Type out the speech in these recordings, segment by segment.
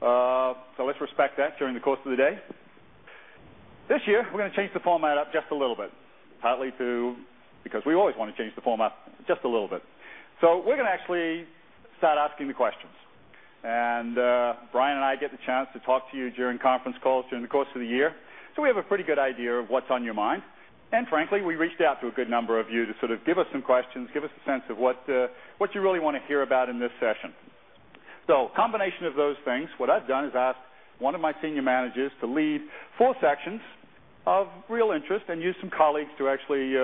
Let's respect that during the course of the day. This year, we're going to change the format up just a little bit, partly because we always want to change the format just a little bit. We're going to actually start asking the questions. Brian and I get the chance to talk to you during conference calls during the course of the year, so we have a pretty good idea of what's on your mind. Frankly, we reached out to a good number of you to sort of give us some questions, give us a sense of what you really want to hear about in this session. Combination of those things, what I've done is asked one of my senior managers to lead four sections of real interest and use some colleagues to actually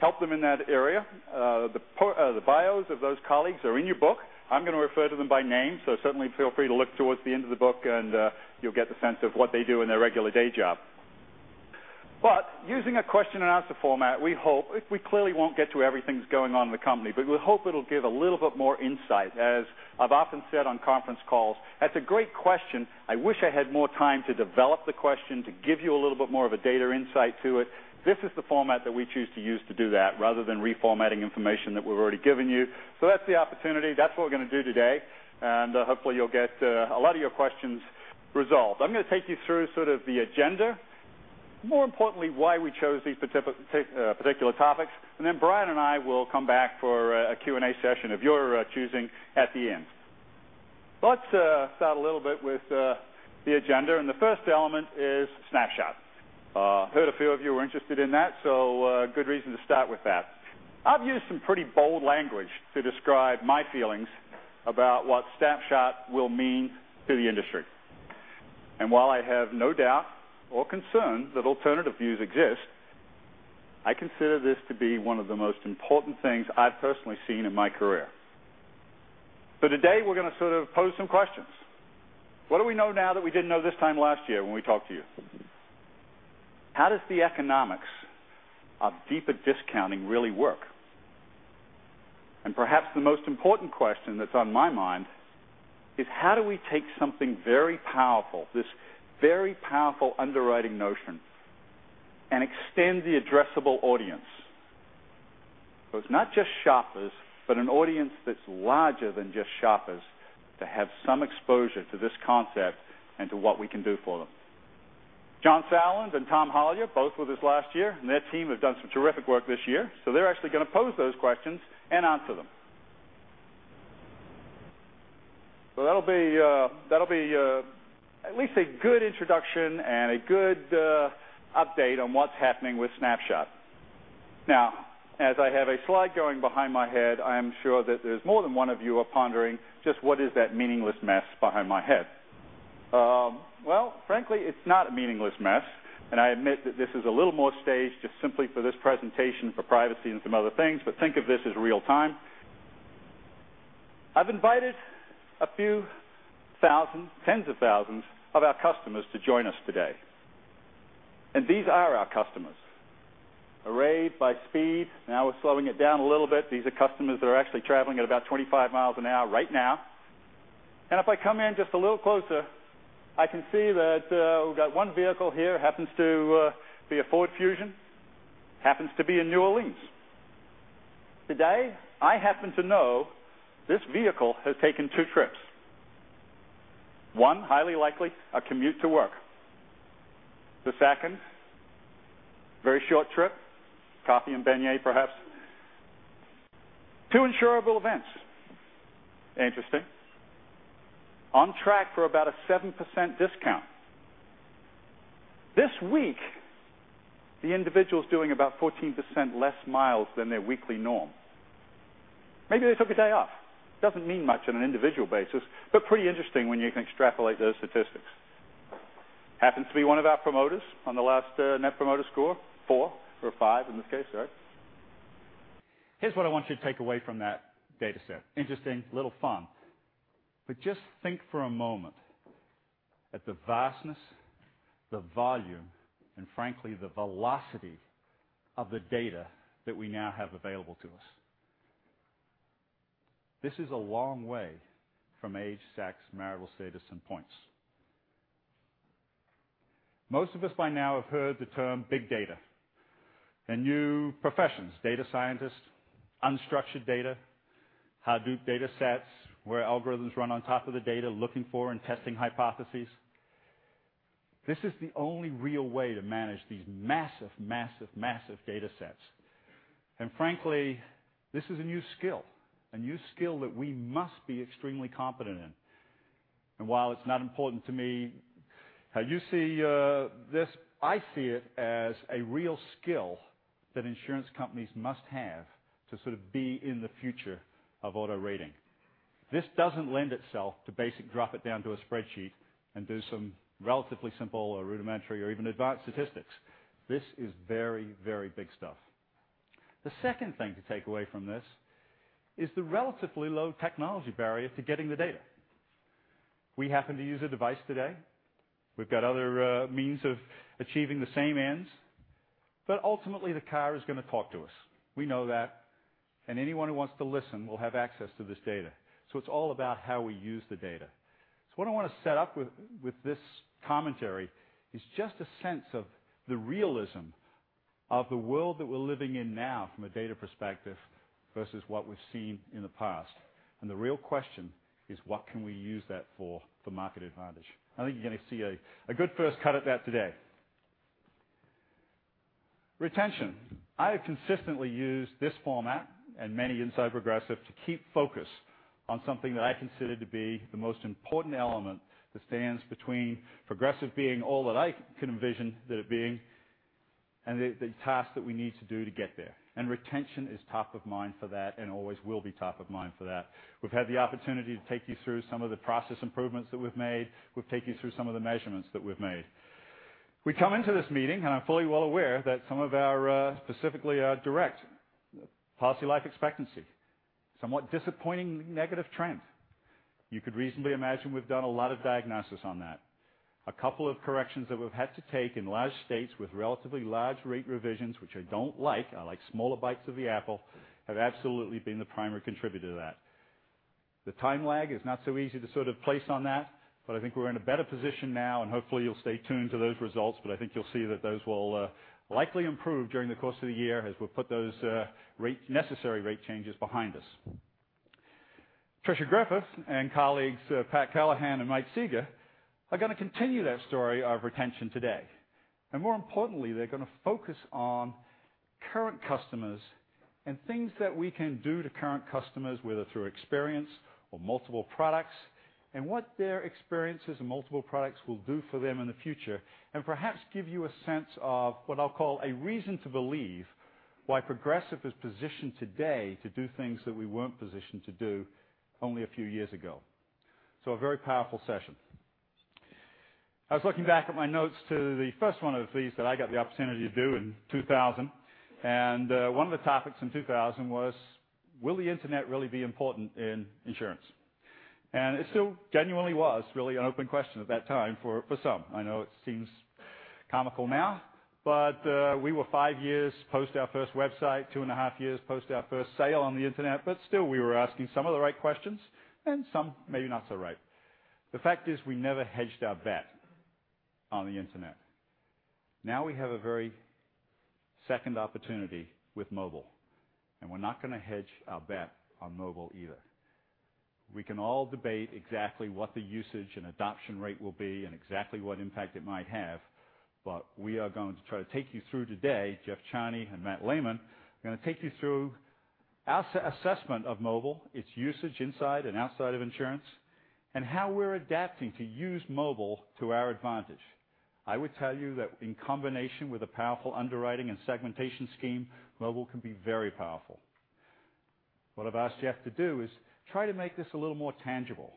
help them in that area. The bios of those colleagues are in your book. I'm going to refer to them by name, so certainly feel free to look towards the end of the book and you'll get the sense of what they do in their regular day job. Using a question and answer format, we clearly won't get to everything that's going on in the company, but we hope it'll give a little bit more insight. As I've often said on conference calls, that's a great question. I wish I had more time to develop the question, to give you a little bit more of a data insight to it. This is the format that we choose to use to do that rather than reformatting information that we've already given you. That's the opportunity. That's what we're going to do today, and hopefully, you'll get a lot of your questions resolved. I'm going to take you through sort of the agenda. More importantly, why we chose these particular topics. Then Brian and I will come back for a Q&A session of your choosing at the end. Let's start a little bit with the agenda, and the first element is Snapshot. Heard a few of you were interested in that, so a good reason to start with that. I've used some pretty bold language to describe my feelings about what Snapshot will mean to the industry. While I have no doubt or concern that alternative views exist, I consider this to be one of the most important things I've personally seen in my career. Today, we're going to sort of pose some questions. What do we know now that we didn't know this time last year when we talked to you? How does the economics of deeper discounting really work? Perhaps the most important question that's on my mind is how do we take something very powerful, this very powerful underwriting notion, and extend the addressable audience so it's not just shoppers, but an audience that's larger than just shoppers to have some exposure to this concept and to what we can do for them? John Sauerland and Tom Hollyer, both with us last year, and their team have done some terrific work this year. They're actually going to pose those questions and answer them. That'll be at least a good introduction and a good update on what's happening with Snapshot. As I have a slide going behind my head, I am sure that there's more than one of you are pondering just what is that meaningless mess behind my head. Frankly, it's not a meaningless mess. I admit that this is a little more staged just simply for this presentation for privacy and some other things, but think of this as real-time. I've invited a few thousands, tens of thousands, of our customers to join us today. These are our customers. Arrayed by speed. Now we're slowing it down a little bit. These are customers that are actually traveling at about 25 miles an hour right now. If I come in just a little closer, I can see that we've got one vehicle here, happens to be a Ford Fusion, happens to be in New Orleans. Today, I happen to know this vehicle has taken two trips. One, highly likely, a commute to work. The second, very short trip, coffee and beignet, perhaps. Two insurable events. Interesting. On track for about a 7% discount. This week, the individual's doing about 14% less miles than their weekly norm. Maybe they took a day off. Doesn't mean much on an individual basis, but pretty interesting when you can extrapolate those statistics. Happens to be one of our promoters on the last Net Promoter Score, four or five in this case, right? Here's what I want you to take away from that data set. Interesting, little fun. Just think for a moment at the vastness, the volume, frankly, the velocity of the data that we now have available to us. This is a long way from age, sex, marital status, and points. Most of us by now have heard the term big data. The new professions, data scientists, unstructured data, Hadoop data sets, where algorithms run on top of the data looking for and testing hypotheses. This is the only real way to manage these massive, massive data sets. Frankly, this is a new skill, a new skill that we must be extremely competent in. While it's not important to me how you see this, I see it as a real skill that insurance companies must have to sort of be in the future of auto rating. This doesn't lend itself to basic drop it down to a spreadsheet and do some relatively simple or rudimentary or even advanced statistics. This is very, very big stuff. The second thing to take away from this is the relatively low technology barrier to getting the data. We happen to use a device today. We've got other means of achieving the same ends, ultimately, the car is going to talk to us. We know that, anyone who wants to listen will have access to this data. It's all about how we use the data. What I want to set up with this commentary is just a sense of the realism of the world that we're living in now from a data perspective versus what we've seen in the past. The real question is what can we use that for market advantage? I think you're going to see a good first cut at that today. Retention. I have consistently used this format and many inside Progressive to keep focus on something that I consider to be the most important element that stands between Progressive being all that I can envision that it being, and the task that we need to do to get there. Retention is top of mind for that and always will be top of mind for that. We've had the opportunity to take you through some of the process improvements that we've made. We've taken you through some of the measurements that we've made. We come into this meeting, I'm fully well aware that some of our specifically, our direct policy life expectancy. Somewhat disappointing negative trend. You could reasonably imagine we've done a lot of diagnosis on that. A couple of corrections that we've had to take in large states with relatively large rate revisions, which I don't like. I like smaller bites of the apple, have absolutely been the primary contributor to that. The time lag is not so easy to place on that, I think we're in a better position now and hopefully you'll stay tuned to those results, I think you'll see that those will likely improve during the course of the year as we put those necessary rate changes behind us. Tricia Griffith and colleagues, Pat Callahan and Mike Sieger, are going to continue that story of retention today. More importantly, they're going to focus on current customers and things that we can do to current customers, whether through experience or multiple products, and what their experiences and multiple products will do for them in the future, and perhaps give you a sense of what I'll call a reason to believe why Progressive is positioned today to do things that we weren't positioned to do only a few years ago. A very powerful session. I was looking back at my notes to the first one of these that I got the opportunity to do in 2000. One of the topics in 2000 was will the internet really be important in insurance? It still genuinely was really an open question at that time for some. I know it seems comical now, we were five years post our first website, two and a half years post our first sale on the internet, still we were asking some of the right questions and some maybe not so right. The fact is, we never hedged our bet on the internet. Now we have a very second opportunity with mobile. We're not going to hedge our bet on mobile either. We can all debate exactly what the usage and adoption rate will be and exactly what impact it might have, we are going to try to take you through today, Jeff Charney and Matt Lehman are going to take you through our assessment of mobile, its usage inside and outside of insurance, and how we're adapting to use mobile to our advantage. I would tell you that in combination with a powerful underwriting and segmentation scheme, mobile can be very powerful. What I've asked Jeff to do is try to make this a little more tangible.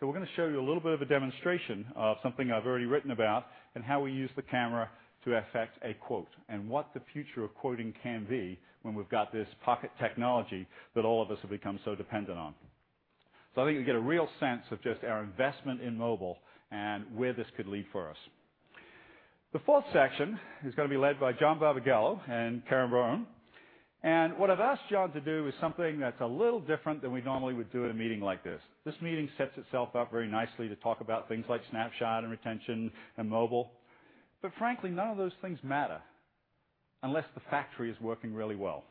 We're going to show you a little bit of a demonstration of something I've already written about and how we use the camera to effect a quote, and what the future of quoting can be when we've got this pocket technology that all of us have become so dependent on. I think you'll get a real sense of just our investment in mobile and where this could lead for us. The fourth section is going to be led by John Barbagallo and Karen Brown. What I've asked John to do is something that's a little different than we normally would do at a meeting like this. This meeting sets itself up very nicely to talk about things like Snapshot and retention and mobile. Frankly, none of those things matter unless the factory is working really well.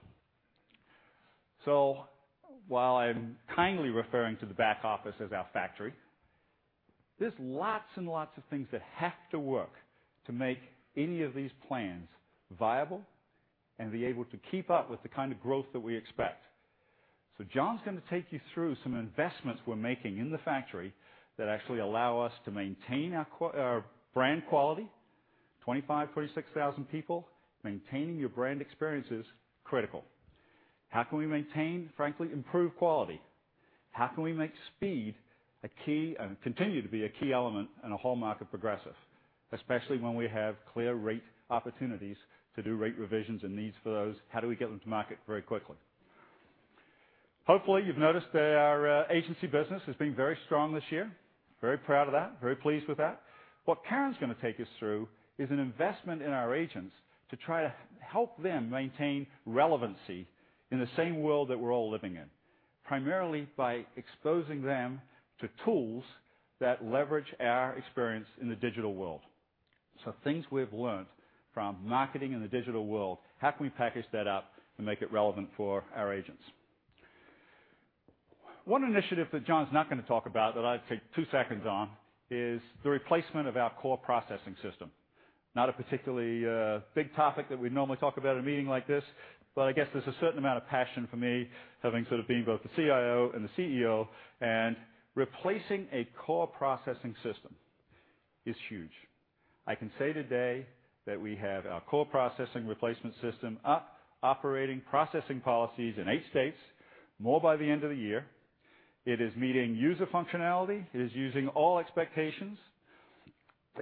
While I'm kindly referring to the back office as our factory, there's lots and lots of things that have to work to make any of these plans viable and be able to keep up with the kind of growth that we expect. John's going to take you through some investments we're making in the factory that actually allow us to maintain our brand quality, 25,000, 26,000 people, maintaining your brand experience is critical. How can we maintain, frankly, improve quality? How can we make speed a key and continue to be a key element in a whole market Progressive, especially when we have clear rate opportunities to do rate revisions and needs for those, how do we get them to market very quickly? Hopefully you've noticed that our agency business has been very strong this year. Very proud of that, very pleased with that. What Karen's going to take us through is an investment in our agents to try to help them maintain relevancy in the same world that we're all living in, primarily by exposing them to tools that leverage our experience in the digital world. Things we've learnt from marketing in the digital world, how can we package that up and make it relevant for our agents? One initiative that John's not going to talk about that I'd take two seconds on is the replacement of our core processing system. Not a particularly big topic that we'd normally talk about in a meeting like this, but I guess there's a certain amount of passion for me, having sort of been both the CIO and the CEO, and replacing a core processing system is huge. I can say today that we have our core processing replacement system up, operating, processing policies in eight states, more by the end of the year. It is meeting user functionality. It is using all expectations.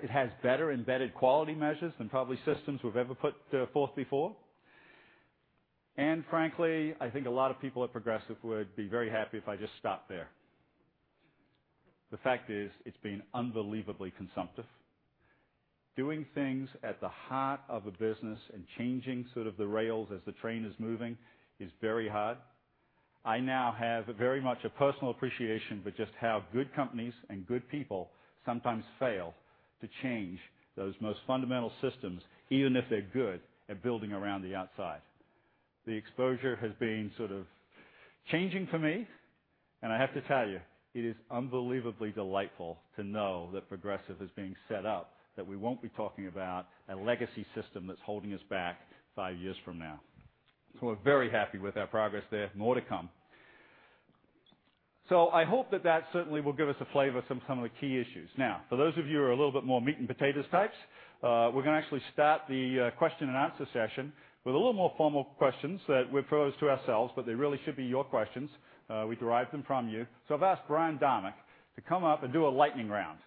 It has better embedded quality measures than probably systems we've ever put forth before. Frankly, I think a lot of people at Progressive would be very happy if I just stopped there. The fact is, it's been unbelievably consumptive. Doing things at the heart of a business and changing the rails as the train is moving is very hard I now have very much a personal appreciation for just how good companies and good people sometimes fail to change those most fundamental systems, even if they're good at building around the outside. The exposure has been changing for me, and I have to tell you, it is unbelievably delightful to know that Progressive is being set up, that we won't be talking about a legacy system that's holding us back five years from now. We're very happy with our progress there. More to come. I hope that that certainly will give us a flavor of some of the key issues. I've asked Brian Domeck to come up and do a lightning round.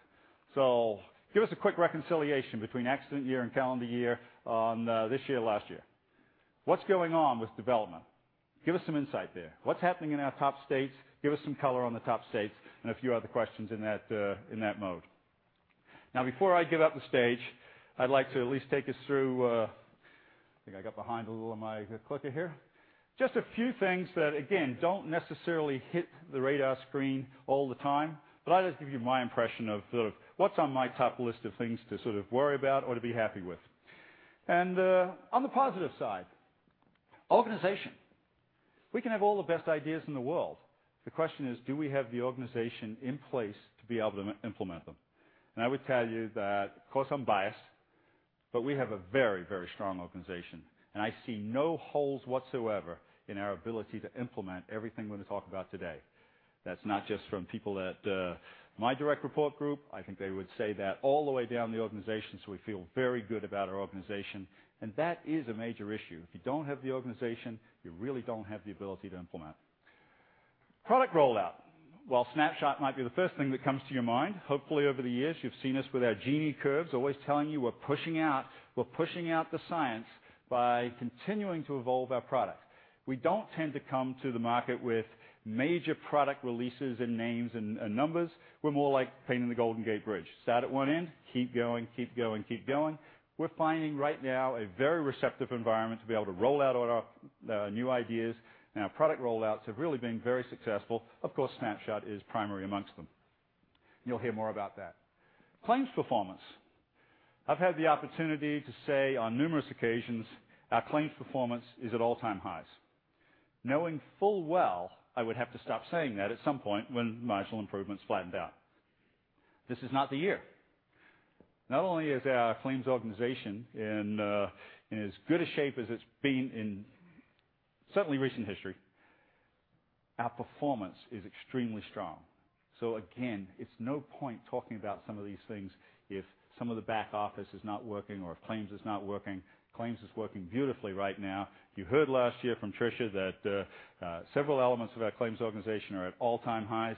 Give us a quick reconciliation between accident year and calendar year on this year, last year. What's going on with development? Give us some insight there. What's happening in our top states? Give us some color on the top states and a few other questions in that mode. Before I give up the stage, I'd like to at least take us through I think I got behind a little on my clicker here. Just a few things that, again, don't necessarily hit the radar screen all the time, but I'll just give you my impression of what's on my top list of things to worry about or to be happy with. On the positive side, organization. We can have all the best ideas in the world. The question is, do we have the organization in place to be able to implement them? I would tell you that, of course, I'm biased, but we have a very strong organization, and I see no holes whatsoever in our ability to implement everything we're going to talk about today. That's not just from people at my direct report group. I think they would say that all the way down the organization. We feel very good about our organization, and that is a major issue. If you don't have the organization, you really don't have the ability to implement. Product rollout. While Snapshot might be the first thing that comes to your mind, hopefully, over the years, you've seen us with our Gini curves always telling you we're pushing out the science by continuing to evolve our product. We don't tend to come to the market with major product releases and names and numbers. We're more like painting the Golden Gate Bridge. Start at one end, keep going. We're finding right now a very receptive environment to be able to roll out all our new ideas. Our product rollouts have really been very successful. Of course, Snapshot is primary amongst them. You'll hear more about that. Claims performance. I've had the opportunity to say on numerous occasions our claims performance is at all-time highs, knowing full well I would have to stop saying that at some point when marginal improvements flattened out. This is not the year. Not only is our claims organization in as good a shape as it's been in certainly recent history, our performance is extremely strong. Again, it's no point talking about some of these things if some of the back office is not working or if claims is not working. Claims is working beautifully right now. You heard last year from Tricia that several elements of our claims organization are at all-time highs.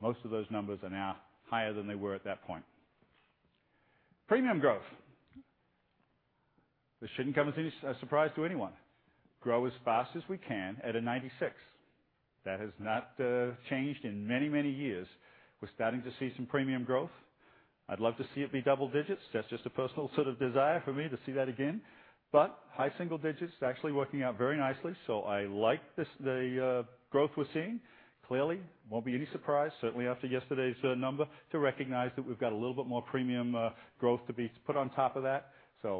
Most of those numbers are now higher than they were at that point. Premium growth. This shouldn't come as any surprise to anyone. Grow as fast as we can at a 96%. That has not changed in many years. We're starting to see some premium growth. I'd love to see it be double digits. That's just a personal desire for me to see that again. High single digits is actually working out very nicely. I like the growth we're seeing. Clearly, won't be any surprise, certainly after yesterday's number, to recognize that we've got a little bit more premium growth to be put on top of that.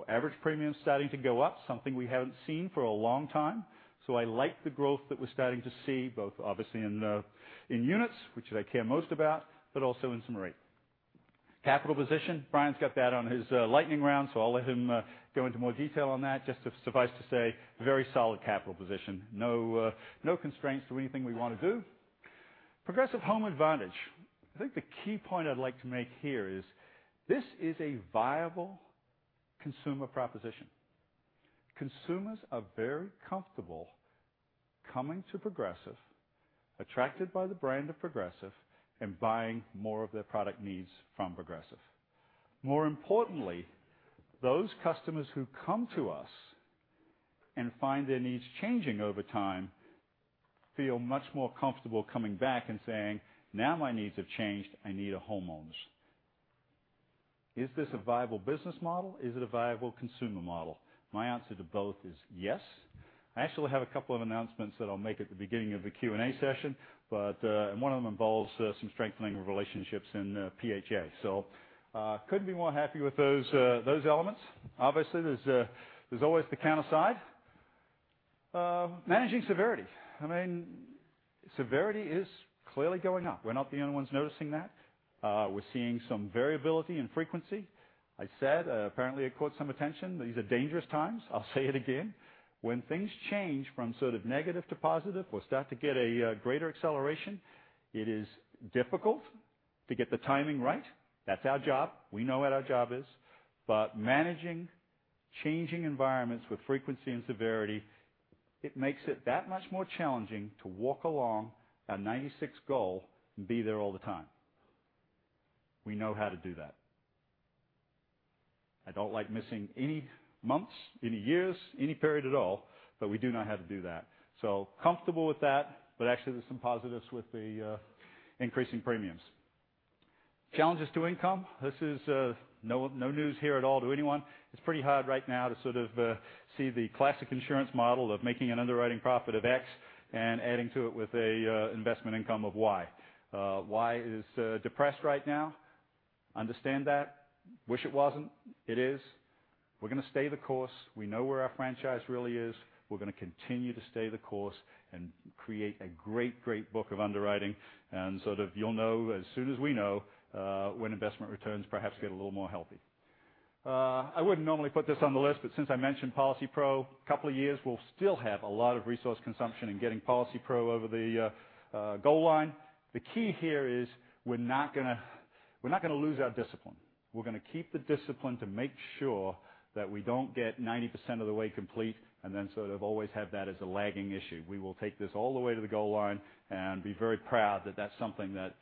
Average premium is starting to go up, something we haven't seen for a long time. I like the growth that we're starting to see, both obviously in units, which I care most about, but also in some rate. Capital position. Brian's got that on his lightning round, I'll let him go into more detail on that. Just suffice to say, very solid capital position. No constraints to anything we want to do. Progressive Home Advantage. I think the key point I'd like to make here is this is a viable consumer proposition. Consumers are very comfortable coming to Progressive, attracted by the brand of Progressive, and buying more of their product needs from Progressive. More importantly, those customers who come to us and find their needs changing over time feel much more comfortable coming back and saying, "Now my needs have changed. I need a homeowners." Is this a viable business model? Is it a viable consumer model? My answer to both is yes. I actually have a couple of announcements that I'll make at the beginning of the Q&A session. One of them involves some strengthening of relationships in PHA. Couldn't be more happy with those elements. Obviously, there's always the counter side. Managing severity. Severity is clearly going up. We're not the only ones noticing that. We're seeing some variability in frequency. I said, apparently it caught some attention, these are dangerous times. I'll say it again. When things change from negative to positive or start to get a greater acceleration, it is difficult to get the timing right. That's our job. We know what our job is. Managing changing environments with frequency and severity, it makes it that much more challenging to walk along our 96 goal and be there all the time. We know how to do that. I don't like missing any months, any years, any period at all, we do know how to do that. Comfortable with that, actually there's some positives with the increasing premiums. Challenges to income. This is no news here at all to anyone. It's pretty hard right now to see the classic insurance model of making an underwriting profit of X and adding to it with a investment income of Y. Y is depressed right now. Understand that. Wish it wasn't, it is. We're going to stay the course. We know where our franchise really is. We're going to continue to stay the course and create a great book of underwriting, you'll know as soon as we know when investment returns perhaps get a little more healthy. I wouldn't normally put this on the list, since I mentioned PolicyPro, couple of years, we'll still have a lot of resource consumption in getting PolicyPro over the goal line. The key here is we're not going to lose our discipline. We're going to keep the discipline to make sure that we don't get 90% of the way complete, then sort of always have that as a lagging issue. We will take this all the way to the goal line and be very proud that that's something that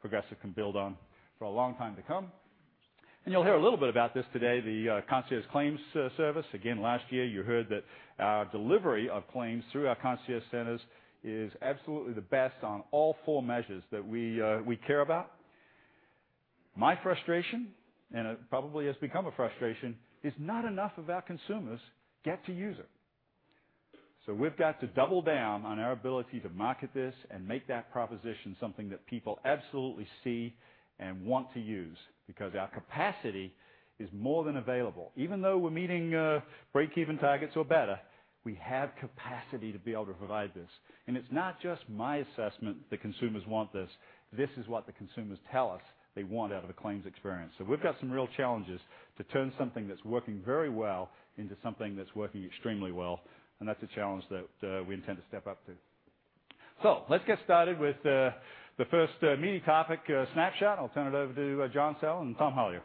Progressive can build on for a long time to come. You'll hear a little bit about this today, the concierge claims service. Again, last year you heard that our delivery of claims through our concierge centers is absolutely the best on all four measures that we care about. My frustration, it probably has become a frustration, is not enough of our consumers get to use it. We've got to double down on our ability to market this and make that proposition something that people absolutely see and want to use because our capacity is more than available. Even though we're meeting breakeven targets or better, we have capacity to be able to provide this. It's not just my assessment that consumers want this. This is what the consumers tell us they want out of the claims experience. We've got some real challenges to turn something that's working very well into something that's working extremely well, that's a challenge that we intend to step up to. Let's get started with the first meeting topic, Snapshot. I'll turn it over to John Sauerland and Tom Halyer.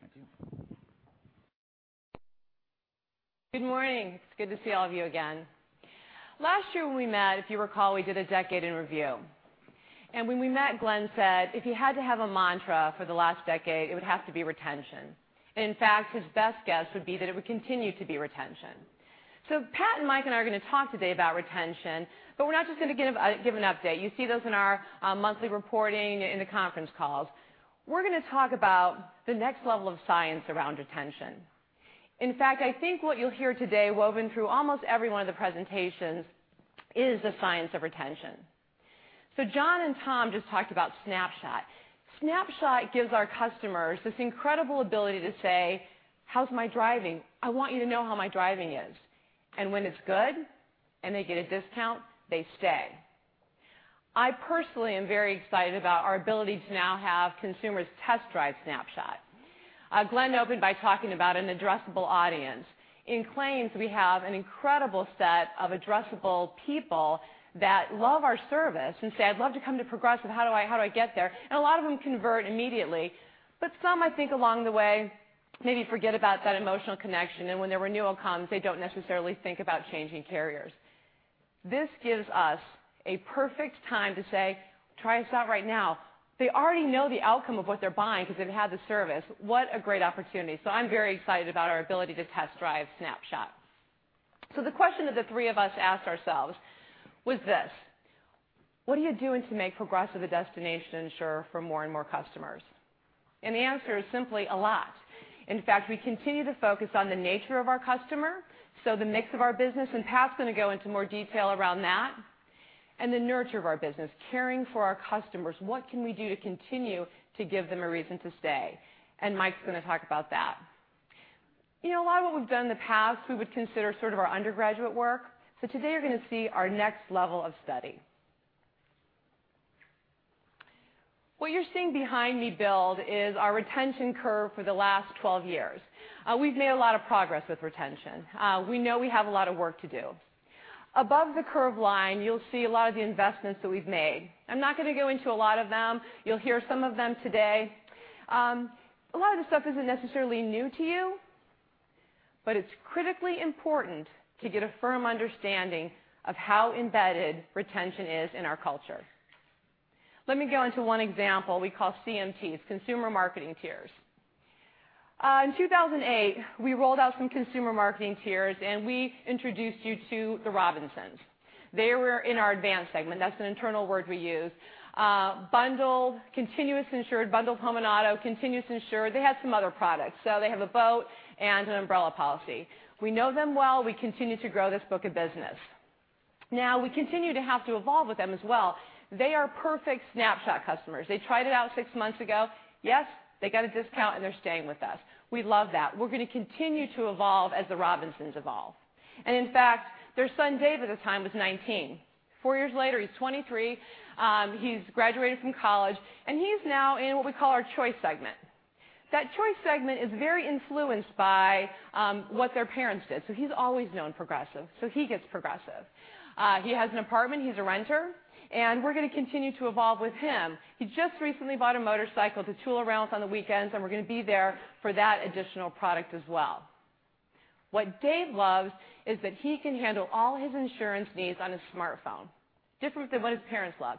Thank you. Good morning. It's good to see all of you again. Last year when we met, if you recall, we did a decade in review. When we met, Glenn said if he had to have a mantra for the last decade, it would have to be retention. In fact, his best guess would be that it would continue to be retention. Pat and Mike and I are going to talk today about retention, we're not just going to give an update. You see those in our monthly reporting, in the conference calls. We're going to talk about the next level of science around retention. In fact, I think what you'll hear today woven through almost every one of the presentations is the science of retention. John and Tom just talked about Snapshot. Snapshot gives our customers this incredible ability to say, "How's my driving? I want you to know how my driving is." When it's good and they get a discount, they stay. I personally am very excited about our ability to now have consumers test drive Snapshot. Glenn opened by talking about an addressable audience. In claims, we have an incredible set of addressable people that love our service and say, "I'd love to come to Progressive. How do I get there?" A lot of them convert immediately, but some I think along the way maybe forget about that emotional connection, and when their renewal comes, they don't necessarily think about changing carriers. This gives us a perfect time to say, "Try us out right now." They already know the outcome of what they're buying because they've had the service. What a great opportunity. I'm very excited about our ability to test drive Snapshot. The question that the three of us asked ourselves was this: what are you doing to make Progressive a destination insurer for more and more customers? The answer is simply a lot. In fact, we continue to focus on the nature of our customer, so the mix of our business, and Pat's going to go into more detail around that. The nurture of our business, caring for our customers. What can we do to continue to give them a reason to stay? Mike's going to talk about that. A lot of what we've done in the past we would consider sort of our undergraduate work. Today you're going to see our next level of study. What you're seeing behind me build is our retention curve for the last 12 years. We've made a lot of progress with retention. We know we have a lot of work to do. Above the curve line, you'll see a lot of the investments that we've made. I'm not going to go into a lot of them. You'll hear some of them today. A lot of this stuff isn't necessarily new to you, but it's critically important to get a firm understanding of how embedded retention is in our culture. Let me go into one example we call CMTs, Consumer Marketing Tiers. In 2008, we rolled out some Consumer Marketing Tiers, and we introduced you to the Robinsons. They were in our advanced segment. That's an internal word we use. Continuous insured bundle home and auto, continuous insured. They had some other products. They have a boat and an umbrella policy. We know them well. We continue to grow this book of business. Now we continue to have to evolve with them as well. They are perfect Snapshot customers. They tried it out six months ago. Yes, they got a discount, and they're staying with us. We love that. We're going to continue to evolve as the Robinsons evolve. In fact, their son Dave at the time was 19. Four years later, he's 23. He's graduated from college, and he's now in what we call our Choice segment. That Choice segment is very influenced by what their parents did. He's always known Progressive, so he gets Progressive. He has an apartment. He's a renter, and we're going to continue to evolve with him. He just recently bought a motorcycle to tool around on the weekends, and we're going to be there for that additional product as well. What Dave loves is that he can handle all his insurance needs on his smartphone. Different than what his parents love.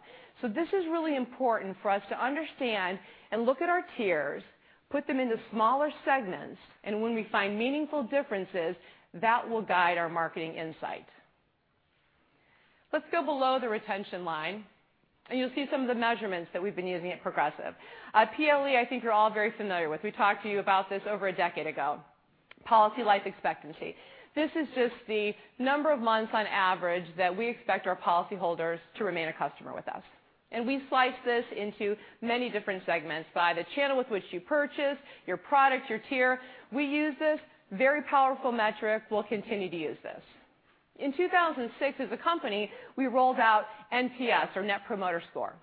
This is really important for us to understand and look at our tiers. Put them into smaller segments. When we find meaningful differences, that will guide our marketing insight. Let's go below the retention line. You'll see some of the measurements that we've been using at Progressive. PLE, I think you're all very familiar with. We talked to you about this over a decade ago, policy life expectancy. This is just the number of months on average that we expect our policyholders to remain a customer with us. We slice this into many different segments by the channel with which you purchase, your product, your tier. We use this, very powerful metric. We'll continue to use this. In 2006, as a company, we rolled out NPS or Net Promoter Score.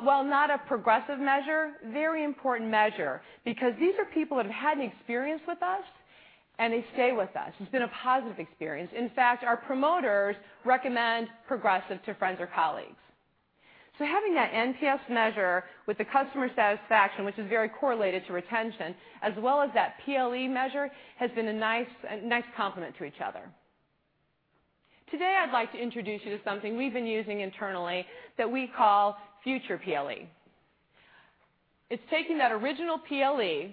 While not a Progressive measure, very important measure because these are people that have had an experience with us. They stay with us. It's been a positive experience. In fact, our promoters recommend Progressive to friends or colleagues. Having that NPS measure with the customer satisfaction, which is very correlated to retention, as well as that PLE measure, has been a nice complement to each other. Today, I'd like to introduce you to something we've been using internally that we call future PLE. It's taking that original PLE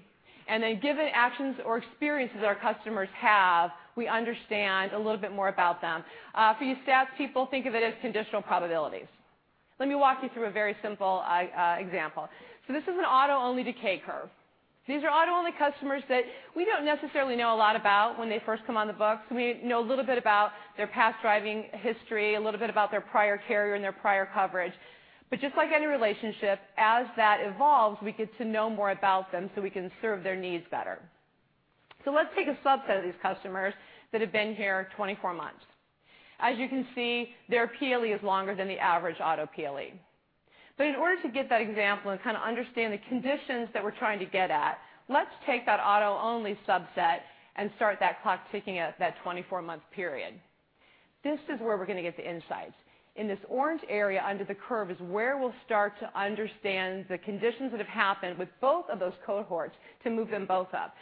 and then given actions or experiences our customers have, we understand a little bit more about them. For you stats people, think of it as conditional probabilities. Let me walk you through a very simple example. This is an auto-only decay curve. These are auto-only customers that we don't necessarily know a lot about when they first come on the books. We know a little bit about their past driving history, a little bit about their prior carrier and their prior coverage. Just like any relationship, as that evolves, we get to know more about them so we can serve their needs better. Let's take a subset of these customers that have been here 24 months. As you can see, their PLE is longer than the average auto PLE. In order to get that example and kind of understand the conditions that we're trying to get at, let's take that auto-only subset and start that clock ticking at that 24-month period. This is where we're going to get the insights. In this orange area under the curve is where we'll start to understand the conditions that have happened with both of those cohorts to move them both up.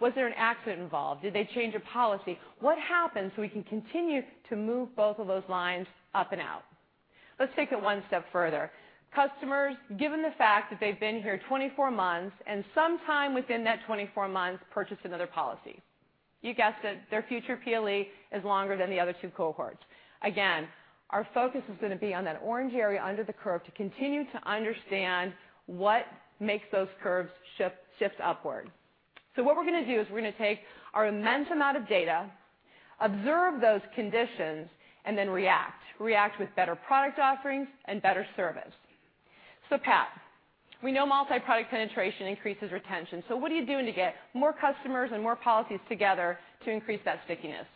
Was there an accident involved? Did they change a policy? What happened so we can continue to move both of those lines up and out? Let's take it one step further. Customers, given the fact that they've been here 24 months and sometime within that 24 months purchased another policy. You guessed it, their future PLE is longer than the other two cohorts. Again, our focus is going to be on that orange area under the curve to continue to understand what makes those curves shift upward. What we're going to do is we're going to take our immense amount of data, observe those conditions, and then react. React with better product offerings and better service. Pat, we know multi-product penetration increases retention, what are you doing to get more customers and more policies together to increase that stickiness?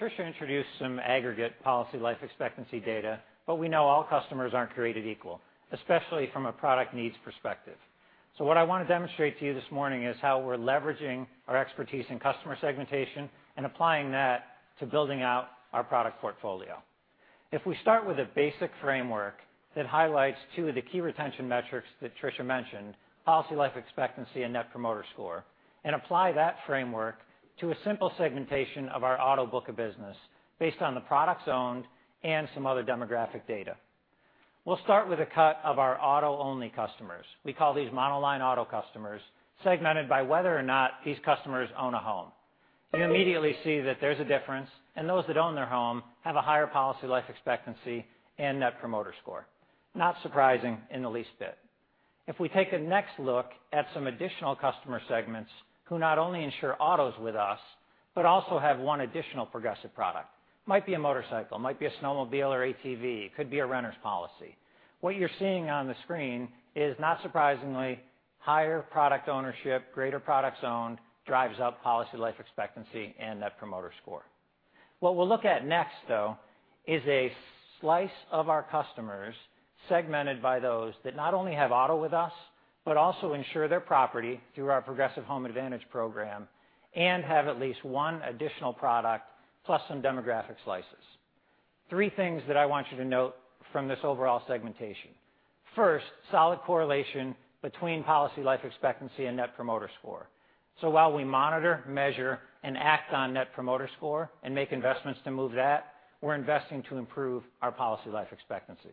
Tricia introduced some aggregate policy life expectancy data, but we know all customers aren't created equal, especially from a product needs perspective. What I want to demonstrate to you this morning is how we're leveraging our expertise in customer segmentation and applying that to building out our product portfolio. If we start with a basic framework that highlights two of the key retention metrics that Tricia mentioned, policy life expectancy and Net Promoter Score, and apply that framework to a simple segmentation of our auto book of business based on the products owned and some other demographic data. We'll start with a cut of our auto-only customers. We call these monoline auto customers, segmented by whether or not these customers own a home. You immediately see that there's a difference, and those that own their home have a higher policy life expectancy and Net Promoter Score. Not surprising in the least bit. If we take a next look at some additional customer segments who not only insure autos with us but also have one additional Progressive product. Might be a motorcycle, might be a snowmobile or ATV, could be a renter's policy. What you're seeing on the screen is, not surprisingly, higher product ownership, greater products owned drives up policy life expectancy and Net Promoter Score. What we'll look at next, though, is a slice of our customers segmented by those that not only have auto with us, but also insure their property through our Progressive Home Advantage program and have at least one additional product plus some demographic slices. Three things that I want you to note from this overall segmentation. First, solid correlation between policy life expectancy and Net Promoter Score. While we monitor, measure, and act on Net Promoter Score and make investments to move that, we're investing to improve our policy life expectancy.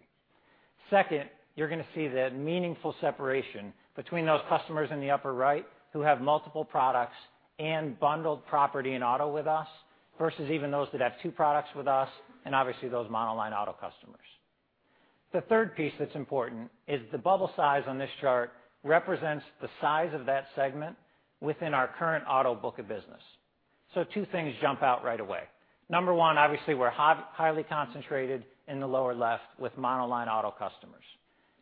Second, you're going to see the meaningful separation between those customers in the upper right who have multiple products and bundled property and auto with us versus even those that have two products with us and obviously those monoline auto customers. The third piece that's important is the bubble size on this chart represents the size of that segment within our current auto book of business. Two things jump out right away. Number one, obviously we're highly concentrated in the lower left with monoline auto customers.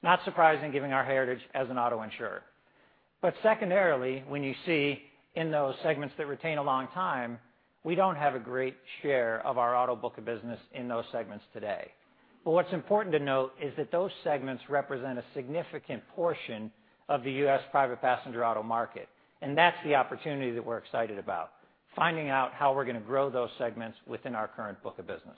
Not surprising given our heritage as an auto insurer. Secondarily, when you see in those segments that retain a long time, we don't have a great share of our auto book of business in those segments today. What's important to note is that those segments represent a significant portion of the U.S. private passenger auto market, and that's the opportunity that we're excited about, finding out how we're going to grow those segments within our current book of business.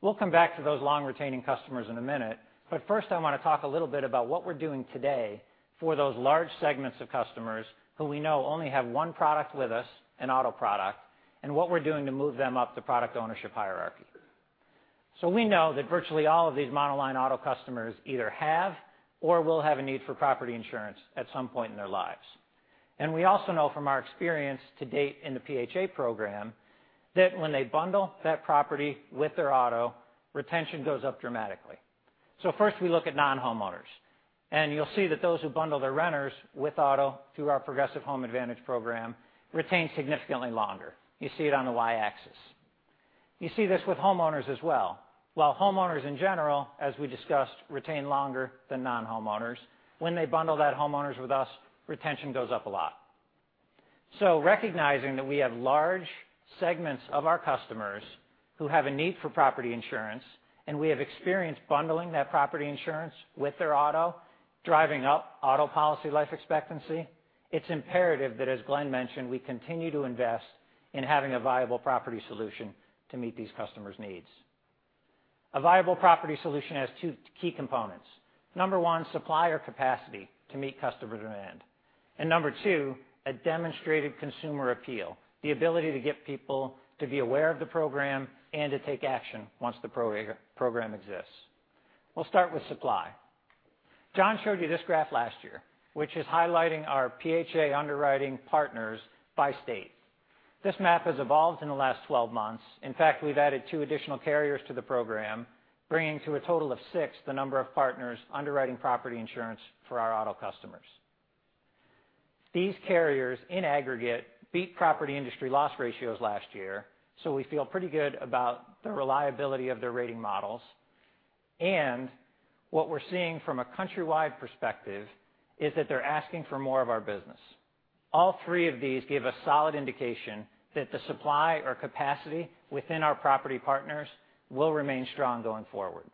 We'll come back to those long-retaining customers in a minute, but first I want to talk a little bit about what we're doing today for those large segments of customers who we know only have one product with us, an auto product, and what we're doing to move them up the product ownership hierarchy. We know that virtually all of these monoline auto customers either have or will have a need for property insurance at some point in their lives. We also know from our experience to date in the PHA program, that when they bundle that property with their auto, retention goes up dramatically. First, we look at non-homeowners, and you'll see that those who bundle their renters with auto through our Progressive Home Advantage program retain significantly longer. You see it on the y-axis. You see this with homeowners as well. While homeowners in general, as we discussed, retain longer than non-homeowners, when they bundle that homeowners with us, retention goes up a lot. Recognizing that we have large segments of our customers who have a need for property insurance, and we have experienced bundling that property insurance with their auto, driving up auto policy life expectancy, it's imperative that, as Glenn mentioned, we continue to invest in having a viable property solution to meet these customers' needs. A viable property solution has two key components. Number one, supplier capacity to meet customer demand. Number two, a demonstrated consumer appeal, the ability to get people to be aware of the program and to take action once the program exists. We'll start with supply. John showed you this graph last year, which is highlighting our PHA underwriting partners by state. This map has evolved in the last 12 months. In fact, we've added two additional carriers to the program, bringing to a total of six the number of partners underwriting property insurance for our auto customers. These carriers, in aggregate, beat property industry loss ratios last year, so we feel pretty good about the reliability of their rating models. What we're seeing from a countrywide perspective is that they're asking for more of our business. All three of these give a solid indication that the supply or capacity within our property partners will remain strong going forward.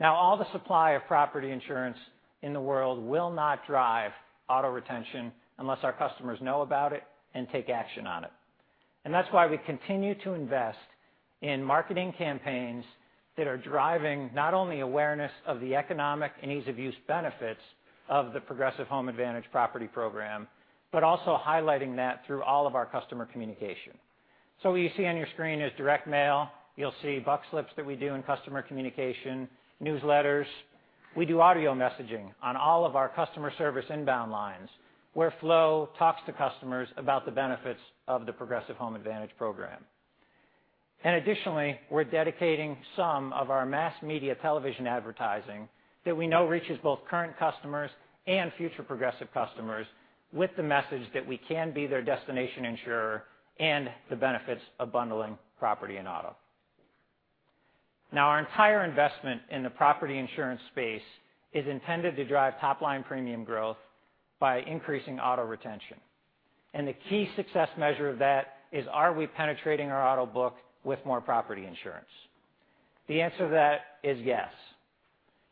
All the supply of property insurance in the world will not drive auto retention unless our customers know about it and take action on it. That's why we continue to invest in marketing campaigns that are driving not only awareness of the economic and ease-of-use benefits of the Progressive Home Advantage property program, but also highlighting that through all of our customer communication. What you see on your screen is direct mail. You'll see buck slips that we do in customer communication, newsletters. We do audio messaging on all of our customer service inbound lines, where Flo talks to customers about the benefits of the Progressive Home Advantage program. Additionally, we're dedicating some of our mass media television advertising that we know reaches both current customers and future Progressive customers with the message that we can be their destination insurer and the benefits of bundling property and auto. Our entire investment in the property insurance space is intended to drive top-line premium growth by increasing auto retention. The key success measure of that is, are we penetrating our auto book with more property insurance? The answer to that is yes.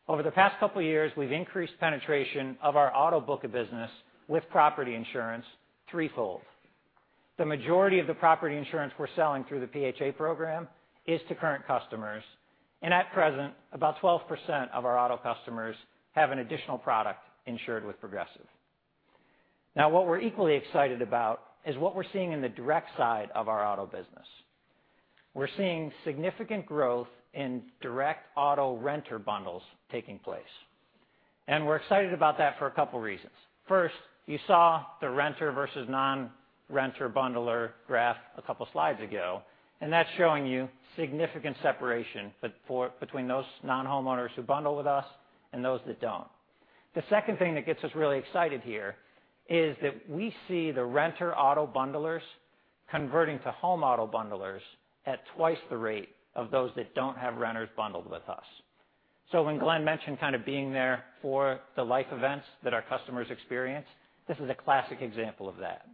Over the past couple of years, we've increased penetration of our auto book of business with property insurance threefold. The majority of the property insurance we're selling through the PHA program is to current customers, and at present, about 12% of our auto customers have an additional product insured with Progressive. What we're equally excited about is what we're seeing in the direct side of our auto business. We're seeing significant growth in direct auto-renter bundles taking place, and we're excited about that for a couple of reasons. First, you saw the renter versus non-renter bundler graph a couple of slides ago, and that's showing you significant separation between those non-homeowners who bundle with us and those that don't. The second thing that gets us really excited here is that we see the renter auto bundlers converting to home auto bundlers at twice the rate of those that don't have renters bundled with us. When Glenn mentioned kind of being there for the life events that our customers experience, this is a classic example of that.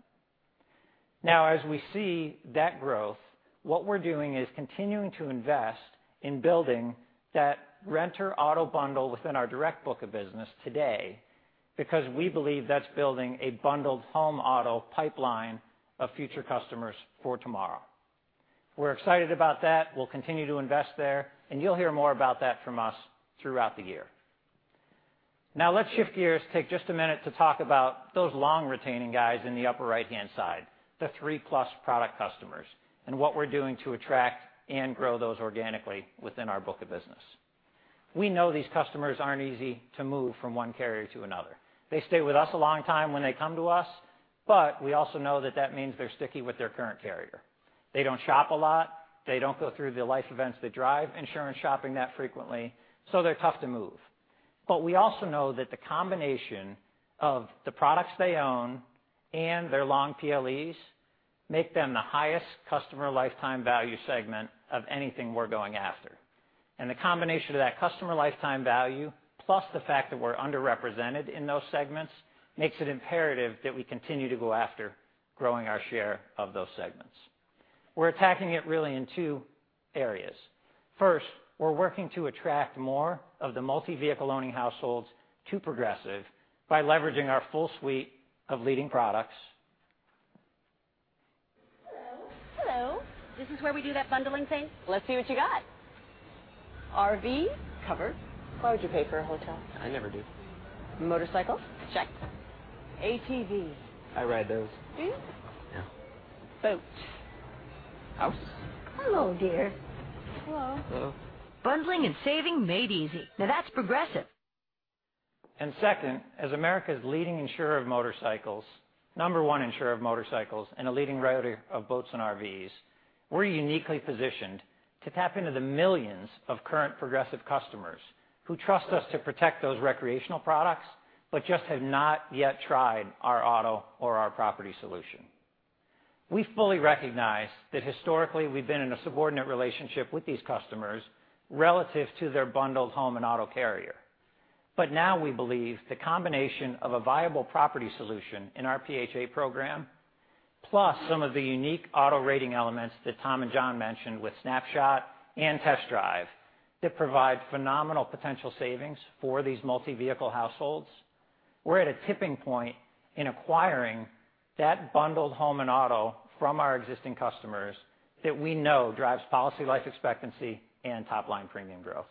As we see that growth, what we're doing is continuing to invest in building that renter auto bundle within our direct book of business today because we believe that's building a bundled home auto pipeline of future customers for tomorrow. We're excited about that. We'll continue to invest there, and you'll hear more about that from us throughout the year. Let's shift gears, take just a minute to talk about those long-retaining guys in the upper right-hand side, the three-plus product customers, and what we're doing to attract and grow those organically within our book of business. We know these customers aren't easy to move from one carrier to another. They stay with us a long time when they come to us, but we also know that means they're sticky with their current carrier. They don't shop a lot. They don't go through the life events that drive insurance shopping that frequently. They're tough to move. We also know that the combination of the products they own and their long PLEs make them the highest customer lifetime value segment of anything we're going after. The combination of that customer lifetime value, plus the fact that we're underrepresented in those segments, makes it imperative that we continue to go after growing our share of those segments. We're attacking it really in two areas. First, we're working to attract more of the multi-vehicle-owning households to Progressive by leveraging our full suite of leading products. Hello. Hello. This is where we do that bundling thing? Let's see what you got. RV? Covered. Why would you pay for a hotel? I never do. Motorcycle? Check. ATV. I ride those. Do you? Yeah. Boat. House. Hello, dear. Hello. Hello. Bundling and saving made easy. That's Progressive. Second, as America's leading insurer of Motorcycles, number 1 insurer of Motorcycles, and a leading writer of boats and RVs, we're uniquely positioned to tap into the millions of current Progressive customers who trust us to protect those recreational products, but just have not yet tried our auto or our property solution. We fully recognize that historically we've been in a subordinate relationship with these customers relative to their bundled home and auto carrier. We believe the combination of a viable property solution in our PHA program, plus some of the unique auto rating elements that Tom and John mentioned with Snapshot and Test Drive that provide phenomenal potential savings for these multi-vehicle households, we're at a tipping point in acquiring that bundled home and auto from our existing customers that we know drives policy life expectancy and top-line premium growth.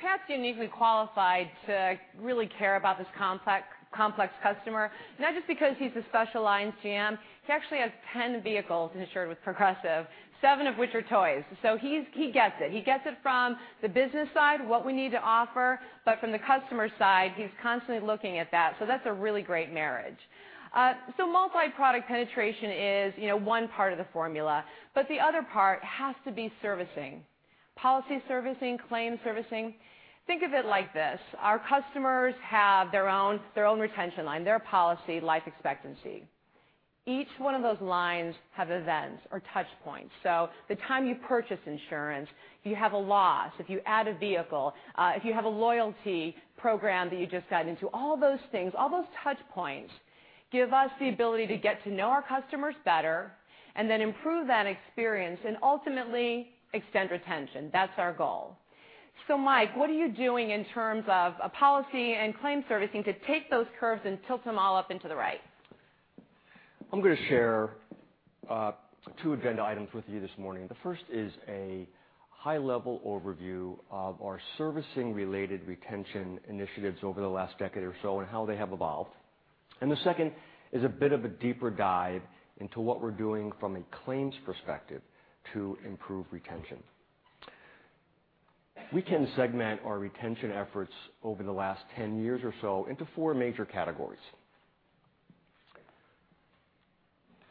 Pat's uniquely qualified to really care about this complex customer, not just because he's a special lines GM. He actually has 10 vehicles insured with Progressive, seven of which are toys. He gets it. He gets it from the business side, what we need to offer, but from the customer side, he's constantly looking at that. That's a really great marriage. Multi-product penetration is one part of the formula, but the other part has to be servicing. Policy servicing, claims servicing. Think of it like this: our customers have their own retention line, their policy life expectancy. Each one of those lines have events or touch points. The time you purchase insurance, if you have a loss, if you add a vehicle, if you have a loyalty program that you just got into, all those things, all those touch points give us the ability to get to know our customers better and then improve that experience and ultimately extend retention. That's our goal. Mike, what are you doing in terms of policy and claims servicing to take those curves and tilt them all up and to the right? I'm going to share two agenda items with you this morning. The first is a high-level overview of our servicing related retention initiatives over the last decade or so, and how they have evolved. The second is a bit of a deeper dive into what we're doing from a claims perspective to improve retention. We can segment our retention efforts over the last 10 years or so into four major categories.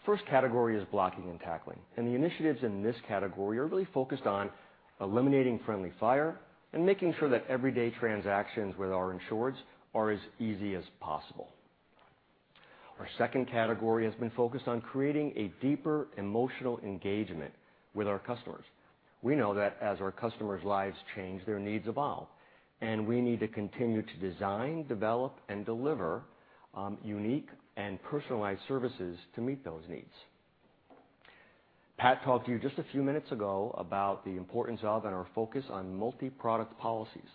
First category is blocking and tackling, and the initiatives in this category are really focused on eliminating friendly fire and making sure that everyday transactions with our insureds are as easy as possible. Our second category has been focused on creating a deeper emotional engagement with our customers. We know that as our customers' lives change, their needs evolve, and we need to continue to design, develop, and deliver unique and personalized services to meet those needs. Pat talked to you just a few minutes ago about the importance of and our focus on multi-product policies.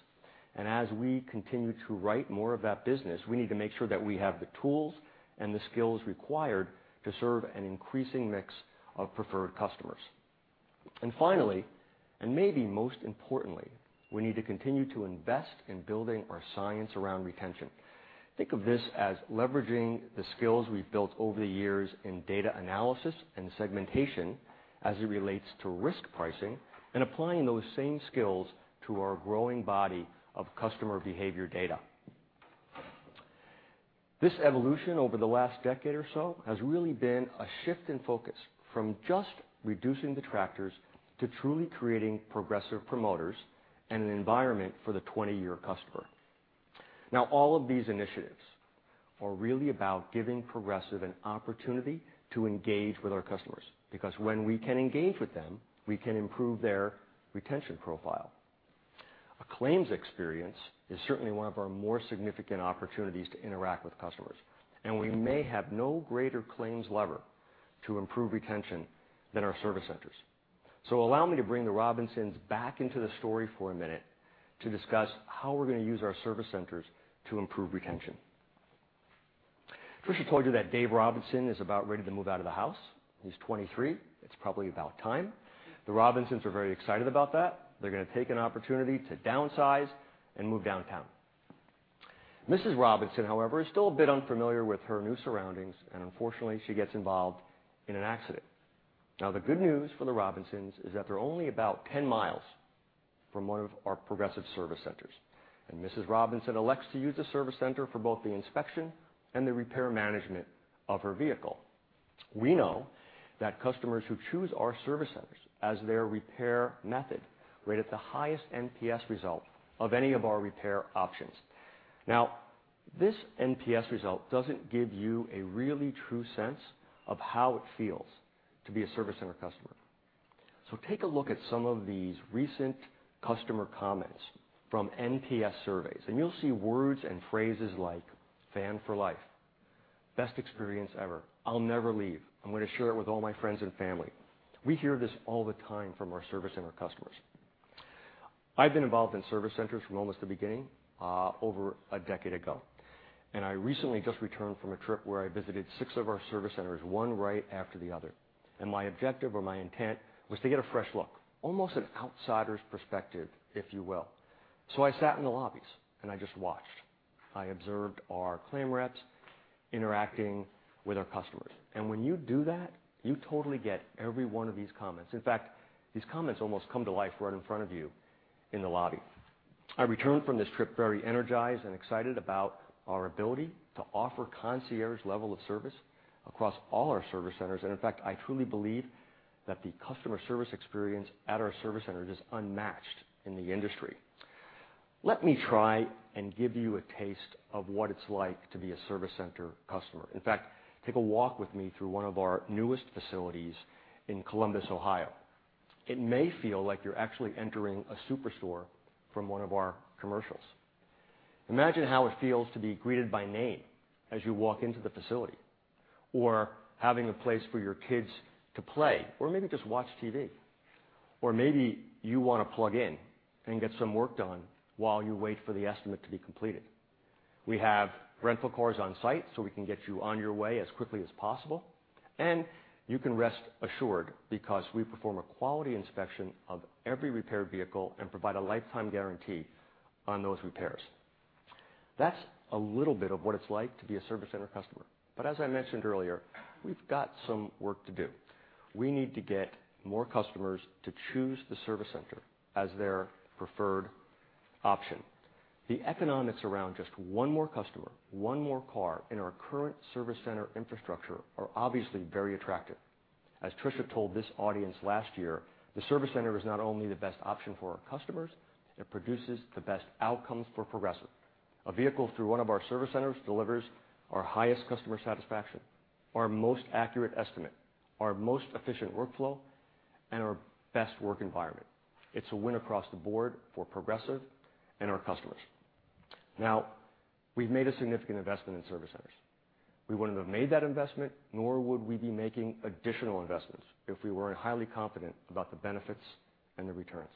As we continue to write more of that business, we need to make sure that we have the tools and the skills required to serve an increasing mix of preferred customers. Finally, and maybe most importantly, we need to continue to invest in building our science around retention. Think of this as leveraging the skills we've built over the years in data analysis and segmentation as it relates to risk pricing, and applying those same skills to our growing body of customer behavior data. This evolution over the last decade or so has really been a shift in focus from just reducing detractors to truly creating Progressive promoters and an environment for the 20-year customer. All of these initiatives are really about giving Progressive an opportunity to engage with our customers because when we can engage with them, we can improve their retention profile. A claims experience is certainly one of our more significant opportunities to interact with customers. We may have no greater claims lever to improve retention than our service centers. Allow me to bring the Robinsons back into the story for a minute to discuss how we're going to use our service centers to improve retention. Tricia told you that Dave Robinson is about ready to move out of the house. He's 23. It's probably about time. The Robinsons are very excited about that. They're going to take an opportunity to downsize and move downtown. Mrs. Robinson, however, is still a bit unfamiliar with her new surroundings. Unfortunately, she gets involved in an accident. The good news for the Robinsons is that they're only about 10 miles from one of our Progressive service centers. Mrs. Robinson elects to use the service center for both the inspection and the repair management of her vehicle. We know that customers who choose our service centers as their repair method rate it the highest NPS result of any of our repair options. This NPS result doesn't give you a really true sense of how it feels to be a service center customer. Take a look at some of these recent customer comments from NPS surveys. You'll see words and phrases like, "Fan for life. Best experience ever. I'll never leave. I'm going to share it with all my friends and family." We hear this all the time from our service center customers. I've been involved in service centers from almost the beginning, over a decade ago. I recently just returned from a trip where I visited six of our service centers, one right after the other. My objective or my intent was to get a fresh look, almost an outsider's perspective, if you will. I sat in the lobbies. I just watched. I observed our claim reps interacting with our customers. When you do that, you totally get every one of these comments. In fact, these comments almost come to life right in front of you in the lobby. I returned from this trip very energized and excited about our ability to offer concierge level of service across all our service centers. In fact, I truly believe that the customer service experience at our service centers is unmatched in the industry. Let me try and give you a taste of what it's like to be a service center customer. In fact, take a walk with me through one of our newest facilities in Columbus, Ohio. It may feel like you're actually entering a Superstore from one of our commercials. Imagine how it feels to be greeted by name as you walk into the facility, or having a place for your kids to play, or maybe just watch TV. Maybe you want to plug in and get some work done while you wait for the estimate to be completed. We have rental cars on site so we can get you on your way as quickly as possible. You can rest assured because we perform a quality inspection of every repair vehicle and provide a lifetime guarantee on those repairs. That's a little bit of what it's like to be a service center customer. As I mentioned earlier, we've got some work to do. We need to get more customers to choose the service center as their preferred option. The economics around just one more customer, one more car in our current service center infrastructure are obviously very attractive. As Tricia told this audience last year, the service center is not only the best option for our customers, it produces the best outcomes for Progressive. A vehicle through one of our service centers delivers our highest customer satisfaction, our most accurate estimate, our most efficient workflow, and our best work environment. It's a win across the board for Progressive and our customers. We've made a significant investment in service centers. We wouldn't have made that investment, nor would we be making additional investments if we weren't highly confident about the benefits and the returns.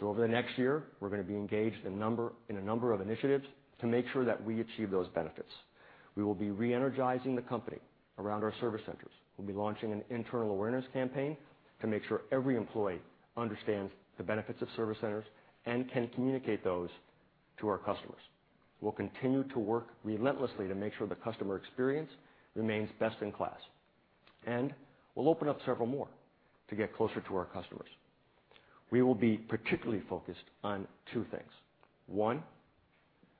Over the next year, we're going to be engaged in a number of initiatives to make sure that we achieve those benefits. We will be re-energizing the company around our service centers. We'll be launching an internal awareness campaign to make sure every employee understands the benefits of service centers and can communicate those to our customers. We'll continue to work relentlessly to make sure the customer experience remains best in class. We'll open up several more to get closer to our customers. We will be particularly focused on two things. One,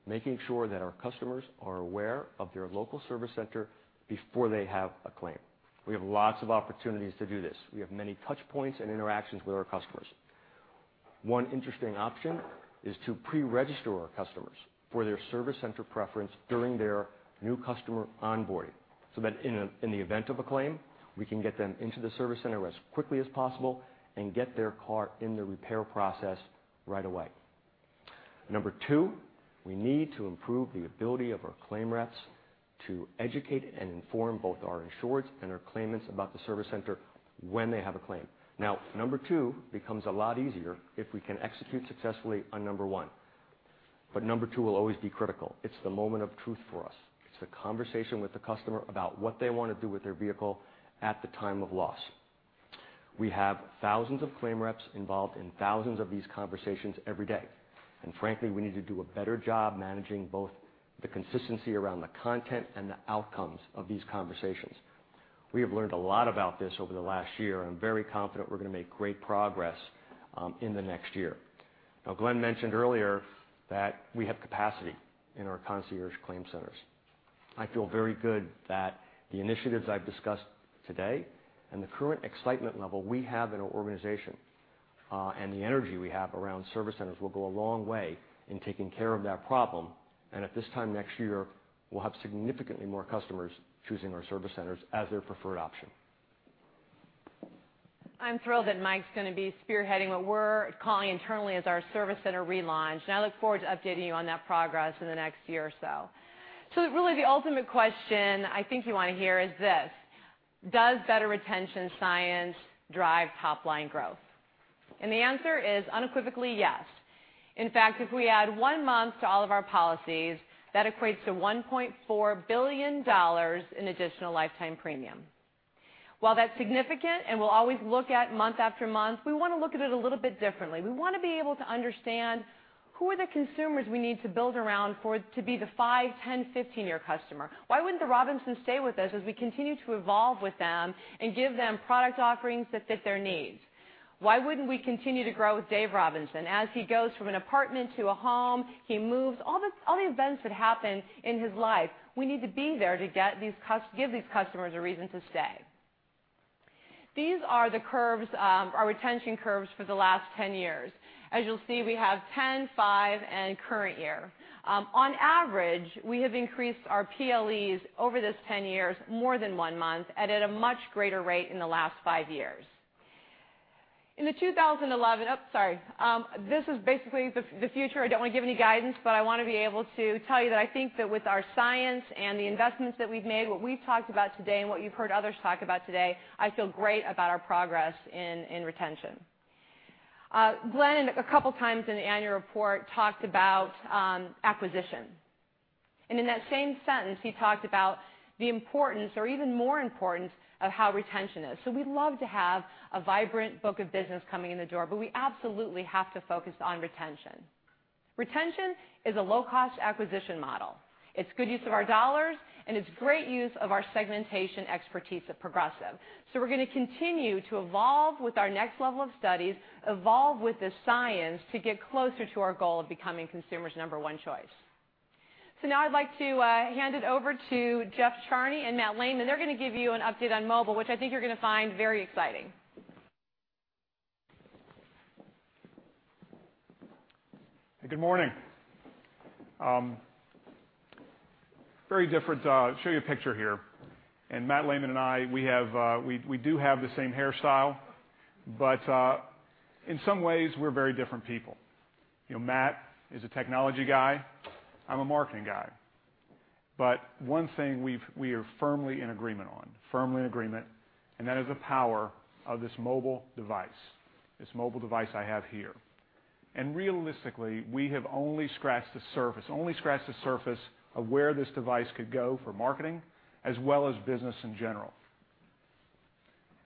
making sure that our customers are aware of their local service center before they have a claim. We have lots of opportunities to do this. We have many touch points and interactions with our customers. One interesting option is to pre-register our customers for their service center preference during their new customer onboarding, so that in the event of a claim, we can get them into the service center as quickly as possible and get their car in the repair process right away. Number two, we need to improve the ability of our claim reps to educate and inform both our insureds and our claimants about the service center when they have a claim. Number two becomes a lot easier if we can execute successfully on number one. Number two will always be critical. It's the moment of truth for us. It's the conversation with the customer about what they want to do with their vehicle at the time of loss. We have thousands of claim reps involved in thousands of these conversations every day. Frankly, we need to do a better job managing both the consistency around the content and the outcomes of these conversations. We have learned a lot about this over the last year. I'm very confident we're going to make great progress in the next year. Glenn mentioned earlier that we have capacity in our concierge claim centers. I feel very good that the initiatives I've discussed today and the current excitement level we have in our organization, and the energy we have around service centers will go a long way in taking care of that problem, and at this time next year, we'll have significantly more customers choosing our service centers as their preferred option. I'm thrilled that Mike's going to be spearheading what we're calling internally as our service center relaunch. I look forward to updating you on that progress in the next year or so. Really the ultimate question I think you want to hear is this: Does better retention science drive top-line growth? The answer is unequivocally yes. In fact, if we add one month to all of our policies, that equates to $1.4 billion in additional lifetime premium. While that's significant and we'll always look at month after month, we want to look at it a little bit differently. We want to be able to understand who are the consumers we need to build around for to be the five, 10, 15 year customer. Why wouldn't the Robinsons stay with us as we continue to evolve with them and give them product offerings that fit their needs? Why wouldn't we continue to grow with Dave Robinson as he goes from an apartment to a home, he moves, all the events that happen in his life. We need to be there to give these customers a reason to stay. These are our retention curves for the last 10 years. As you'll see, we have 10, five, and current year. On average, we have increased our PLEs over this 10 years more than one month and at a much greater rate in the last five years. In the 2011, sorry. This is basically the future. I don't want to give any guidance, but I want to be able to tell you that I think that with our science and the investments that we've made, what we've talked about today, and what you've heard others talk about today, I feel great about our progress in retention. Glenn, a couple times in the annual report, talked about acquisition. In that same sentence, he talked about the importance or even more importance of how retention is. We'd love to have a vibrant book of business coming in the door, but we absolutely have to focus on retention. Retention is a low-cost acquisition model. It's good use of our dollars, and it's great use of our segmentation expertise at Progressive. We're going to continue to evolve with our next level of studies, evolve with the science to get closer to our goal of becoming consumers' number one choice. Now I'd like to hand it over to Jeff Charney and Matt Lehman. They're going to give you an update on mobile, which I think you're going to find very exciting. Good morning. Very different. Show you a picture here. Matt Lehman and I, we do have the same hairstyle, but in some ways, we're very different people. Matt is a technology guy. I'm a marketing guy. One thing we are firmly in agreement on, firmly in agreement, that is the power of this mobile device. This mobile device I have here. Realistically, we have only scratched the surface of where this device could go for marketing as well as business in general.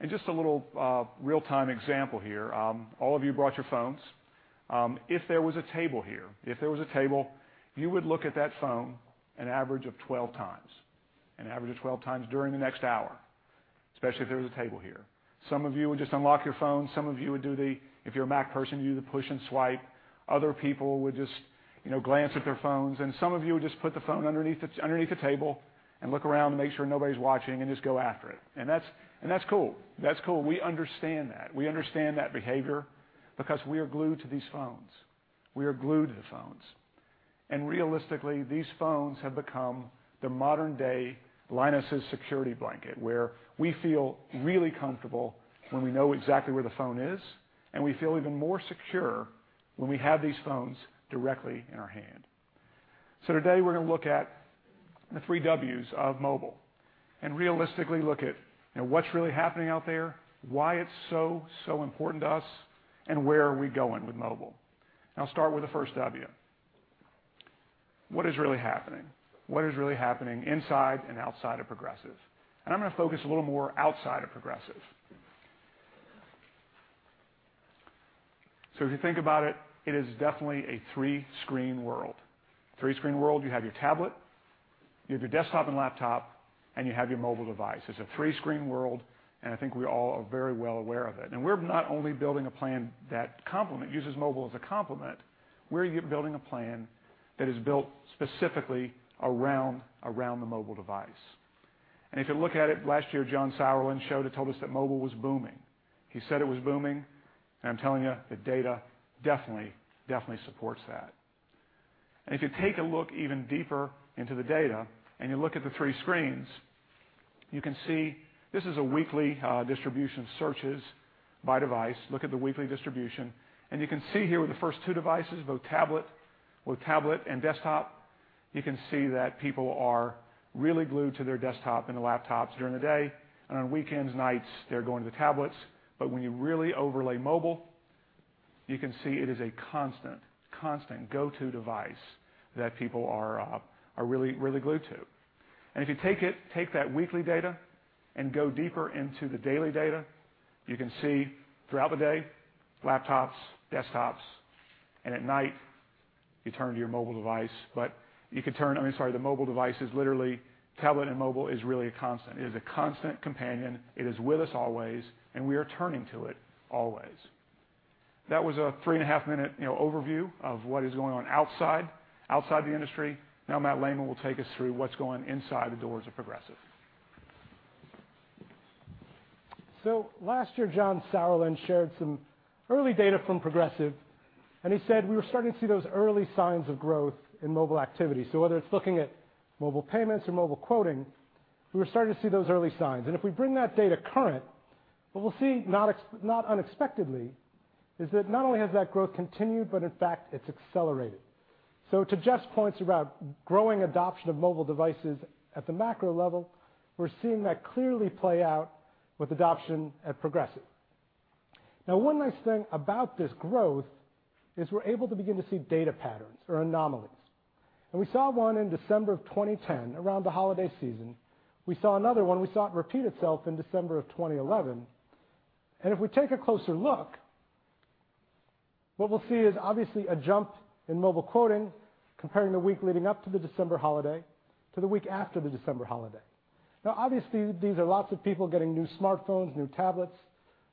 Just a little real-time example here. All of you brought your phones. If there was a table here, you would look at that phone an average of 12 times during the next hour, especially if there was a table here. Some of you would just unlock your phone, some of you would do the, if you're a Mac person, you do the push and swipe. Other people would just glance at their phones, some of you would just put the phone underneath the table and look around to make sure nobody's watching and just go after it. That's cool. We understand that. We understand that behavior because we are glued to these phones. We are glued to the phones. Realistically, these phones have become the modern-day Linus' security blanket, where we feel really comfortable when we know exactly where the phone is, and we feel even more secure when we have these phones directly in our hand. Today we're going to look at the three Ws of mobile and realistically look at what's really happening out there, why it's so important to us, and where are we going with mobile. I'll start with the first W. What is really happening? What is really happening inside and outside of Progressive? I'm going to focus a little more outside of Progressive. If you think about it is definitely a three-screen world. Three-screen world, you have your tablet, you have your desktop and laptop, and you have your mobile device. It's a three-screen world, and I think we all are very well aware of it. We're not only building a plan that uses mobile as a complement, we're building a plan that is built specifically around the mobile device. If you look at it, last year, John Sauerland showed and told us that mobile was booming. He said it was booming, I'm telling you the data definitely supports that. If you take a look even deeper into the data and you look at the three screens, you can see this is a weekly distribution searches by device. Look at the weekly distribution. You can see here with the first two devices, both tablet and desktop, you can see that people are really glued to their desktop and the laptops during the day, and on weekends, nights, they're going to the tablets. When you really overlay mobile, you can see it is a constant go-to device that people are really glued to. If you take that weekly data and go deeper into the daily data, you can see throughout the day, laptops, desktops, at night, you turn to your mobile device. I mean, sorry, the mobile device is literally tablet and mobile is really a constant. It is a constant companion. It is with us always, and we are turning to it always. That was a three-and-a-half minute overview of what is going on outside the industry. Matt Lehman will take us through what's going inside the doors of Progressive. Last year, John Sauerland shared some early data from Progressive, and he said we were starting to see those early signs of growth in mobile activity. Whether it's looking at mobile payments or mobile quoting, we were starting to see those early signs. If we bring that data current, what we'll see, not unexpectedly, is that not only has that growth continued, but in fact, it's accelerated. To Jeff's points about growing adoption of mobile devices at the macro level, we're seeing that clearly play out with adoption at Progressive. One nice thing about this growth is we're able to begin to see data patterns or anomalies. We saw one in December of 2010 around the holiday season. We saw another one. We saw it repeat itself in December of 2011. If we take a closer look, what we'll see is obviously a jump in mobile quoting comparing the week leading up to the December holiday to the week after the December holiday. Obviously, these are lots of people getting new smartphones, new tablets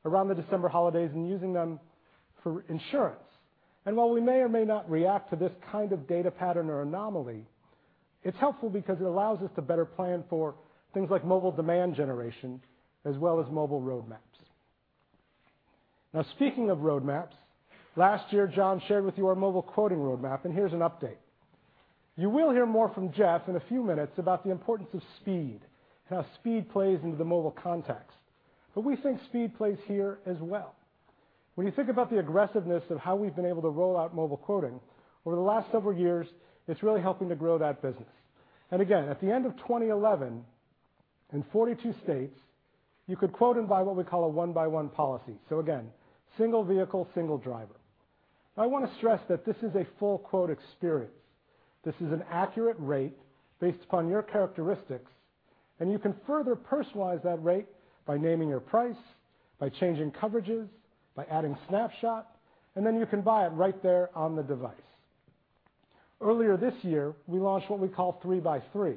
around the December holidays and using them for insurance. While we may or may not react to this kind of data pattern or anomaly, it's helpful because it allows us to better plan for things like mobile demand generation as well as mobile roadmaps. Speaking of roadmaps, last year, John shared with you our mobile quoting roadmap, and here's an update. You will hear more from Jeff in a few minutes about the importance of speed and how speed plays into the mobile context. We think speed plays here as well. When you think about the aggressiveness of how we've been able to roll out mobile quoting over the last several years, it's really helping to grow that business. Again, at the end of 2011, in 42 states, you could quote and buy what we call a one by one policy. Again, single vehicle, single driver. I want to stress that this is a full quote experience. This is an accurate rate based upon your characteristics, and you can further personalize that rate by Name Your Price, by changing coverages, by adding Snapshot, then you can buy it right there on the device. Earlier this year, we launched what we call three by three,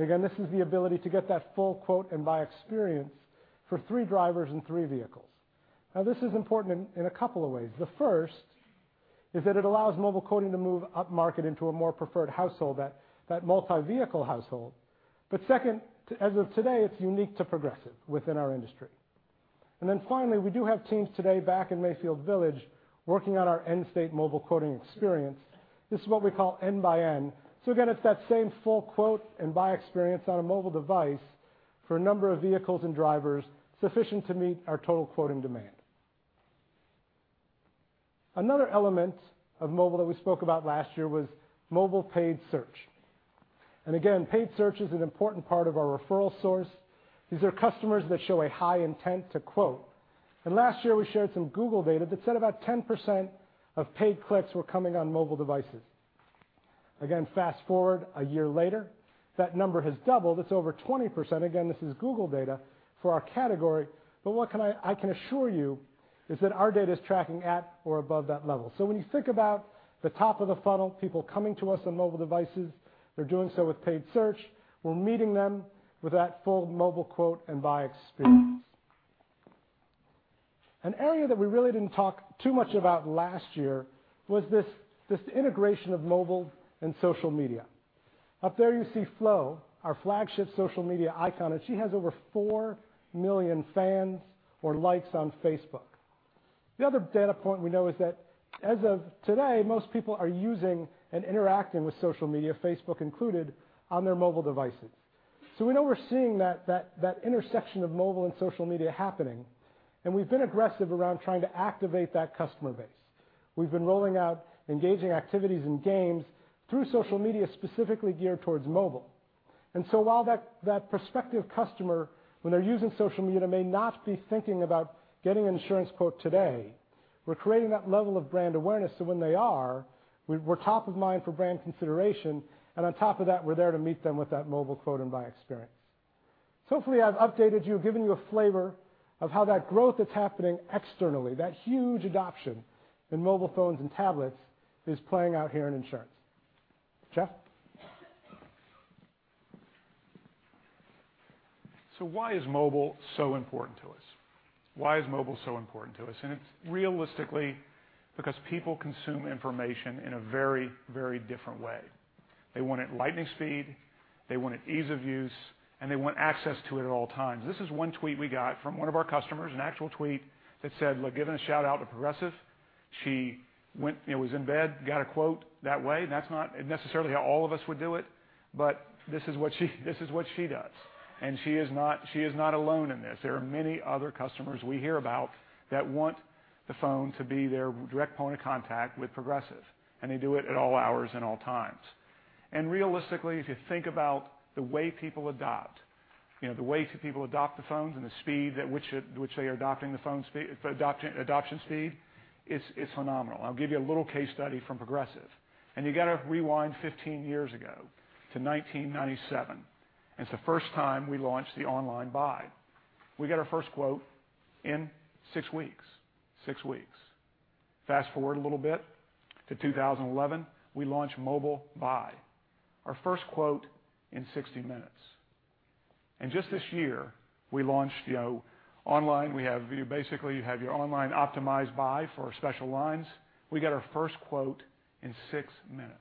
again, this is the ability to get that full quote and buy experience for three drivers and three vehicles. This is important in a couple of ways. The first is that it allows mobile quoting to move upmarket into a more preferred household, that multi-vehicle household. Second, as of today, it's unique to Progressive within our industry. Finally, we do have teams today back in Mayfield Village working on our end-state mobile quoting experience. This is what we call N by N. Again, it's that same full quote and buy experience on a mobile device for a number of vehicles and drivers sufficient to meet our total quoting demand. Another element of mobile that we spoke about last year was mobile paid search. Again, paid search is an important part of our referral source. These are customers that show a high intent to quote. Last year, we shared some Google data that said about 10% of paid clicks were coming on mobile devices. Fast-forward a year later, that number has doubled. It's over 20%. This is Google data for our category. What I can assure you is that our data is tracking at or above that level. When you think about the top of the funnel, people coming to us on mobile devices, they're doing so with paid search. We're meeting them with that full mobile quote and buy experience. An area that we really didn't talk too much about last year was this integration of mobile and social media. Up there you see Flo, our flagship social media icon, and she has over 4 million fans or likes on Facebook. The other data point we know is that as of today, most people are using and interacting with social media, Facebook included, on their mobile devices. We know we're seeing that intersection of mobile and social media happening, and we've been aggressive around trying to activate that customer base. We've been rolling out engaging activities and games through social media specifically geared towards mobile. While that prospective customer, when they're using social media, may not be thinking about getting an insurance quote today, we're creating that level of brand awareness so when they are, we're top of mind for brand consideration, and on top of that, we're there to meet them with that mobile quote and buy experience. Hopefully I've updated you, given you a flavor of how that growth that's happening externally, that huge adoption in mobile phones and tablets is playing out here in insurance. Jeff? Why is mobile so important to us? Why is mobile so important to us? It's realistically because people consume information in a very different way. They want it lightning speed, they want it ease of use, and they want access to it at all times. This is one tweet we got from one of our customers, an actual tweet that said, look, giving a shout-out to Progressive. She was in bed, got a quote that way. That's not necessarily how all of us would do it, but this is what she does, and she is not alone in this. There are many other customers we hear about that want the phone to be their direct point of contact with Progressive, and they do it at all hours and all times. Realistically, if you think about the way people adopt the phones and the speed at which they are adopting the phone. Adoption speed, it's phenomenal. I'll give you a little case study from Progressive. You got to rewind 15 years ago to 1997. It's the first time we launched the online buy. We got our first quote in six weeks. Fast-forward a little bit to 2011, we launched Mobile Buy. Our first quote in 60 minutes. Just this year, we launched online. Basically, you have your online optimized buy for our special lines. We got our first quote in six minutes.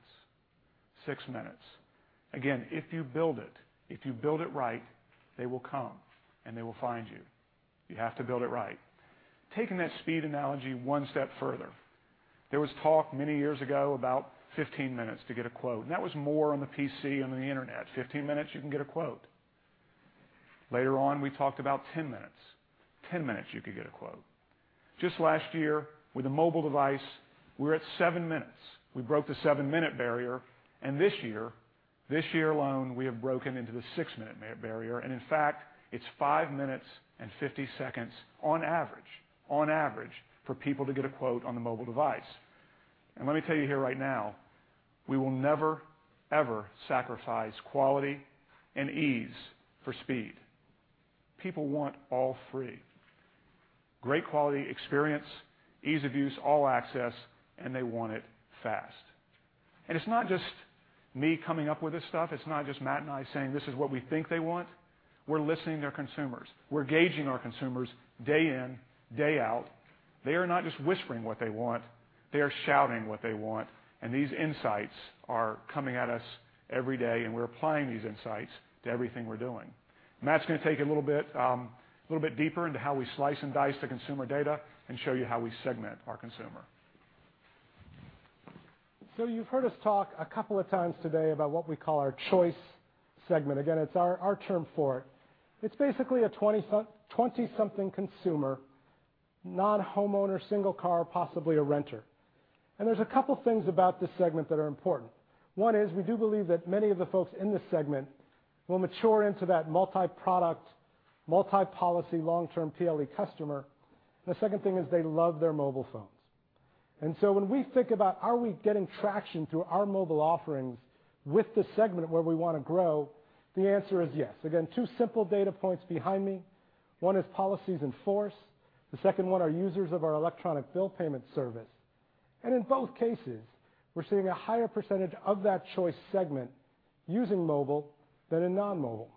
If you build it right, they will come, and they will find you. You have to build it right. Taking that speed analogy one step further. There was talk many years ago about 15 minutes to get a quote, that was more on the PC, on the internet. 15 minutes, you can get a quote. Later on, we talked about 10 minutes. 10 minutes, you could get a quote. Just last year, with a mobile device, we were at seven minutes. We broke the seven-minute barrier, this year alone, we have broken into the six-minute barrier, and in fact, it's five minutes and 50 seconds on average for people to get a quote on a mobile device. Let me tell you here right now, we will never, ever sacrifice quality and ease for speed. People want all three. Great quality experience, ease of use, all access, and they want it fast. It's not just me coming up with this stuff. It's not just Matt and I saying this is what we think they want. We're listening to our consumers. We're gauging our consumers day in, day out. They are not just whispering what they want. They are shouting what they want, these insights are coming at us every day, and we're applying these insights to everything we're doing. Matt's going to take it a little bit deeper into how we slice and dice the consumer data and show you how we segment our consumer. You've heard us talk a couple of times today about what we call our Choice segment. Again, it's our term for it. It's basically a 20-something consumer. Non-homeowner, single car, possibly a renter. There's a couple things about this segment that are important. One is we do believe that many of the folks in this segment will mature into that multi-product, multi-policy, long-term PLE customer. The second thing is they love their mobile phones. When we think about are we getting traction through our mobile offerings with the segment where we want to grow, the answer is yes. Again, two simple data points behind me. One is policies in force, the second one are users of our electronic bill payment service. In both cases, we're seeing a higher percentage of that Choice segment using mobile than in non-mobile.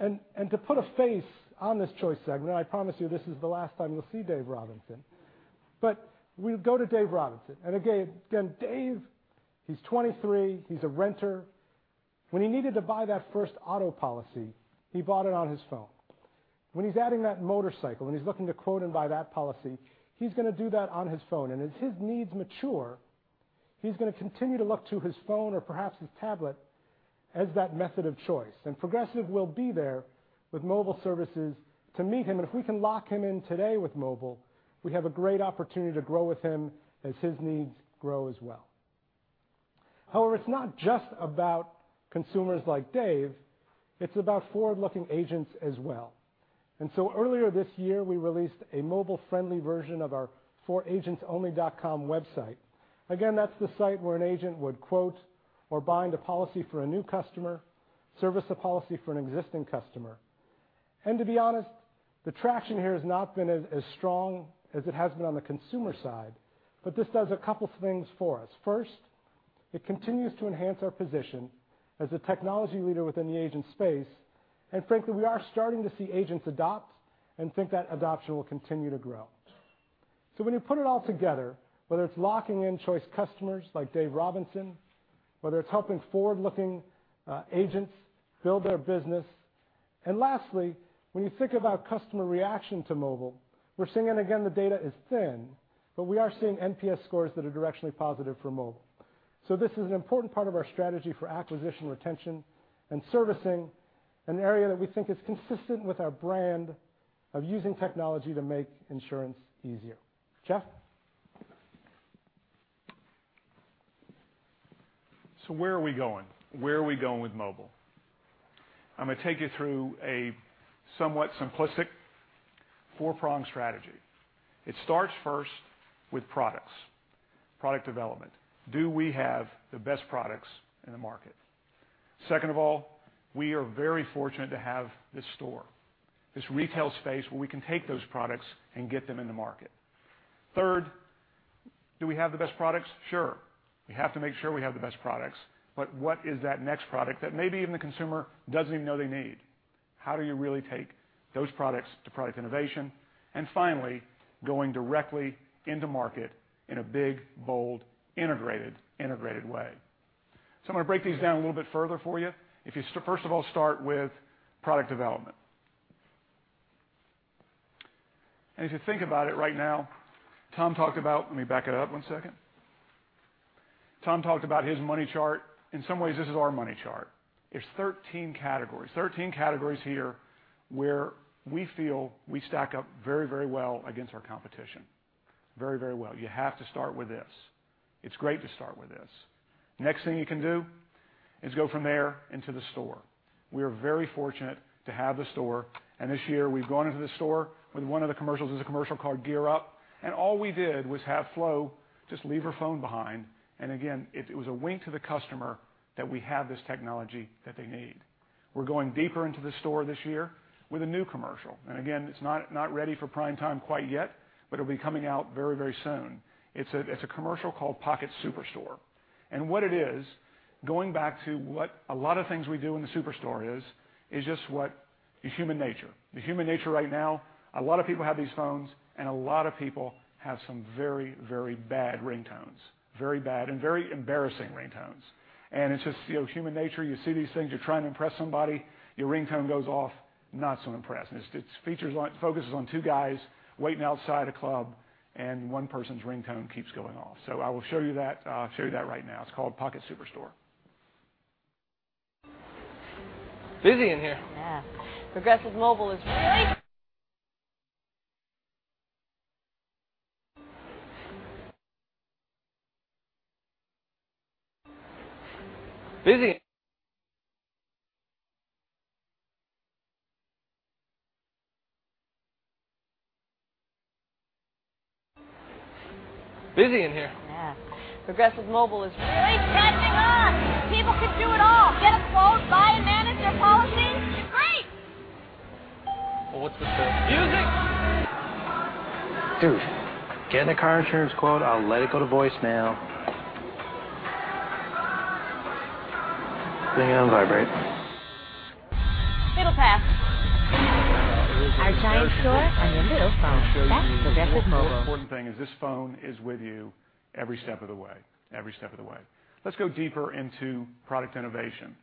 To put a face on this Choice segment, I promise you this is the last time you'll see Dave Robinson. We'll go to Dave Robinson, again, Dave, he's 23, he's a renter. When he needed to buy that first auto policy, he bought it on his phone. When he's adding that motorcycle and he's looking to quote and buy that policy, he's going to do that on his phone. As his needs mature, he's going to continue to look to his phone or perhaps his tablet as that method of choice. Progressive will be there with mobile services to meet him. If we can lock him in today with mobile, we have a great opportunity to grow with him as his needs grow as well. However, it's not just about consumers like Dave, it's about forward-looking agents as well. Earlier this year, we released a mobile-friendly version of our foragentsonly.com website. Again, that's the site where an agent would quote or bind a policy for a new customer, service a policy for an existing customer. To be honest, the traction here has not been as strong as it has been on the consumer side, this does a couple things for us. First, it continues to enhance our position as a technology leader within the agent space. Frankly, we are starting to see agents adopt and think that adoption will continue to grow. When you put it all together, whether it's locking in Choice customers like Dave Robinson, whether it's helping forward-looking agents build their business, lastly, when you think about customer reaction to mobile, we're seeing, again, the data is thin, we are seeing NPS scores that are directionally positive for mobile. This is an important part of our strategy for acquisition, retention, and servicing an area that we think is consistent with our brand of using technology to make insurance easier. Jeff? Where are we going? Where are we going with mobile? I'm going to take you through a somewhat simplistic four-pronged strategy. It starts first with products. Product development. Do we have the best products in the market? Second of all, we are very fortunate to have this store, this retail space where we can take those products and get them in the market. Third, do we have the best products? Sure. We have to make sure we have the best products, what is that next product that maybe even the consumer doesn't even know they need? How do you really take those products to product innovation? Finally, going directly into market in a big, bold, integrated way. I'm going to break these down a little bit further for you. If you first of all start with product development. If you think about it right now, Let me back it up one second. Tom talked about his money chart. In some ways, this is our money chart. There's 13 categories here where we feel we stack up very well against our competition. Very well. You have to start with this. It's great to start with this. Next thing you can do is go from there into the store. We are very fortunate to have the store, this year we've gone into the store with one of the commercials. There's a commercial called "Gear Up," all we did was have Flo just leave her phone behind. Again, it was a wink to the customer that we have this technology that they need. We're going deeper into the store this year with a new commercial. Again, it's not ready for prime time quite yet, but it'll be coming out very soon. It's a commercial called "Pocket Superstore." What it is, going back to what a lot of things we do in the Superstore is just what is human nature. The human nature right now, a lot of people have these phones, and a lot of people have some very bad ringtones. Very bad and very embarrassing ringtones. It's just human nature. You see these things, you're trying to impress somebody, your ringtone goes off, not so impressed. Its focus is on two guys waiting outside a club, and one person's ringtone keeps going off. I will show you that right now. It's called "Pocket Superstore. Busy in here. Yeah. Progressive mobile is really- Busy in- Busy in here. Yeah. Progressive mobile is really catching on. People can do it all. Get a quote, buy and manage their policy. It's great. Well, what's with the music? Dude, getting a car insurance quote, I'll let it go to voicemail. Bring it on vibrate. It'll pass. Our giant store on your little phone. That's Progressive mobile. The most important thing is this phone is with you every step of the way. Let's go deeper into product innovation.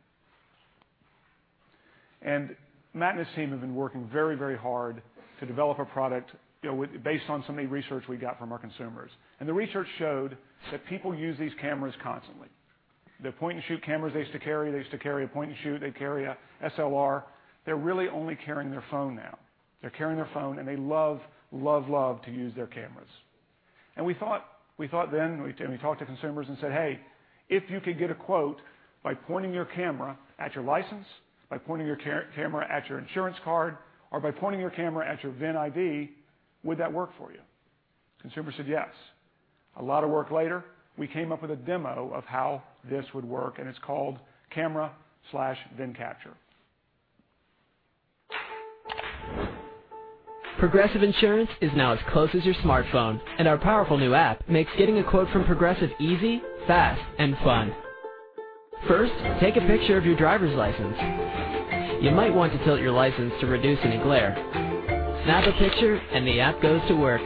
Matt and his team have been working very hard to develop a product based on some of the research we got from our consumers. The research showed that people use these cameras constantly. The point-and-shoot cameras they used to carry, they used to carry a point-and-shoot, they carry a SLR. They're really only carrying their phone now. They're carrying their phone, and they love to use their cameras. We thought then, we talked to consumers and said, "Hey, if you could get a quote by pointing your camera at your license, by pointing your camera at your insurance card, or by pointing your camera at your VIN ID, would that work for you?" Consumers said yes. A lot of work later, we came up with a demo of how this would work. It's called Camera/VIN Capture. Progressive is now as close as your smartphone. Our powerful new app makes getting a quote from Progressive easy, fast, and fun. First, take a picture of your driver's license. You might want to tilt your license to reduce any glare. Snap a picture. The app goes to work.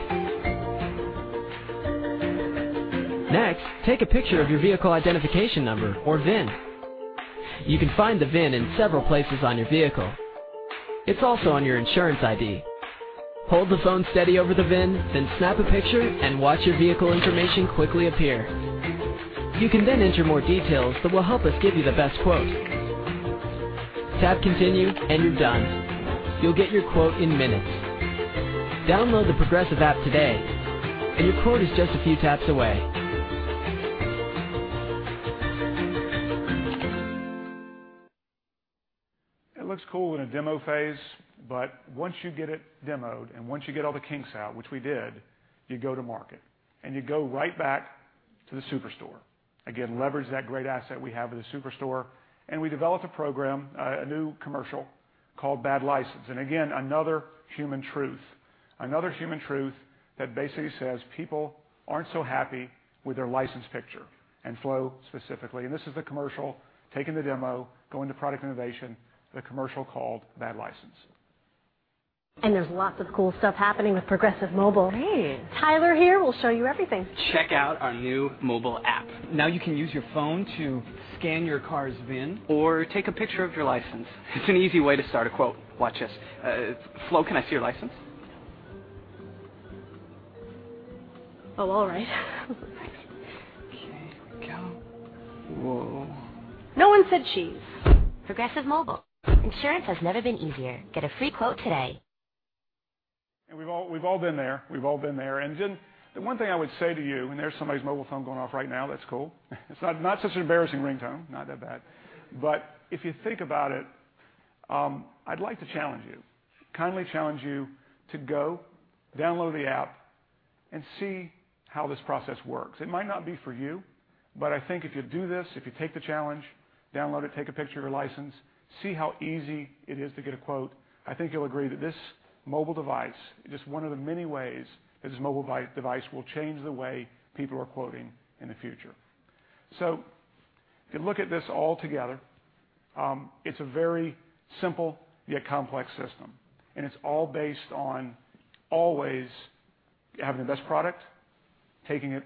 Next, take a picture of your vehicle identification number, or VIN. You can find the VIN in several places on your vehicle. It's also on your insurance ID. Hold the phone steady over the VIN. Snap a picture and watch your vehicle information quickly appear. You can then enter more details that will help us give you the best quote. Tap continue. You're done. You'll get your quote in minutes. Download the Progressive app today. Your quote is just a few taps away. It looks cool in a demo phase. Once you get it demoed, once you get all the kinks out, which we did, you go to market. You go right back to the Superstore. Again, leverage that great asset we have with the Superstore. We developed a program, a new commercial, called Bad License. Again, another human truth that basically says people aren't so happy with their license picture, Flo specifically. This is the commercial, taking the demo, going to product innovation, the commercial called Bad License. There's lots of cool stuff happening with Progressive mobile. Great. Tyler here will show you everything. Check out our new mobile app. Now you can use your phone to scan your car's VIN or take a picture of your license. It's an easy way to start a quote. Watch this. Flo, can I see your license? Oh, all right. Okay, here we go. Whoa. No one said cheese. Progressive mobile. Insurance has never been easier. Get a free quote today. We've all been there. The one thing I would say to you, there's somebody's mobile phone going off right now. That's cool. It's not such an embarrassing ringtone. Not that bad. If you think about it, I'd like to challenge you, kindly challenge you to go download the app and see how this process works. It might not be for you, but I think if you do this, if you take the challenge, download it, take a picture of your license, see how easy it is to get a quote. I think you'll agree that this mobile device is just one of the many ways this mobile device will change the way people are quoting in the future. If you look at this all together, it's a very simple yet complex system. It's all based on always having the best product, taking it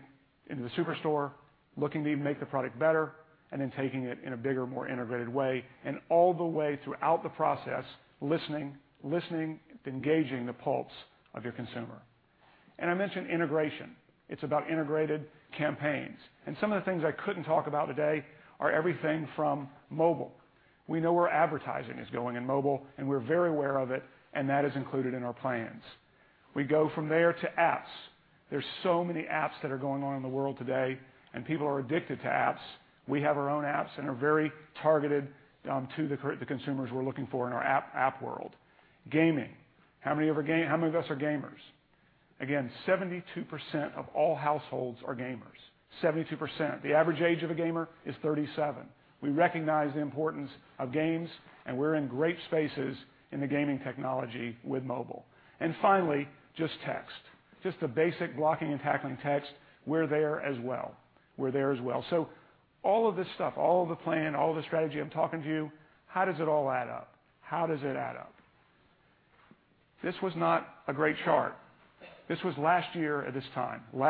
into the Superstore, looking to make the product better, then taking it in a bigger, more integrated way. All the way throughout the process, listening to engaging the pulse of your consumer. I mentioned integration. It's about integrated campaigns. Some of the things I couldn't talk about today are everything from mobile. We know where advertising is going in mobile, and we're very aware of it, and that is included in our plans. We go from there to apps. There's so many apps that are going on in the world today, and people are addicted to apps. We have our own apps and are very targeted to the consumers we're looking for in our app world. Gaming. How many of us are gamers? 72% of all households are gamers. 72%. The average age of a gamer is 37. We recognize the importance of games, and we're in great spaces in the gaming technology with mobile. Finally, just text. Just the basic blocking and tackling text. We're there as well. All of this stuff, all of the plan, all of the strategy I'm talking to you, how does it all add up? How does it add up? This was not a great chart. This was last year at this time. We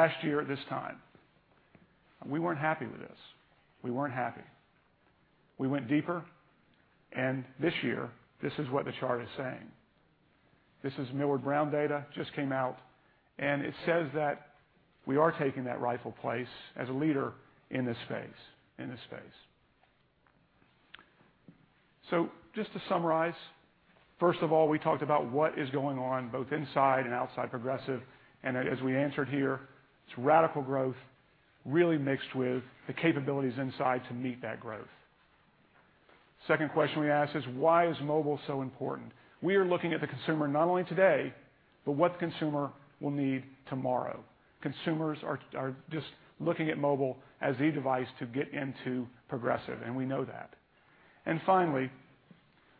weren't happy with this. We went deeper, and this year, this is what the chart is saying. This is Millward Brown data, just came out, and it says that we are taking that rightful place as a leader in this space. Just to summarize, first of all, we talked about what is going on both inside and outside Progressive, and as we answered here, it's radical growth really mixed with the capabilities inside to meet that growth. Second question we asked is why is mobile so important? We are looking at the consumer not only today, but what the consumer will need tomorrow. Consumers are just looking at mobile as the device to get into Progressive, and we know that. Finally,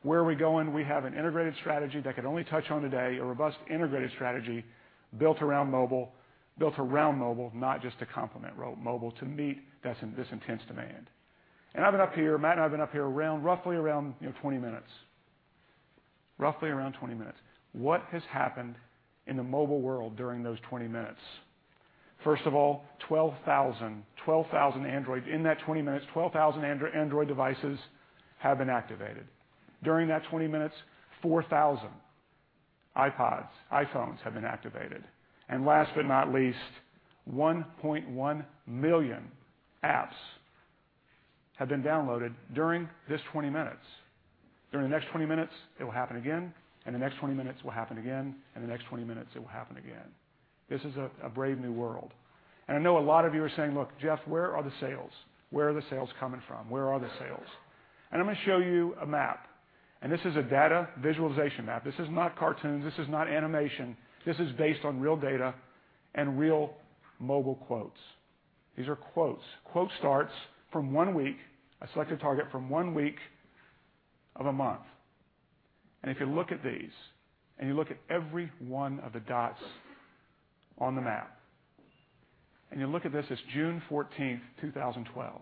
where are we going? We have an integrated strategy that I could only touch on today, a robust integrated strategy built around mobile, not just to complement mobile, to meet this intense demand. I've been up here, Matt and I've been up here roughly around 20 minutes. What has happened in the mobile world during those 20 minutes? First of all, 12,000 Androids in that 20 minutes, 12,000 Android devices have been activated. During that 20 minutes, 4,000 iPods, iPhones have been activated. Last but not least, 1.1 million apps have been downloaded during this 20 minutes. During the next 20 minutes, it will happen again. The next 20 minutes, it will happen again. The next 20 minutes, it will happen again. This is a brave new world. I know a lot of you are saying: Look, Jeff, where are the sales? Where are the sales coming from? Where are the sales? I'm going to show you a map, and this is a data visualization map. This is not cartoons. This is not animation. This is based on real data and real mobile quotes. These are quotes. Quote starts from one week. I select a target from one week of a month. If you look at these, and you look at every one of the dots on the map, and you look at this, it's June 14, 2012.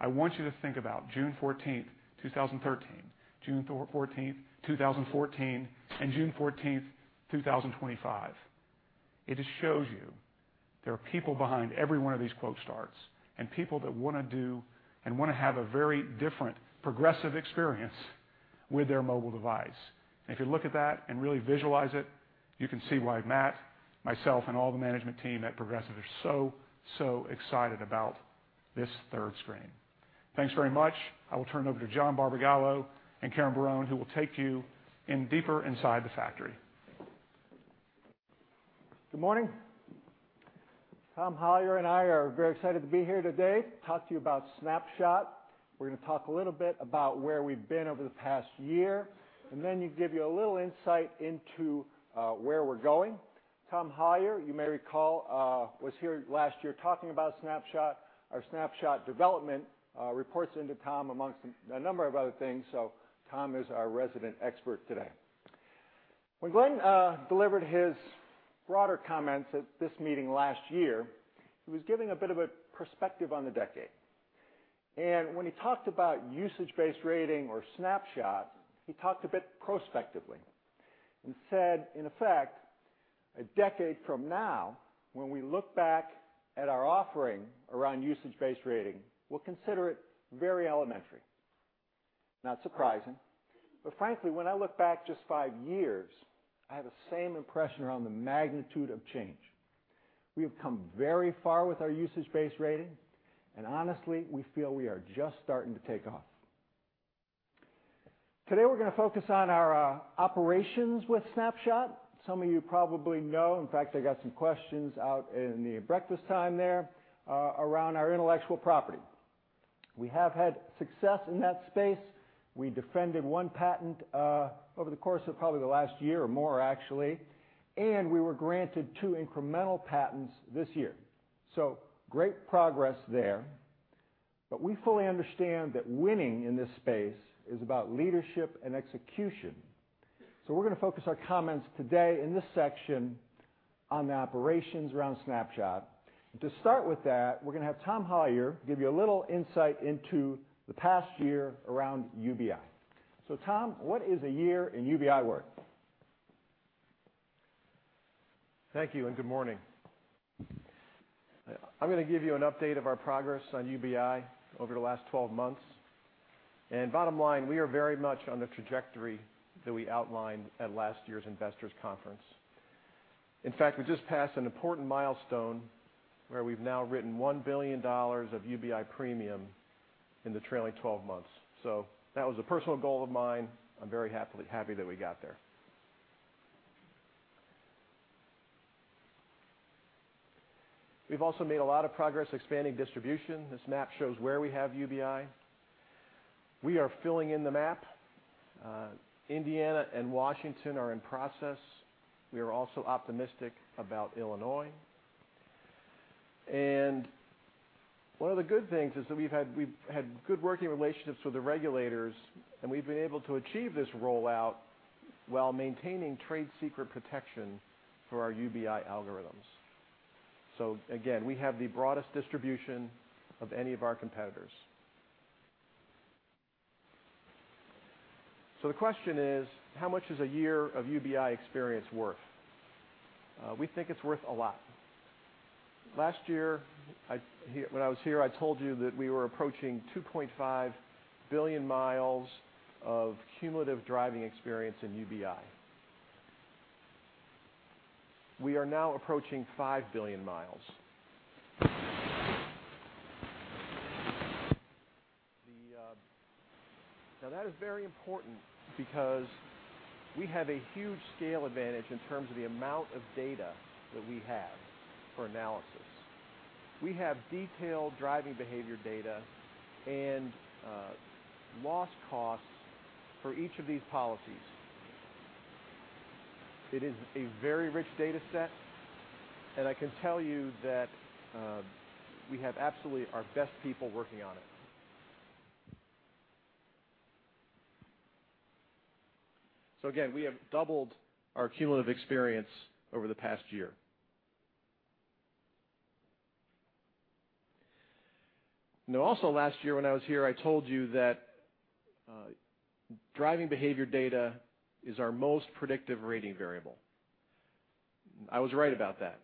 I want you to think about June 14, 2013, June 14, 2014, and June 14, 2025. It just shows you there are people behind every one of these quote starts, and people that want to do and want to have a very different Progressive experience with their mobile device. If you look at that and really visualize it, you can see why Matt, myself, and all the management team at Progressive are so excited about this third screen. Thanks very much. I will turn it over to John Barbagallo and Karen Barone who will take you deeper inside the factory. Good morning. Tom Halyer and I are very excited to be here today to talk to you about Snapshot. We're going to talk a little bit about where we've been over the past year, then give you a little insight into where we're going. Tom Halyer, you may recall, was here last year talking about Snapshot. Our Snapshot development reports into Tom amongst a number of other things. Tom is our resident expert today. When Glenn delivered his broader comments at this meeting last year, he was giving a bit of a perspective on the decade. When he talked about usage-based rating or Snapshot, he talked a bit prospectively and said, in effect, a decade from now, when we look back at our offering around usage-based rating, we'll consider it very elementary. Not surprising. Frankly, when I look back just five years, I have the same impression around the magnitude of change. We have come very far with our usage-based rating, and honestly, we feel we are just starting to take off. Today, we're going to focus on our operations with Snapshot. Some of you probably know, in fact, I got some questions out in the breakfast time there, around our intellectual property. We have had success in that space. We defended one patent over the course of probably the last year or more, actually, and we were granted two incremental patents this year. Great progress there. We fully understand that winning in this space is about leadership and execution. We're going to focus our comments today in this section on the operations around Snapshot. To start with that, we're going to have Tom Halyer give you a little insight into the past year around UBI. Tom, what is a year in UBI worth? Thank you and good morning. I'm going to give you an update of our progress on UBI over the last 12 months. Bottom line, we are very much on the trajectory that we outlined at last year's investors conference. In fact, we just passed an important milestone where we've now written $1 billion of UBI premium in the trailing 12 months. That was a personal goal of mine. I'm very happy that we got there. We've also made a lot of progress expanding distribution. This map shows where we have UBI. We are filling in the map. Indiana and Washington are in process. We are also optimistic about Illinois. One of the good things is that we've had good working relationships with the regulators, and we've been able to achieve this rollout while maintaining trade secret protection for our UBI algorithms. We have the broadest distribution of any of our competitors. The question is: how much is a year of UBI experience worth? We think it's worth a lot. Last year, when I was here, I told you that we were approaching 2.5 billion miles of cumulative driving experience in UBI. We are now approaching 5 billion miles. That is very important because we have a huge scale advantage in terms of the amount of data that we have for analysis. We have detailed driving behavior data and loss costs for each of these policies. It is a very rich data set, and I can tell you that we have absolutely our best people working on it. Again, we have doubled our cumulative experience over the past year. Also last year when I was here, I told you that driving behavior data is our most predictive rating variable. I was right about that.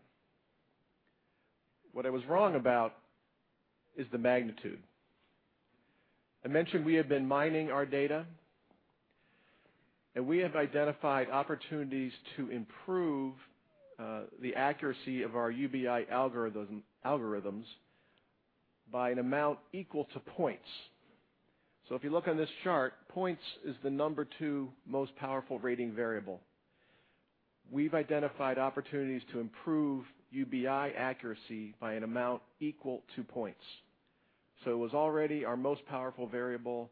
What I was wrong about is the magnitude. I mentioned we have been mining our data, and we have identified opportunities to improve the accuracy of our UBI algorithms by an amount equal to points. If you look on this chart, points is the number 2 most powerful rating variable. We've identified opportunities to improve UBI accuracy by an amount equal to points. It was already our most powerful variable.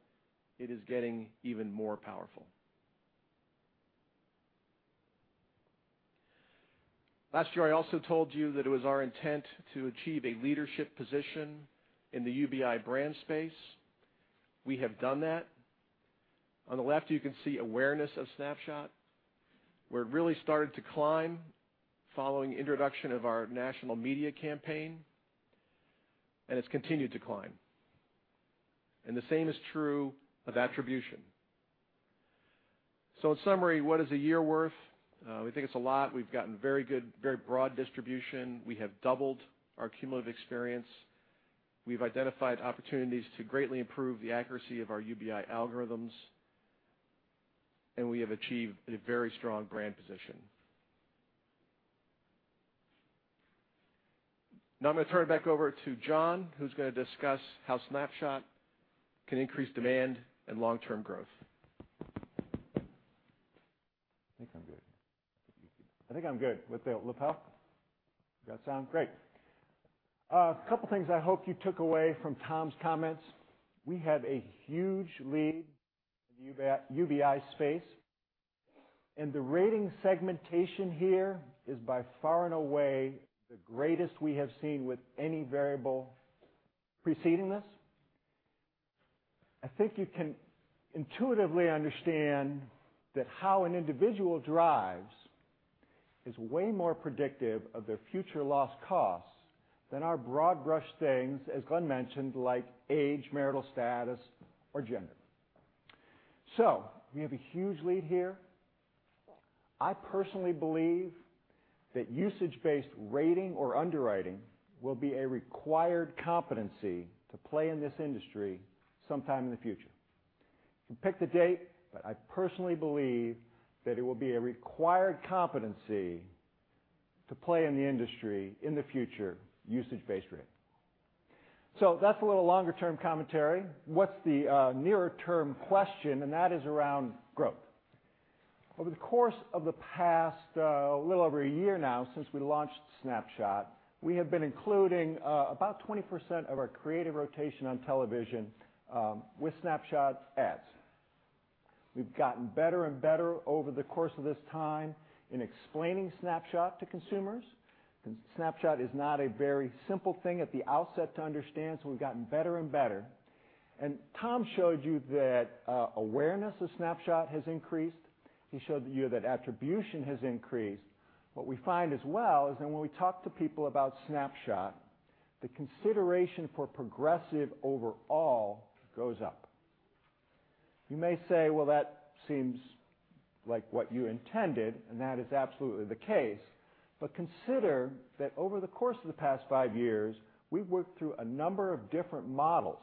It is getting even more powerful. Last year, I also told you that it was our intent to achieve a leadership position in the UBI brand space. We have done that. On the left, you can see awareness of Snapshot where it really started to climb following introduction of our national media campaign, and it's continued to climb. The same is true of attribution. In summary, what is a year worth? We think it's a lot. We've gotten very good, very broad distribution. We have doubled our cumulative experience. We've identified opportunities to greatly improve the accuracy of our UBI algorithms, and we have achieved a very strong brand position. I'm going to turn it back over to John, who's going to discuss how Snapshot can increase demand and long-term growth. I think I'm good. I think I'm good with the lapel. Is that sound? Great. A couple things I hope you took away from Tom's comments. We have a huge lead in the UBI space, and the rating segmentation here is by far and away the greatest we have seen with any variable preceding this. I think you can intuitively understand that how an individual drives is way more predictive of their future loss costs than our broad brush things, as Glenn mentioned, like age, marital status, or gender. We have a huge lead here. I personally believe that usage-based rating or underwriting will be a required competency to play in this industry sometime in the future. You pick the date, but I personally believe that it will be a required competency to play in the industry in the future, usage-based rating. That's a little longer-term commentary. What's the nearer term question? That is around growth. Over the course of the past little over a year now since we launched Snapshot, we have been including about 20% of our creative rotation on television with Snapshot ads. We've gotten better and better over the course of this time in explaining Snapshot to consumers. Snapshot is not a very simple thing at the outset to understand, so we've gotten better and better. Tom showed you that awareness of Snapshot has increased. He showed you that attribution has increased. What we find as well is that when we talk to people about Snapshot, the consideration for Progressive overall goes up. You may say, well, that seems like what you intended, and that is absolutely the case. Consider that over the course of the past five years, we've worked through a number of different models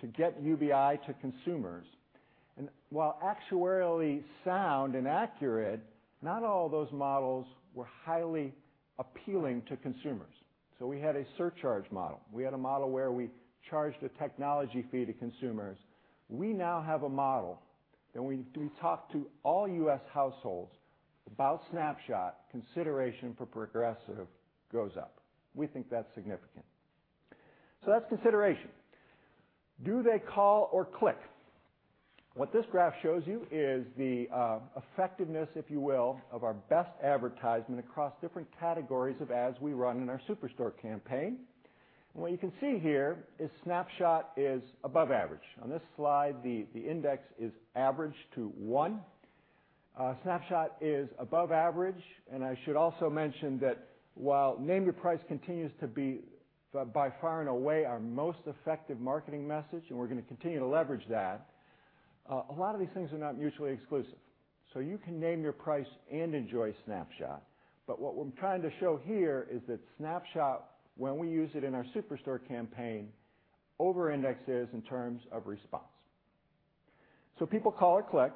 to get UBI to consumers. While actuarially sound and accurate, not all those models were highly appealing to consumers. We had a surcharge model. We had a model where we charged a technology fee to consumers. We now have a model that when we talk to all U.S. households about Snapshot, consideration for Progressive goes up. We think that's significant. That's consideration. Do they call or click? What this graph shows you is the effectiveness, if you will, of our best advertisement across different categories of ads we run in our Superstore campaign. What you can see here is Snapshot is above average. On this slide, the index is average to one. Snapshot is above average. I should also mention that while Name Your Price continues to be by far and away our most effective marketing message, and we're going to continue to leverage that, a lot of these things are not mutually exclusive. You can name your price and enjoy Snapshot. What we're trying to show here is that Snapshot, when we use it in our Superstore campaign, over-indexes in terms of response. People call or click.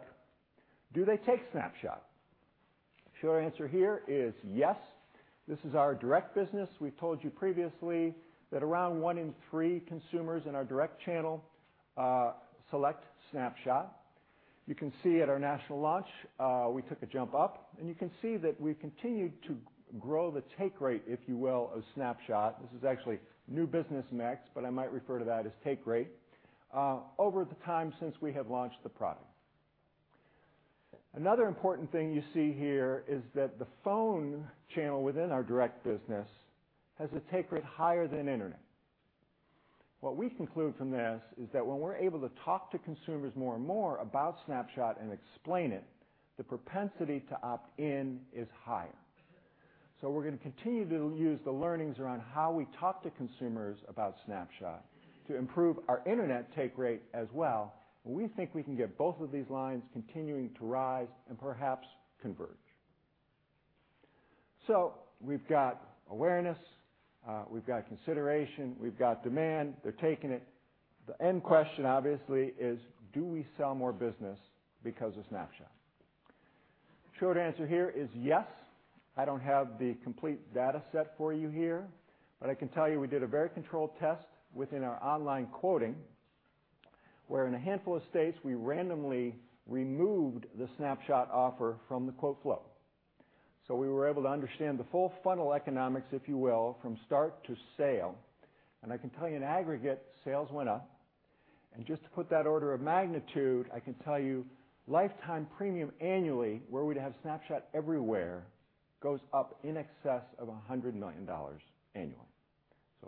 Do they take Snapshot? The short answer here is yes. This is our direct business. We've told you previously that around one in three consumers in our direct channel select Snapshot. You can see at our national launch, we took a jump up, and you can see that we've continued to grow the take rate, if you will, of Snapshot. This is actually new business mix I might refer to that as take rate over the time since we have launched the product. Another important thing you see here is that the phone channel within our direct business has a take rate higher than internet. What we conclude from this is that when we're able to talk to consumers more and more about Snapshot and explain it, the propensity to opt in is higher. We're going to continue to use the learnings around how we talk to consumers about Snapshot to improve our internet take rate as well. We think we can get both of these lines continuing to rise and perhaps converge. We've got awareness, we've got consideration, we've got demand. They're taking it. The end question obviously is do we sell more business because of Snapshot? Short answer here is yes. I don't have the complete data set for you here, but I can tell you we did a very controlled test within our online quoting, where in a handful of states we randomly removed the Snapshot offer from the quote flow. We were able to understand the full funnel economics, if you will, from start to sale. I can tell you in aggregate, sales went up. Just to put that order of magnitude, I can tell you lifetime premium annually, where we'd have Snapshot everywhere, goes up in excess of $100 million annually.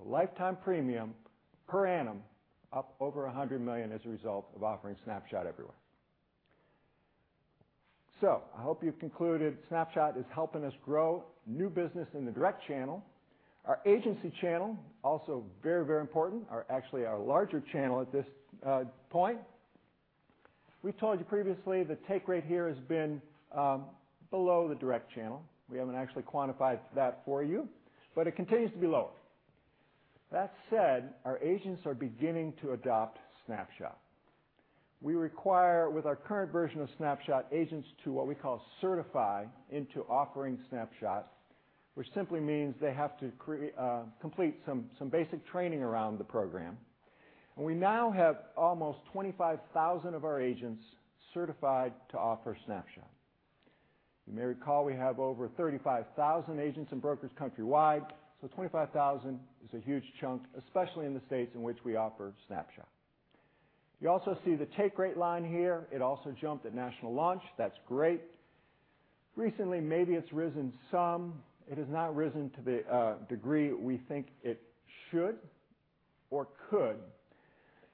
Lifetime premium per annum up over $100 million as a result of offering Snapshot everywhere. I hope you've concluded Snapshot is helping us grow new business in the direct channel. Our agency channel, also very important. Actually our larger channel at this point. We've told you previously the take rate here has been below the direct channel. We haven't actually quantified that for you, but it continues to be low. That said, our agents are beginning to adopt Snapshot. We require, with our current version of Snapshot, agents to what we call certify into offering Snapshot, which simply means they have to complete some basic training around the program. We now have almost 25,000 of our agents certified to offer Snapshot. You may recall we have over 35,000 agents and brokers countrywide, 25,000 is a huge chunk, especially in the states in which we offer Snapshot. You also see the take rate line here. It also jumped at national launch. That's great. Recently, maybe it's risen some. It has not risen to the degree we think it should or could.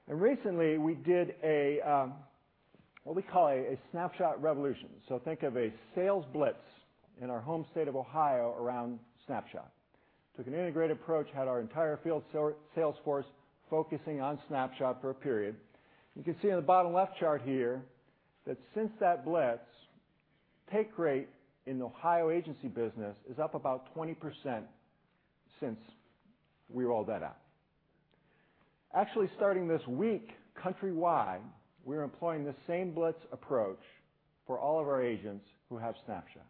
Recently we did what we call a Snapshot revolution. Think of a sales blitz in our home state of Ohio around Snapshot. Took an integrated approach, had our entire field sales force focusing on Snapshot for a period. You can see in the bottom left chart here that since that blitz, take rate in Ohio agency business is up about 20% since we rolled that out. Actually, starting this week countrywide, we're employing the same blitz approach for all of our agents who have Snapshot.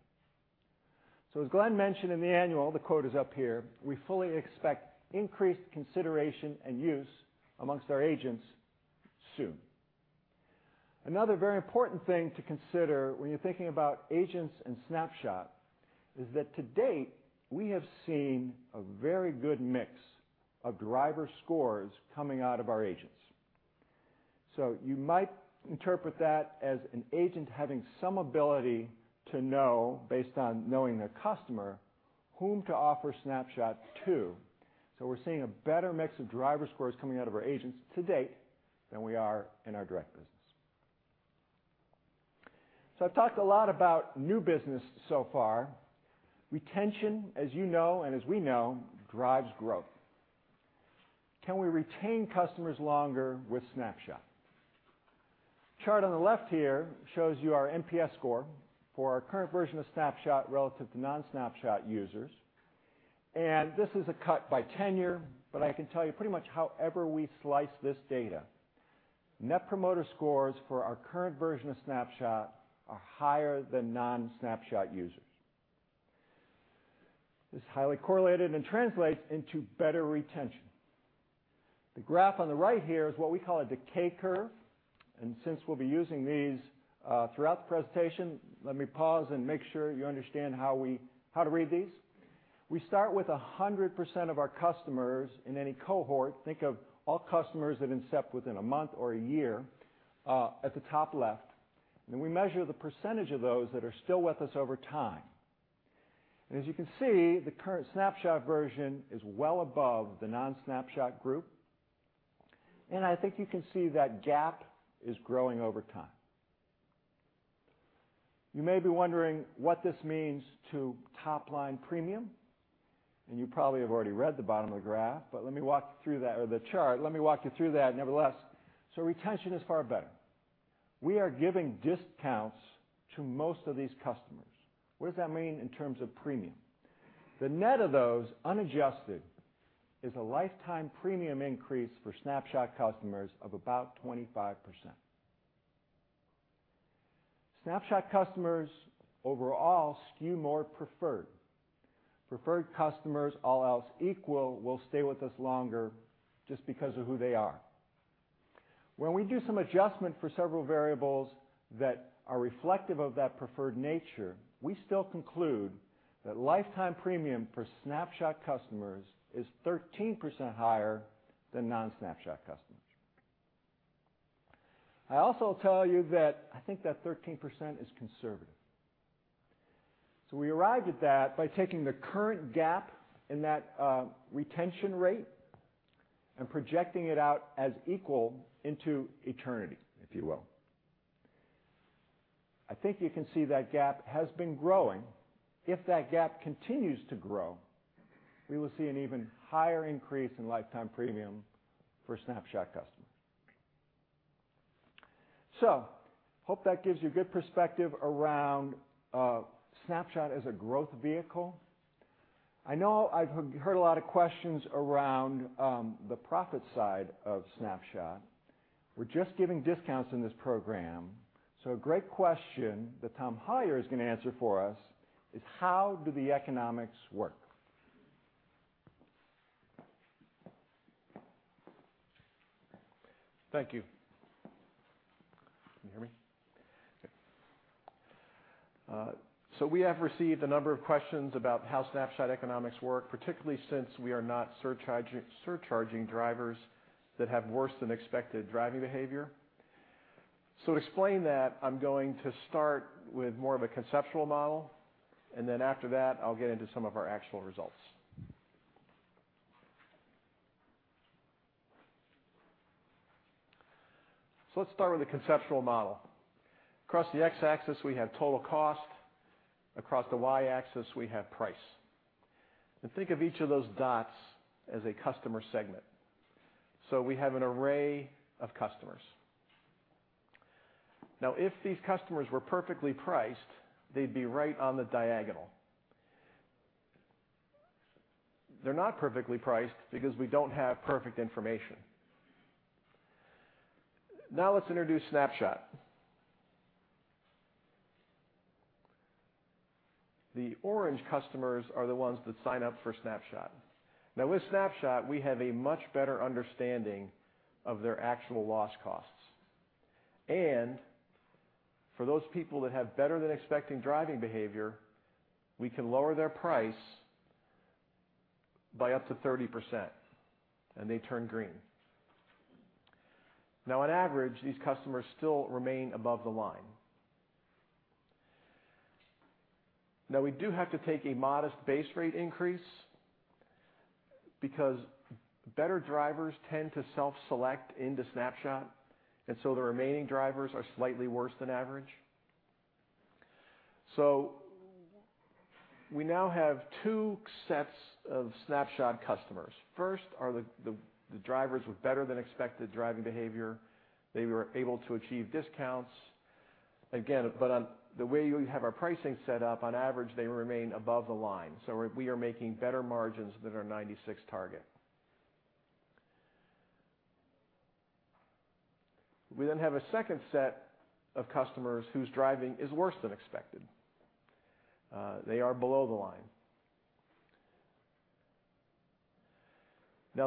As Glenn mentioned in the annual, the quote is up here, we fully expect increased consideration and use amongst our agents soon. Another very important thing to consider when you're thinking about agents and Snapshot is that to date, we have seen a very good mix of driver scores coming out of our agents. You might interpret that as an agent having some ability to know, based on knowing their customer, whom to offer Snapshot to. We're seeing a better mix of driver scores coming out of our agents to date than we are in our direct business. I've talked a lot about new business so far. Retention, as you know and as we know, drives growth. Can we retain customers longer with Snapshot? Chart on the left here shows you our NPS score for our current version of Snapshot relative to non-Snapshot users. This is a cut by tenure, but I can tell you pretty much however we slice this data, Net Promoter Scores for our current version of Snapshot are higher than non-Snapshot users. This highly correlated and translates into better retention. The graph on the right here is what we call a decay curve, and since we'll be using these throughout the presentation, let me pause and make sure you understand how to read these. We start with 100% of our customers in any cohort, think of all customers that incept within a month or a year, at the top left, and we measure the percentage of those that are still with us over time. As you can see, the current Snapshot version is well above the non-Snapshot group, and I think you can see that gap is growing over time. You may be wondering what this means to top line premium, and you probably have already read the bottom of the chart, but let me walk you through that nevertheless. Retention is far better. We are giving discounts to most of these customers. What does that mean in terms of premium? The net of those unadjusted is a lifetime premium increase for Snapshot customers of about 25%. Snapshot customers overall skew more preferred. Preferred customers, all else equal, will stay with us longer just because of who they are. When we do some adjustment for several variables that are reflective of that preferred nature, we still conclude that lifetime premium for Snapshot customers is 13% higher than non-Snapshot customers. I also will tell you that I think that 13% is conservative. We arrived at that by taking the current gap in that retention rate and projecting it out as equal into eternity, if you will. I think you can see that gap has been growing. If that gap continues to grow, we will see an even higher increase in lifetime premium for Snapshot customers. Hope that gives you good perspective around Snapshot as a growth vehicle. I know I've heard a lot of questions around the profit side of Snapshot. We're just giving discounts in this program. A great question that Tom Halyer is going to answer for us is: how do the economics work? Thank you. Can you hear me? Okay. We have received a number of questions about how Snapshot economics work, particularly since we are not surcharging drivers that have worse than expected driving behavior. To explain that, I'm going to start with more of a conceptual model, and then after that, I'll get into some of our actual results. Let's start with the conceptual model. Across the X-axis, we have total cost. Across the Y-axis, we have price. Think of each of those dots as a customer segment. We have an array of customers. Now, if these customers were perfectly priced, they'd be right on the diagonal. They're not perfectly priced because we don't have perfect information. Now let's introduce Snapshot. The orange customers are the ones that sign up for Snapshot. Now with Snapshot, we have a much better understanding of their actual loss costs. For those people that have better than expected driving behavior, we can lower their price by up to 30%, and they turn green. On average, these customers still remain above the line. We do have to take a modest base rate increase because better drivers tend to self-select into Snapshot, and the remaining drivers are slightly worse than average. We now have two sets of Snapshot customers. First, are the drivers with better than expected driving behavior. They were able to achieve discounts. Again, on the way we have our pricing set up, on average, they remain above the line. We are making better margins than our 96% target. We have a second set of customers whose driving is worse than expected. They are below the line.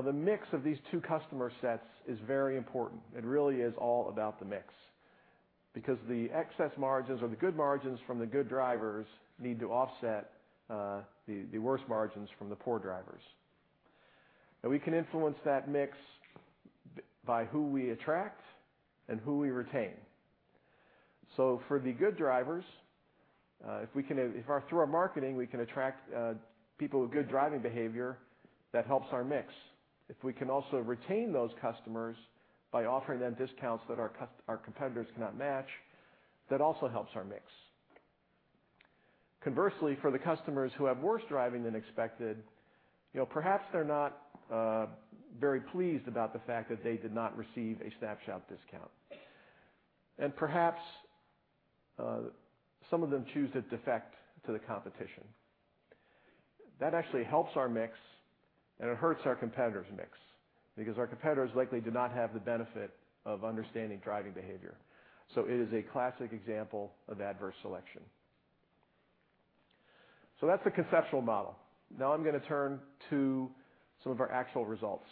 The mix of these two customer sets is very important. It really is all about the mix because the excess margins or the good margins from the good drivers need to offset the worse margins from the poor drivers. We can influence that mix by who we attract and who we retain. For the good drivers, if through our marketing, we can attract people with good driving behavior, that helps our mix. If we can also retain those customers by offering them discounts that our competitors cannot match, that also helps our mix. Conversely, for the customers who have worse driving than expected, perhaps they're not very pleased about the fact that they did not receive a Snapshot discount. Perhaps some of them choose to defect to the competition. That actually helps our mix, and it hurts our competitor's mix because our competitors likely do not have the benefit of understanding driving behavior. It is a classic example of adverse selection. That's the conceptual model. I'm going to turn to some of our actual results.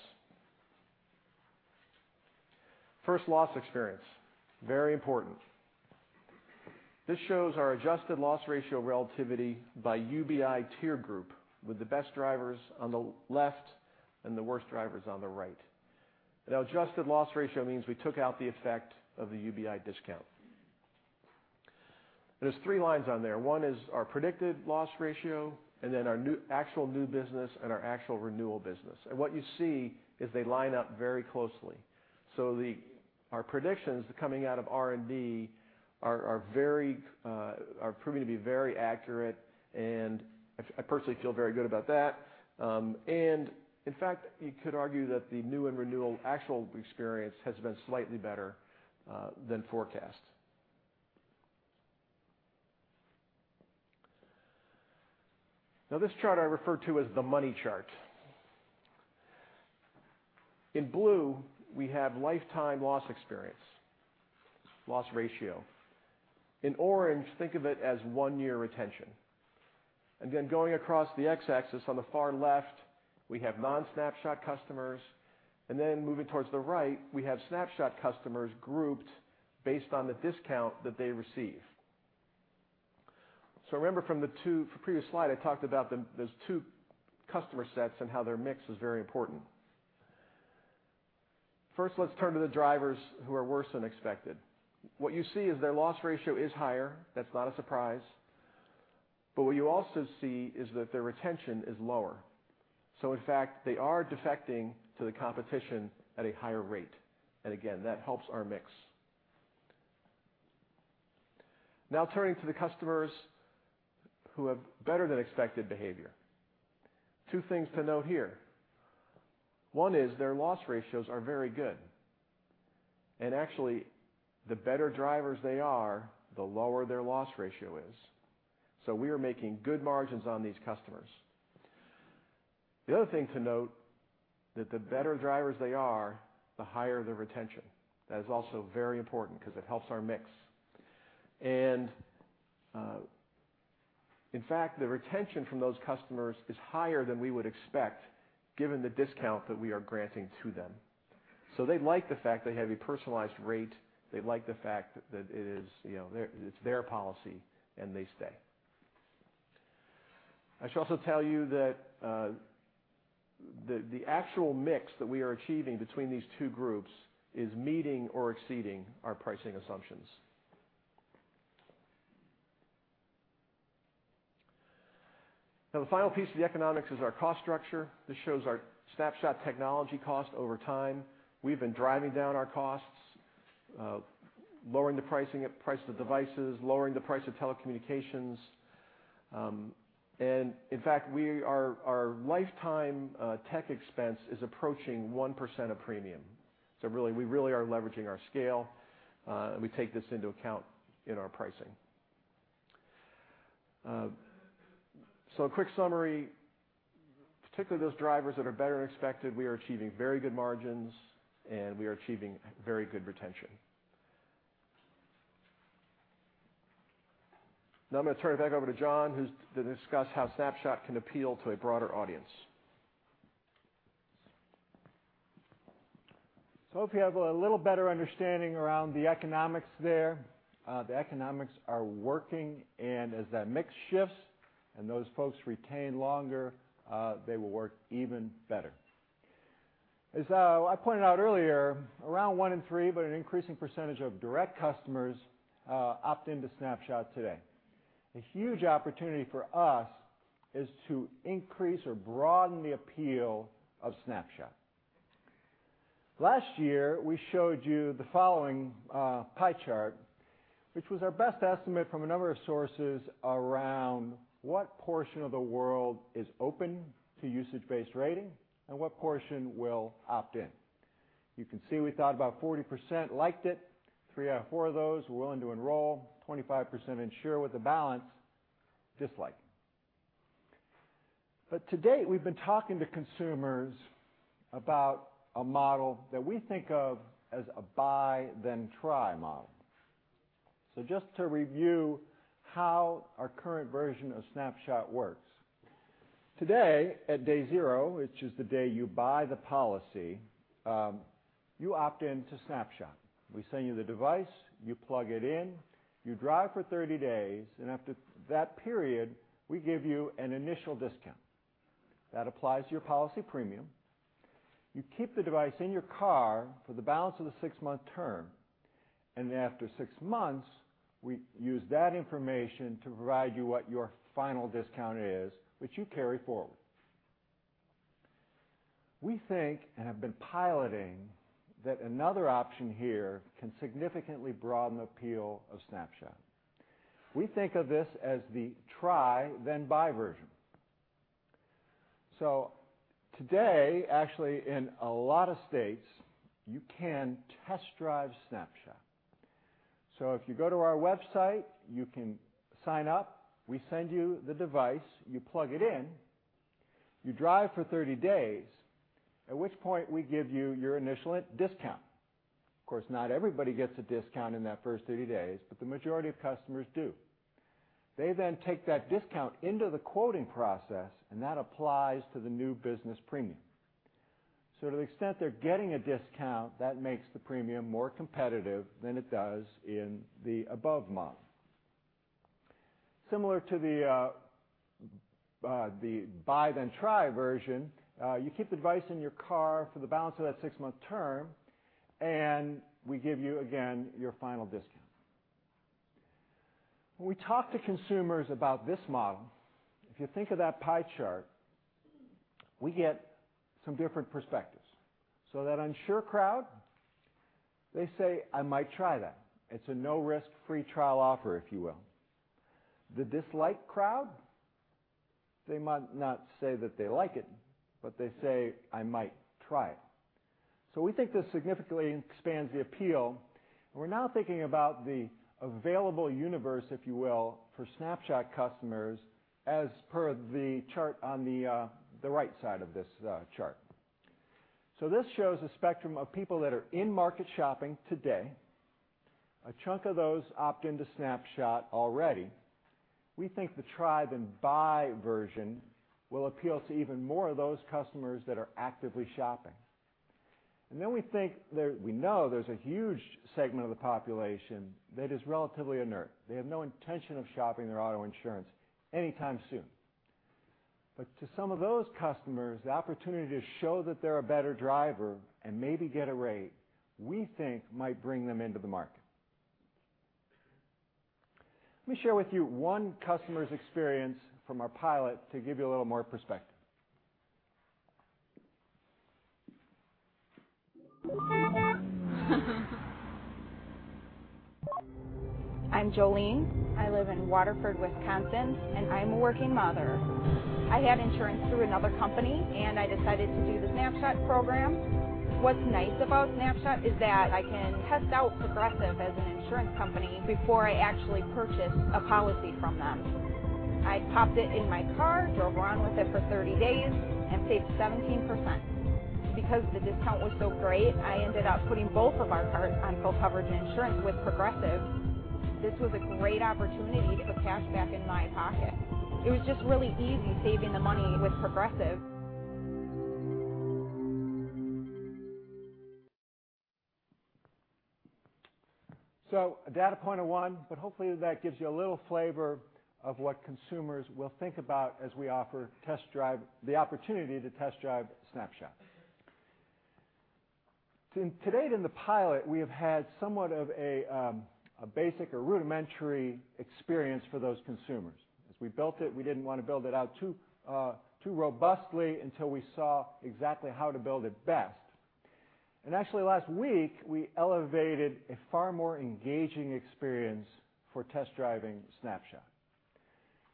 First, loss experience. Very important. This shows our adjusted loss ratio relativity by UBI tier group with the best drivers on the left and the worst drivers on the right. Adjusted loss ratio means we took out the effect of the UBI discount. There's three lines on there. One is our predicted loss ratio, and then our actual new business, and our actual renewal business. What you see is they line up very closely. Our predictions coming out of R&D are proving to be very accurate, and I personally feel very good about that. In fact, you could argue that the new and renewal actual experience has been slightly better than forecast. This chart I refer to as the money chart. In blue, we have lifetime loss experience, loss ratio. In orange, think of it as one-year retention. Again, going across the X-axis on the far left, we have non-Snapshot customers, and then moving towards the right, we have Snapshot customers grouped based on the discount that they receive. Remember from the previous slide, I talked about those two customer sets and how their mix is very important. First, let's turn to the drivers who are worse than expected. What you see is their loss ratio is higher. That's not a surprise. What you also see is that their retention is lower. In fact, they are defecting to the competition at a higher rate. Again, that helps our mix. Turning to the customers who have better than expected behavior. Two things to note here. One is their loss ratios are very good. Actually, the better drivers they are, the lower their loss ratio is. We are making good margins on these customers. The other thing to note, that the better drivers they are, the higher the retention. That is also very important because it helps our mix. In fact, the retention from those customers is higher than we would expect given the discount that we are granting to them. They like the fact they have a personalized rate. They like the fact that it's their policy, and they stay. I should also tell you that the actual mix that we are achieving between these two groups is meeting or exceeding our pricing assumptions. The final piece of the economics is our cost structure. This shows our Snapshot technology cost over time. We've been driving down our costs, lowering the price of the devices, lowering the price of telecommunications. In fact, our lifetime tech expense is approaching 1% of premium. We really are leveraging our scale. We take this into account in our pricing. A quick summary, particularly those drivers that are better than expected, we are achieving very good margins, and we are achieving very good retention. I'm going to turn it back over to John, who's going to discuss how Snapshot can appeal to a broader audience. I hope you have a little better understanding around the economics there. The economics are working, and as that mix shifts and those folks retain longer, they will work even better. As I pointed out earlier, around one in three, but an increasing percentage of direct customers opt into Snapshot today. A huge opportunity for us is to increase or broaden the appeal of Snapshot. Last year, we showed you the following pie chart, which was our best estimate from a number of sources around what portion of the world is open to usage-based insurance and what portion will opt in. You can see we thought about 40% liked it. Three out of four of those were willing to enroll, 25% unsure, with the balance disliking it. To date, we've been talking to consumers about a model that we think of as a buy then try model. Just to review how our current version of Snapshot works. Today, at day zero, which is the day you buy the policy, you opt in to Snapshot. We send you the device, you plug it in, you drive for 30 days, After that period, we give you an initial discount. That applies to your policy premium. You keep the device in your car for the balance of the six-month term, After six months, we use that information to provide you what your final discount is, which you carry forward. We think, and have been piloting, that another option here can significantly broaden the appeal of Snapshot. We think of this as the try then buy version. Today, actually in a lot of states, you can test drive Snapshot. If you go to our website, you can sign up. We send you the device, you plug it in, you drive for 30 days, at which point we give you your initial discount. Of course, not everybody gets a discount in that first 30 days, but the majority of customers do. They then take that discount into the quoting process, and that applies to the new business premium. To the extent they're getting a discount, that makes the premium more competitive than it does in the above model. Similar to the buy then try version, you keep the device in your car for the balance of that six-month term, and we give you, again, your final discount. When we talk to consumers about this model, if you think of that pie chart, we get some different perspectives. That unsure crowd, they say, "I might try that." It's a no-risk free trial offer, if you will. The dislike crowd, they might not say that they like it, but they say, "I might try it." We think this significantly expands the appeal, and we're now thinking about the available universe, if you will, for Snapshot customers as per the chart on the right side of this chart. This shows a spectrum of people that are in market shopping today. A chunk of those opt into Snapshot already. We think the try then buy version will appeal to even more of those customers that are actively shopping. Then we know there's a huge segment of the population that is relatively inert. They have no intention of shopping their auto insurance anytime soon. To some of those customers, the opportunity to show that they're a better driver and maybe get a rate we think might bring them into the market. Let me share with you one customer's experience from our pilot to give you a little more perspective. I'm Jolene. I live in Waterford, Wisconsin, and I'm a working mother. I had insurance through another company, and I decided to do the Snapshot program. What's nice about Snapshot is that I can test out Progressive as an insurance company before I actually purchase a policy from them. I popped it in my car, drove around with it for 30 days, and saved 17%. Because the discount was so great, I ended up putting both of our cars on full coverage insurance with Progressive. This was a great opportunity to put cash back in my pocket. It was just really easy saving the money with Progressive. A data point of 1, but hopefully that gives you a little flavor of what consumers will think about as we offer the opportunity to test drive Snapshot. To date in the pilot, we have had somewhat of a basic or rudimentary experience for those consumers. As we built it, we didn't want to build it out too robustly until we saw exactly how to build it best. Actually, last week, we elevated a far more engaging experience for test driving Snapshot.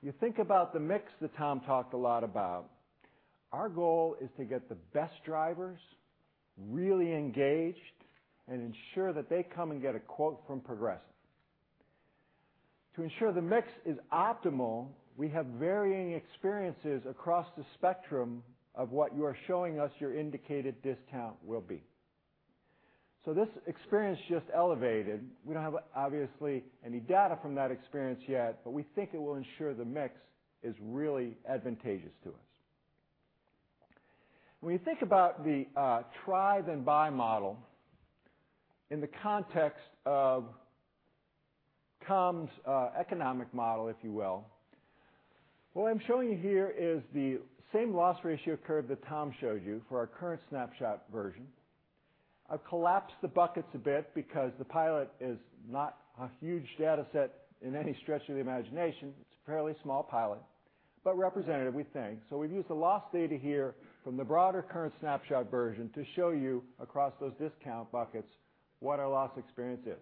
You think about the mix that Tom talked a lot about. Our goal is to get the best drivers really engaged and ensure that they come and get a quote from Progressive. To ensure the mix is optimal, we have varying experiences across the spectrum of what you are showing us your indicated discount will be. This experience just elevated. We don't have, obviously, any data from that experience yet, but we think it will ensure the mix is really advantageous to us. When you think about the try then buy model in the context of Tom's economic model, if you will, what I'm showing you here is the same loss ratio curve that Tom showed you for our current Snapshot version. I've collapsed the buckets a bit because the pilot is not a huge data set in any stretch of the imagination. It's a fairly small pilot, but representative, we think. We've used the loss data here from the broader current Snapshot version to show you across those discount buckets what our loss experience is.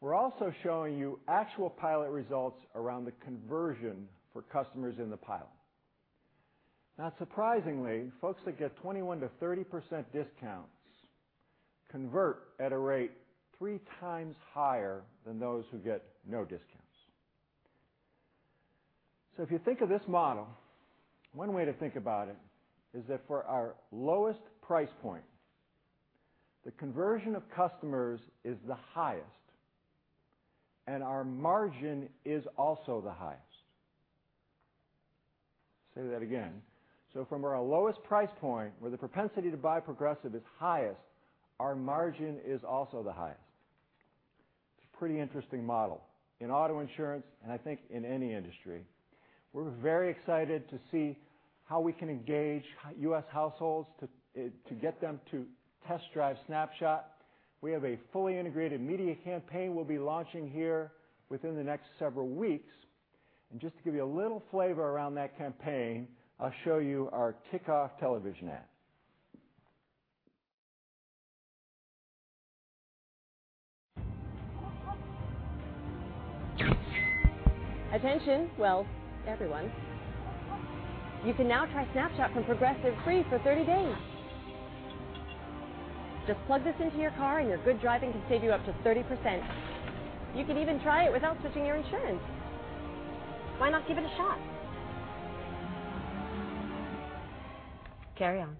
We're also showing you actual pilot results around the conversion for customers in the pilot. Not surprisingly, folks that get 21%-30% discounts convert at a rate three times higher than those who get no discounts. If you think of this model, one way to think about it is that for our lowest price point, the conversion of customers is the highest, and our margin is also the highest. Say that again. From our lowest price point, where the propensity to buy Progressive is highest, our margin is also the highest. It's a pretty interesting model in auto insurance and I think in any industry. We're very excited to see how we can engage U.S. households to get them to test drive Snapshot. We have a fully integrated media campaign we'll be launching here within the next several weeks. Just to give you a little flavor around that campaign, I'll show you our kickoff television ad. Attention, well, everyone. You can now try Snapshot from Progressive free for 30 days. Just plug this into your car, your good driving can save you up to 30%. You can even try it without switching your insurance. Why not give it a shot? Carry on.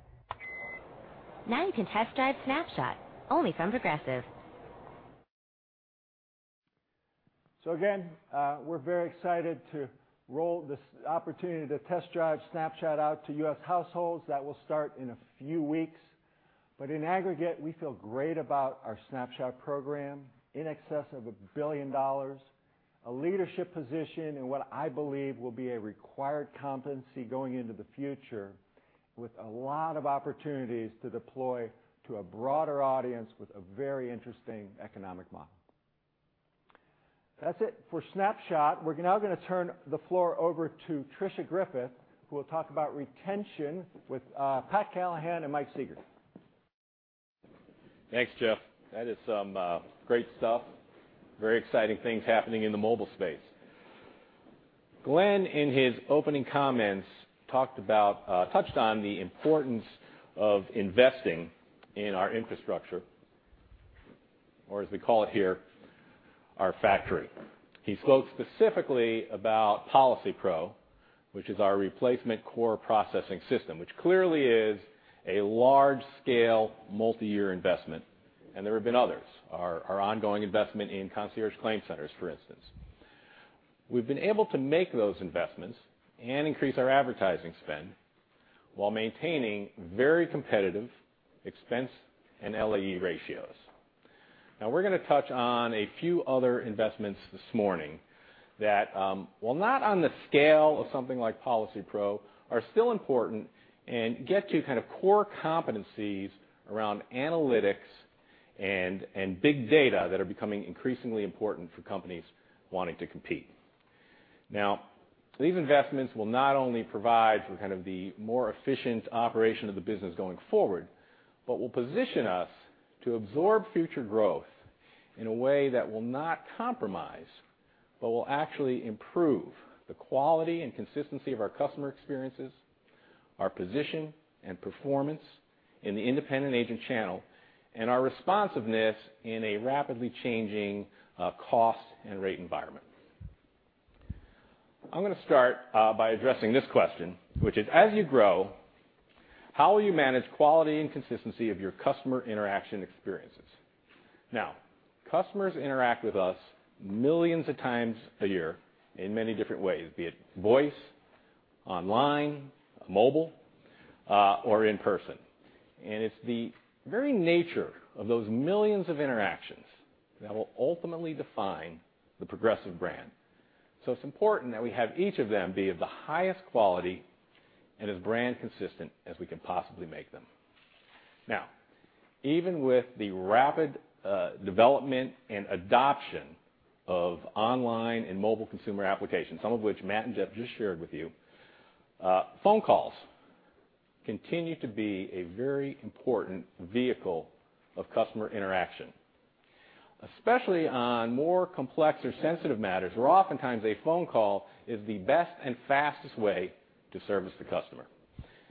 You can test drive Snapshot only from Progressive. Again, we're very excited to roll this opportunity to test drive Snapshot out to U.S. households. That will start in a few weeks. In aggregate, we feel great about our Snapshot program. In excess of $1 billion. A leadership position in what I believe will be a required competency going into the future, with a lot of opportunities to deploy to a broader audience with a very interesting economic model. That's it for Snapshot. We're now going to turn the floor over to Tricia Griffith, who will talk about retention with Pat Callahan and Mike Siegerist. Thanks, Jeff. That is some great stuff. Very exciting things happening in the mobile space. Glenn, in his opening comments, touched on the importance of investing in our infrastructure or, as we call it here, our factory. He spoke specifically about PolicyPro, which is our replacement core processing system, which clearly is a large-scale, multi-year investment, and there have been others. Our ongoing investment in concierge claim centers, for instance. We've been able to make those investments and increase our advertising spend while maintaining very competitive expense and LAE ratios. We're going to touch on a few other investments this morning that while not on the scale of something like PolicyPro are still important and get to core competencies around analytics and big data that are becoming increasingly important for companies wanting to compete. These investments will not only provide for the more efficient operation of the business going forward, but will position us to absorb future growth in a way that will not compromise, but will actually improve the quality and consistency of our customer experiences, our position and performance in the independent agent channel, and our responsiveness in a rapidly changing cost and rate environment. I'm going to start by addressing this question, which is, as you grow, how will you manage quality and consistency of your customer interaction experiences? Customers interact with us millions of times a year in many different ways, be it voice, online, mobile, or in person. It's the very nature of those millions of interactions that will ultimately define the Progressive brand. It's important that we have each of them be of the highest quality and as brand consistent as we can possibly make them. Even with the rapid development and adoption of online and mobile consumer applications, some of which Matt and Jeff just shared with you, phone calls continue to be a very important vehicle of customer interaction, especially on more complex or sensitive matters where oftentimes a phone call is the best and fastest way to service the customer.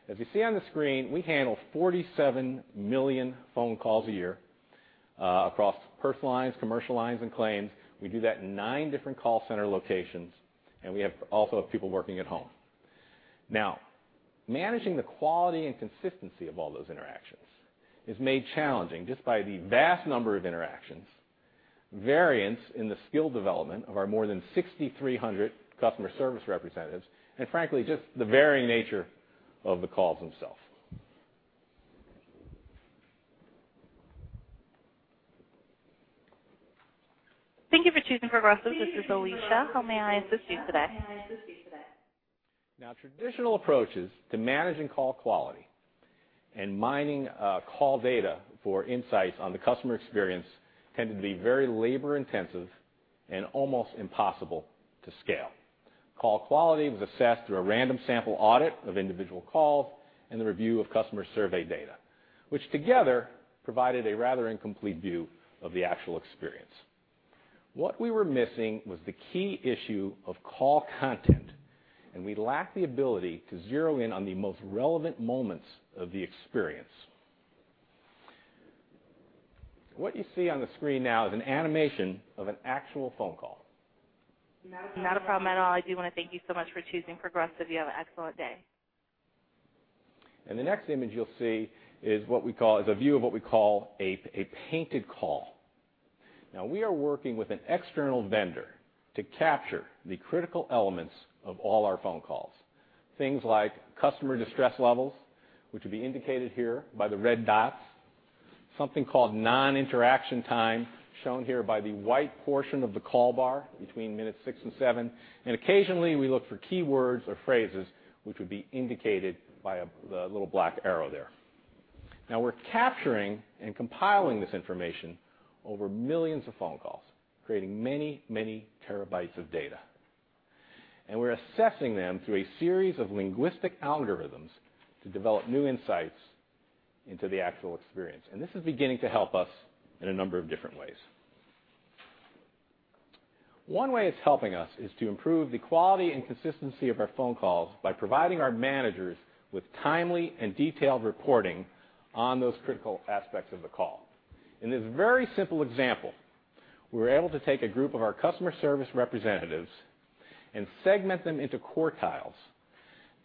As you see on the screen, we handle 47 million phone calls a year, across personal lines, commercial lines, and claims. We do that in nine different call center locations, and we have also people working at home. Managing the quality and consistency of all those interactions is made challenging just by the vast number of interactions, variance in the skill development of our more than 6,300 customer service representatives, and frankly, just the varying nature of the calls themselves. Thank you for choosing Progressive. This is Alicia. How may I assist you today? Traditional approaches to managing call quality and mining call data for insights on the customer experience tended to be very labor intensive and almost impossible to scale. Call quality was assessed through a random sample audit of individual calls and the review of customer survey data, which together provided a rather incomplete view of the actual experience. What we were missing was the key issue of call content, and we lacked the ability to zero in on the most relevant moments of the experience. What you see on the screen now is an animation of an actual phone call. Not a problem at all. I do want to thank you so much for choosing Progressive. You have an excellent day. The next image you'll see is a view of what we call a painted call. Now, we are working with an external vendor to capture the critical elements of all our phone calls. Things like customer distress levels, which would be indicated here by the red dots. Something called non-interaction time, shown here by the white portion of the call bar between minutes six and seven. Occasionally, we look for keywords or phrases, which would be indicated by the little black arrow there. Now, we're capturing and compiling this information over millions of phone calls, creating many, many terabytes of data. We're assessing them through a series of linguistic algorithms to develop new insights into the actual experience. This is beginning to help us in a number of different ways. One way it's helping us is to improve the quality and consistency of our phone calls by providing our managers with timely and detailed reporting on those critical aspects of the call. In this very simple example, we were able to take a group of our customer service representatives and segment them into quartiles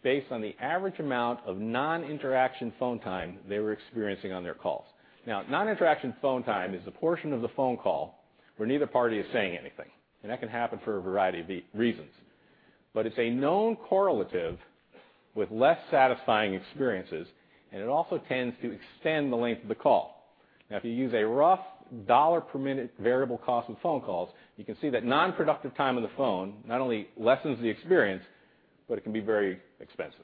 based on the average amount of non-interaction phone time they were experiencing on their calls. Now, non-interaction phone time is the portion of the phone call where neither party is saying anything, and that can happen for a variety of reasons. It's a known correlative with less satisfying experiences, and it also tends to extend the length of the call. Now, if you use a rough dollar per minute variable cost of phone calls, you can see that non-productive time on the phone not only lessens the experience, but it can be very expensive.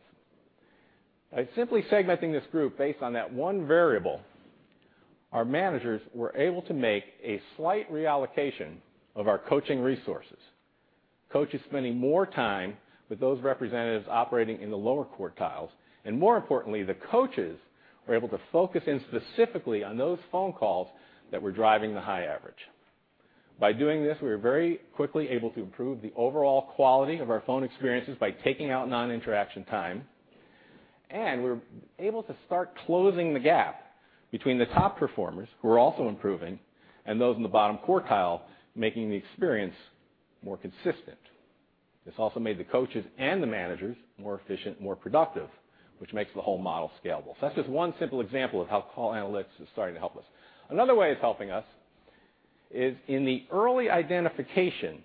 By simply segmenting this group based on that one variable, our managers were able to make a slight reallocation of our coaching resources. Coaches spending more time with those representatives operating in the lower quartiles, and more importantly, the coaches were able to focus in specifically on those phone calls that were driving the high average. By doing this, we were very quickly able to improve the overall quality of our phone experiences by taking out non-interaction time. We were able to start closing the gap between the top performers, who were also improving, and those in the bottom quartile, making the experience more consistent. This also made the coaches and the managers more efficient, more productive, which makes the whole model scalable. That's just one simple example of how call analytics is starting to help us. Another way it's helping us is in the early identification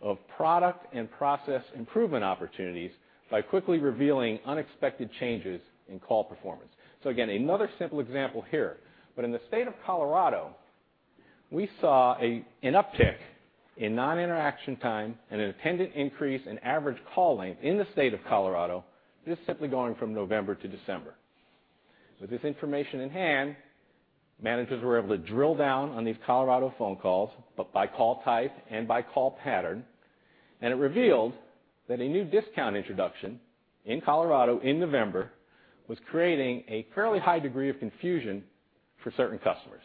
of product and process improvement opportunities by quickly revealing unexpected changes in call performance. Again, another simple example here. In the state of Colorado, we saw an uptick in non-interaction time and an attendant increase in average call length in the state of Colorado, just simply going from November to December. With this information in hand, managers were able to drill down on these Colorado phone calls, by call type and by call pattern, and it revealed that a new discount introduction in Colorado in November was creating a fairly high degree of confusion for certain customers.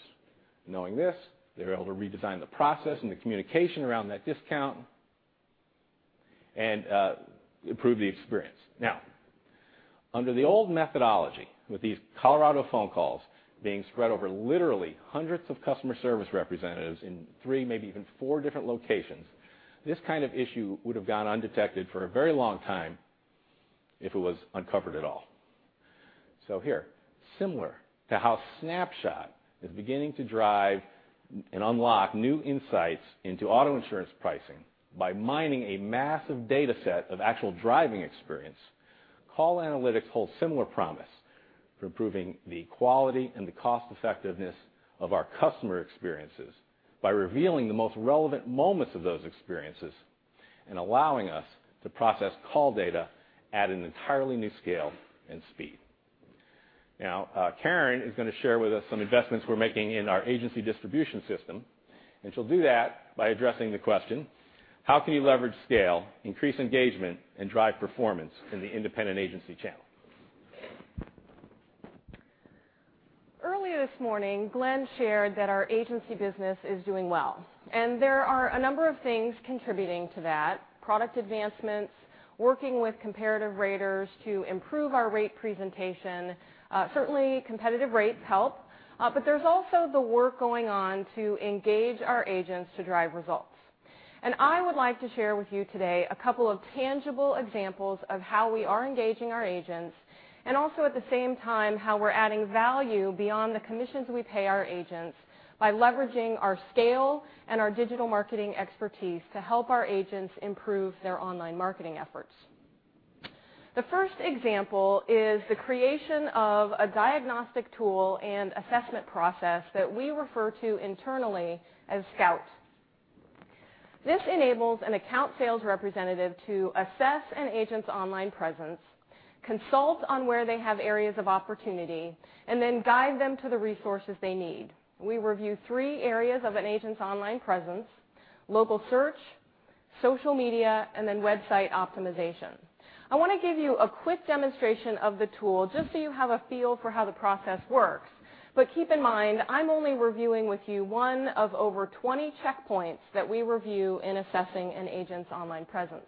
Knowing this, they were able to redesign the process and the communication around that discount and improve the experience. Under the old methodology, with these Colorado phone calls being spread over literally hundreds of customer service representatives in three, maybe even four different locations, this kind of issue would have gone undetected for a very long time if it was uncovered at all. Here, similar to how Snapshot is beginning to drive and unlock new insights into auto insurance pricing by mining a massive dataset of actual driving experience, call analytics hold similar promise for improving the quality and the cost effectiveness of our customer experiences by revealing the most relevant moments of those experiences, and allowing us to process call data at an entirely new scale and speed. Karen is going to share with us some investments we're making in our agency distribution system, and she'll do that by addressing the question: how can you leverage scale, increase engagement, and drive performance in the independent agency channel? Earlier this morning, Glenn shared that our agency business is doing well. There are a number of things contributing to that, product advancements, working with comparative raters to improve our rate presentation. Certainly, competitive rates help. There's also the work going on to engage our agents to drive results. I would like to share with you today a couple of tangible examples of how we are engaging our agents, and also at the same time, how we're adding value beyond the commissions we pay our agents by leveraging our scale and our digital marketing expertise to help our agents improve their online marketing efforts. The first example is the creation of a diagnostic tool and assessment process that we refer to internally as Scout. This enables an account sales representative to assess an agent's online presence, consult on where they have areas of opportunity, and then guide them to the resources they need. We review three areas of an agent's online presence, local search, social media, and then website optimization. I want to give you a quick demonstration of the tool, just so you have a feel for how the process works. Keep in mind, I'm only reviewing with you one of over 20 checkpoints that we review in assessing an agent's online presence.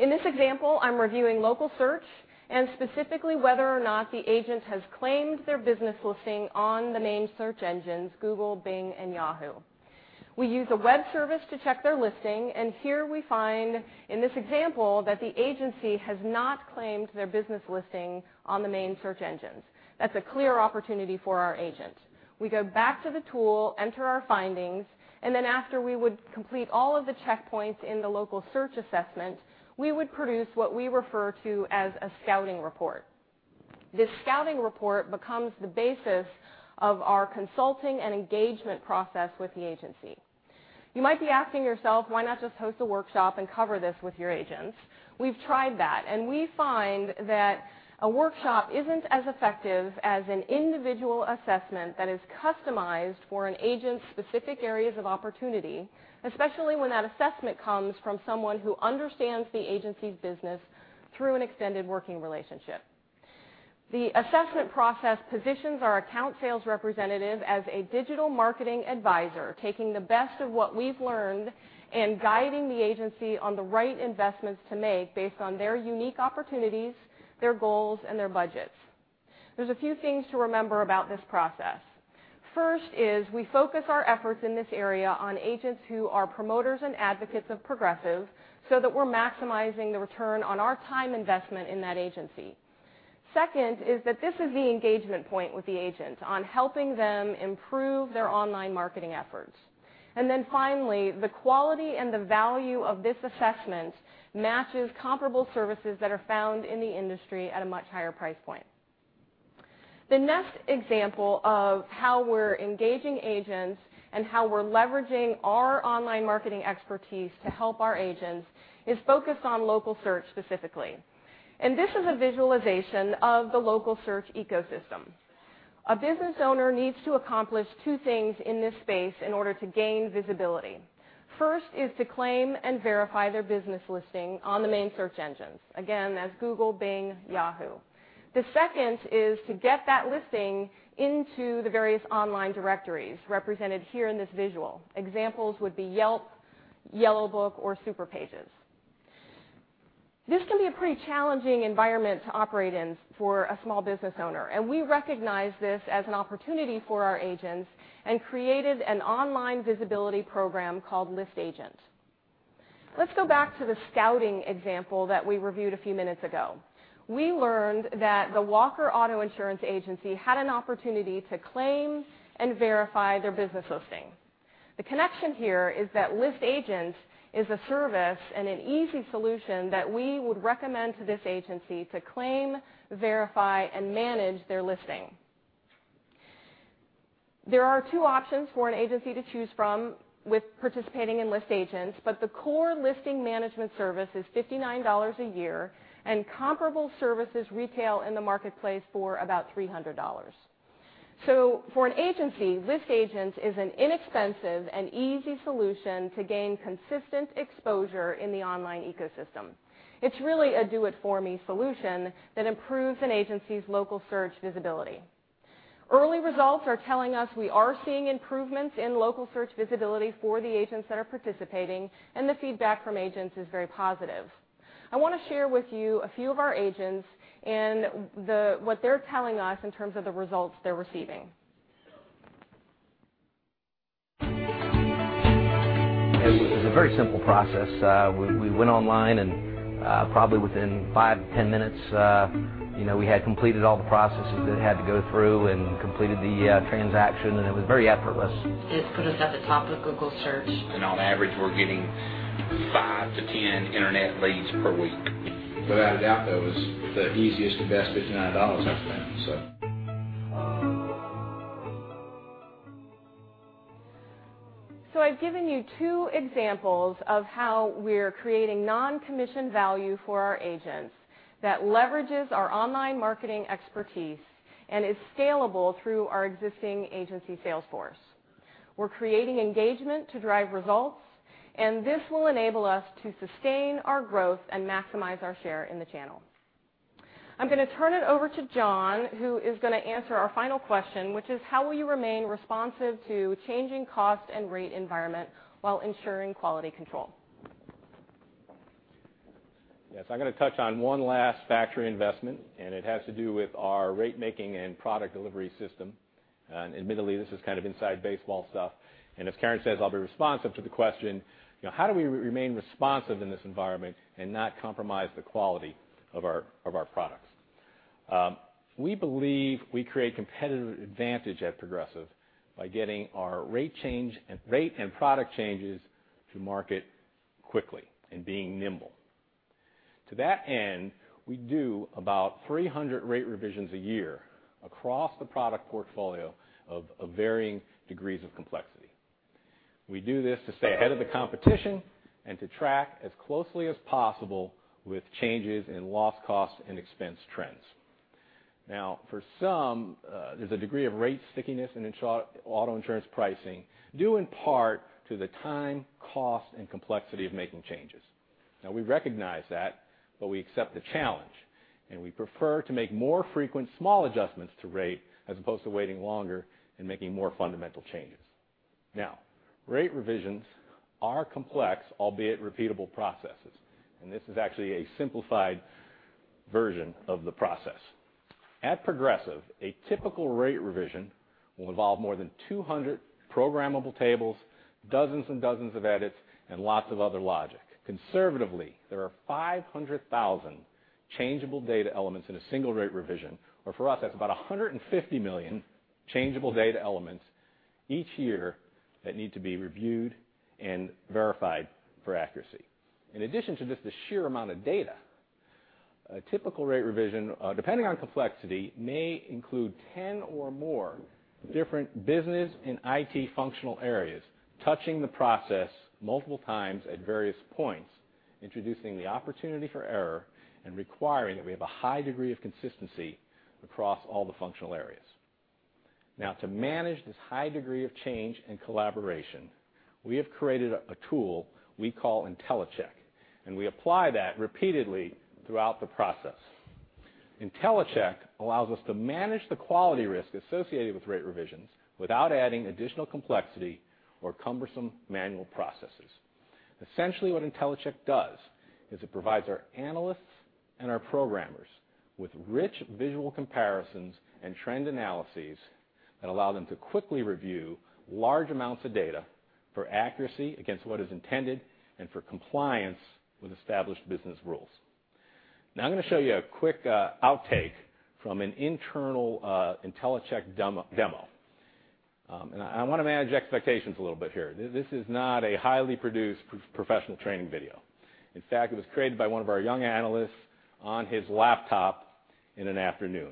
In this example, I'm reviewing local search and specifically whether or not the agent has claimed their business listing on the main search engines, Google, Bing, and Yahoo. We use a web service to check their listing, and here we find in this example that the agency has not claimed their business listing on the main search engines. That's a clear opportunity for our agent. We go back to the tool, enter our findings, and then after we would complete all of the checkpoints in the local search assessment, we would produce what we refer to as a scouting report. This scouting report becomes the basis of our consulting and engagement process with the agency. You might be asking yourself, why not just host a workshop and cover this with your agents? We've tried that, and we find that a workshop isn't as effective as an individual assessment that is customized for an agent's specific areas of opportunity, especially when that assessment comes from someone who understands the agency's business through an extended working relationship. The assessment process positions our account sales representative as a digital marketing advisor, taking the best of what we've learned and guiding the agency on the right investments to make based on their unique opportunities, their goals, and their budgets. There's a few things to remember about this process. First is we focus our efforts in this area on agents who are promoters and advocates of Progressive so that we're maximizing the return on our time investment in that agency. Second is that this is the engagement point with the agent on helping them improve their online marketing efforts. Finally, the quality and the value of this assessment matches comparable services that are found in the industry at a much higher price point. The next example of how we're engaging agents and how we're leveraging our online marketing expertise to help our agents is focused on local search specifically. This is a visualization of the local search ecosystem. A business owner needs to accomplish two things in this space in order to gain visibility. First is to claim and verify their business listing on the main search engines. Again, that's Google, Bing, Yahoo. The second is to get that listing into the various online directories represented here in this visual. Examples would be Yelp, Yellowbook, or Superpages. This can be a pretty challenging environment to operate in for a small business owner, and we recognize this as an opportunity for our agents and created an online visibility program called List Agent. Let's go back to the scouting example that we reviewed a few minutes ago. We learned that the Walker Auto Insurance agency had an opportunity to claim and verify their business listing. The connection here is that List Agent is a service and an easy solution that we would recommend to this agency to claim, verify, and manage their listing. There are two options for an agency to choose from with participating in List Agents, but the core listing management service is $59 a year, and comparable services retail in the marketplace for about $300. For an agency, List Agents is an inexpensive and easy solution to gain consistent exposure in the online ecosystem. It's really a do-it-for-me solution that improves an agency's local search visibility. Early results are telling us we are seeing improvements in local search visibility for the agents that are participating, and the feedback from agents is very positive. I want to share with you a few of our agents and what they're telling us in terms of the results they're receiving. It was a very simple process. We went online and probably within five to 10 minutes, we had completed all the processes that it had to go through and completed the transaction, and it was very effortless. It put us at the top of Google search. On average, we're getting five to 10 internet leads per week. Without a doubt, though, it was the easiest and best $59 I've spent. I've given you two examples of how we're creating non-commission value for our agents that leverages our online marketing expertise and is scalable through our existing agency sales force. We're creating engagement to drive results, and this will enable us to sustain our growth and maximize our share in the channel. I'm going to turn it over to John, who is going to answer our final question, which is, how will you remain responsive to changing cost and rate environment while ensuring quality control? Yes, I'm going to touch on one last factory investment, and it has to do with our rate-making and product delivery system. Admittedly, this is kind of inside baseball stuff, and as Karen says, I'll be responsive to the question, how do we remain responsive in this environment and not compromise the quality of our products? We believe we create competitive advantage at Progressive by getting our rate and product changes to market quickly and being nimble. To that end, we do about 300 rate revisions a year across the product portfolio of varying degrees of complexity. We do this to stay ahead of the competition and to track as closely as possible with changes in loss costs and expense trends. Now, for some, there's a degree of rate stickiness in auto insurance pricing, due in part to the time, cost, and complexity of making changes. We recognize that, we accept the challenge, and we prefer to make more frequent small adjustments to rate as opposed to waiting longer and making more fundamental changes. Rate revisions are complex, albeit repeatable processes, and this is actually a simplified version of the process. At Progressive, a typical rate revision will involve more than 200 programmable tables, dozens and dozens of edits, and lots of other logic. Conservatively, there are 500,000 changeable data elements in a single rate revision, or for us, that's about 150 million changeable data elements each year that need to be reviewed and verified for accuracy. In addition to just the sheer amount of data, a typical rate revision, depending on complexity, may include 10 or more different business and IT functional areas touching the process multiple times at various points, introducing the opportunity for error and requiring that we have a high degree of consistency across all the functional areas. To manage this high degree of change and collaboration, we have created a tool we call IntelliCheck, and we apply that repeatedly throughout the process. IntelliCheck allows us to manage the quality risk associated with rate revisions without adding additional complexity or cumbersome manual processes. Essentially, what IntelliCheck does is it provides our analysts and our programmers with rich visual comparisons and trend analyses that allow them to quickly review large amounts of data for accuracy against what is intended and for compliance with established business rules. I'm going to show you a quick outtake from an internal IntelliCheck demo. I want to manage expectations a little bit here. This is not a highly produced professional training video. In fact, it was created by one of our young analysts on his laptop in an afternoon.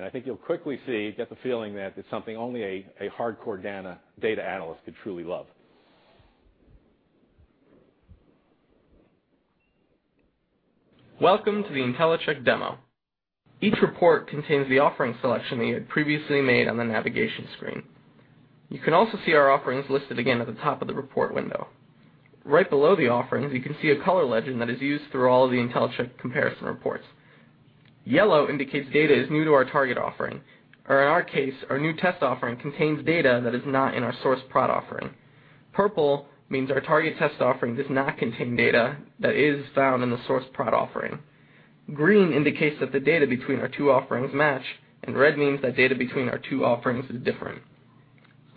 I think you'll quickly see, get the feeling that it's something only a hardcore data analyst could truly love. Welcome to the IntelliCheck demo. Each report contains the offering selection that you had previously made on the navigation screen. You can also see our offerings listed again at the top of the report window. Right below the offerings, you can see a color legend that is used through all of the IntelliCheck comparison reports. Yellow indicates data is new to our target offering, or in our case, our new test offering contains data that is not in our source prod offering. Purple means our target test offering does not contain data that is found in the source prod offering. Green indicates that the data between our two offerings match, and red means that data between our two offerings is different.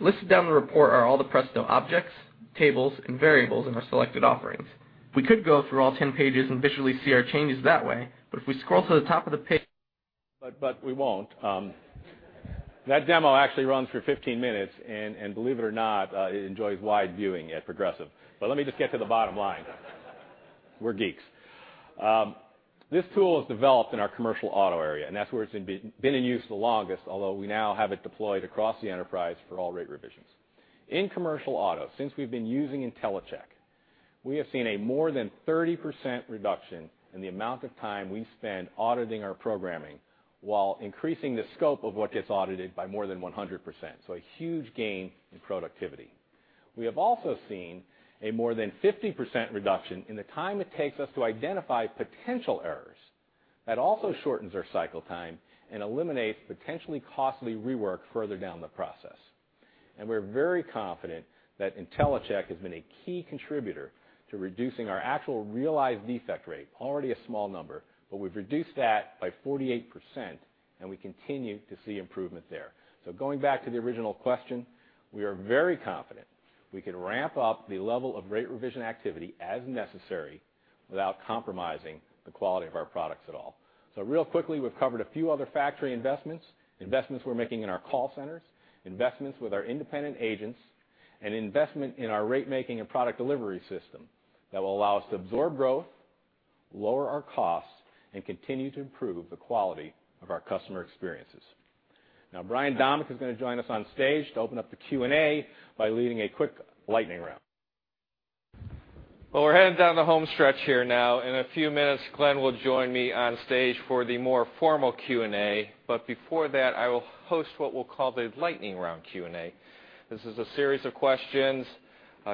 Listed down the report are all the Presto objects, tables, and variables in our selected offerings. We could go through all 10 pages and visually see our changes that way, if we scroll to the top of the page- We won't. That demo actually runs for 15 minutes. Believe it or not, it enjoys wide viewing at Progressive. Let me just get to the bottom line. We're geeks. This tool was developed in our commercial auto area, and that's where it's been in use the longest, although we now have it deployed across the enterprise for all rate revisions. In commercial auto, since we've been using IntelliCheck, we have seen a more than 30% reduction in the amount of time we spend auditing our programming while increasing the scope of what gets audited by more than 100%, so a huge gain in productivity. We have also seen a more than 50% reduction in the time it takes us to identify potential errors. That also shortens our cycle time and eliminates potentially costly rework further down the process. We're very confident that IntelliCheck has been a key contributor to reducing our actual realized defect rate, already a small number, but we've reduced that by 48% and we continue to see improvement there. Going back to the original question, we are very confident we can ramp up the level of rate revision activity as necessary without compromising the quality of our products at all. Real quickly, we've covered a few other factory investments we're making in our call centers, investments with our independent agents, and investment in our rate-making and product delivery system that will allow us to absorb growth, lower our costs, and continue to improve the quality of our customer experiences. Now Brian Domeck is going to join us on stage to open up the Q&A by leading a quick lightning round. We're heading down the home stretch here now. In a few minutes, Glenn will join me on stage for the more formal Q&A. Before that, I will host what we'll call the lightning round Q&A. This is a series of questions.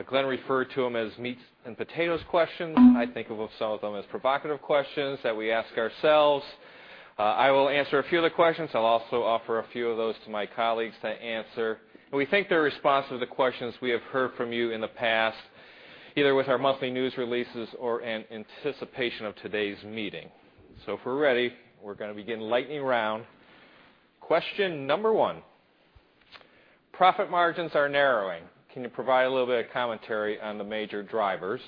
Glenn referred to them as meats and potatoes questions. I think of some of them as provocative questions that we ask ourselves. I will answer a few of the questions. I'll also offer a few of those to my colleagues to answer. We think they're responsive to the questions we have heard from you in the past, either with our monthly news releases or in anticipation of today's meeting. If we're ready, we're going to begin lightning round. Question number 1. Profit margins are narrowing. Can you provide a little bit of commentary on the major drivers?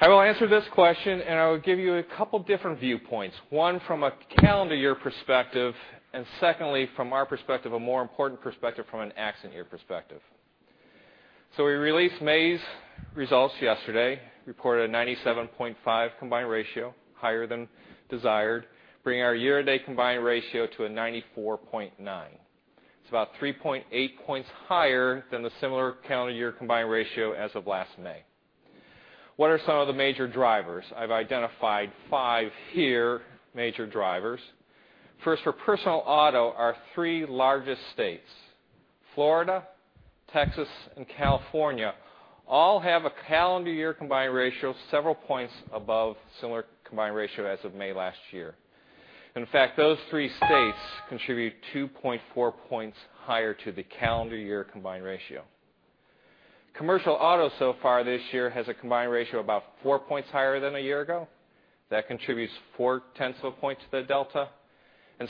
I will answer this question. I will give you a couple different viewpoints, one from a calendar year perspective, and secondly, from our perspective, a more important perspective from an accident year perspective. We released May's results yesterday, reported a 97.5 combined ratio, higher than desired, bringing our year-to-date combined ratio to a 94.9. It's about 3.8 points higher than the similar calendar year combined ratio as of last May. What are some of the major drivers? I've identified five here, major drivers. First, for personal auto, our three largest states, Florida, Texas, and California, all have a calendar year combined ratio several points above similar combined ratio as of May last year. In fact, those three states contribute 2.4 points higher to the calendar year combined ratio. Commercial auto so far this year has a combined ratio about four points higher than a year ago. That contributes four tenths of a point to the delta.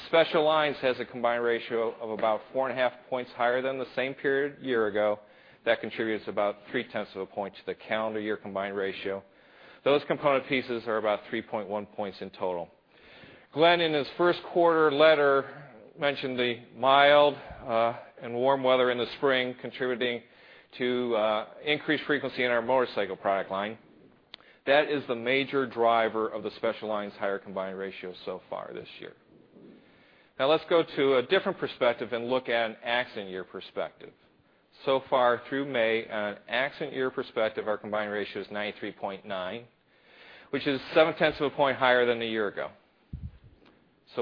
Special lines has a combined ratio of about four and a half points higher than the same period a year ago. That contributes about three tenths of a point to the calendar year combined ratio. Those component pieces are about 3.1 points in total. Glenn, in his first quarter letter, mentioned the mild and warm weather in the spring contributing to increased frequency in our motorcycle product line. That is the major driver of the special lines higher combined ratio so far this year. Let's go to a different perspective and look at an accident year perspective. So far through May, on an accident year perspective, our combined ratio is 93.9, which is seven tenths of a point higher than a year ago.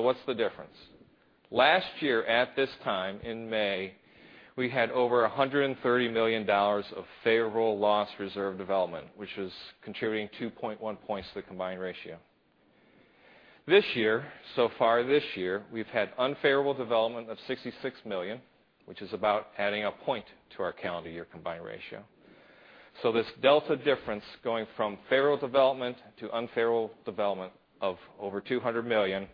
What's the difference? Last year at this time, in May, we had over $130 million of favorable loss reserve development, which is contributing 2.1 points to the combined ratio. This year, so far this year, we've had unfavorable development of $66 million, which is about adding a point to our calendar year combined ratio. This delta difference going from favorable development to unfavorable development of over $200 million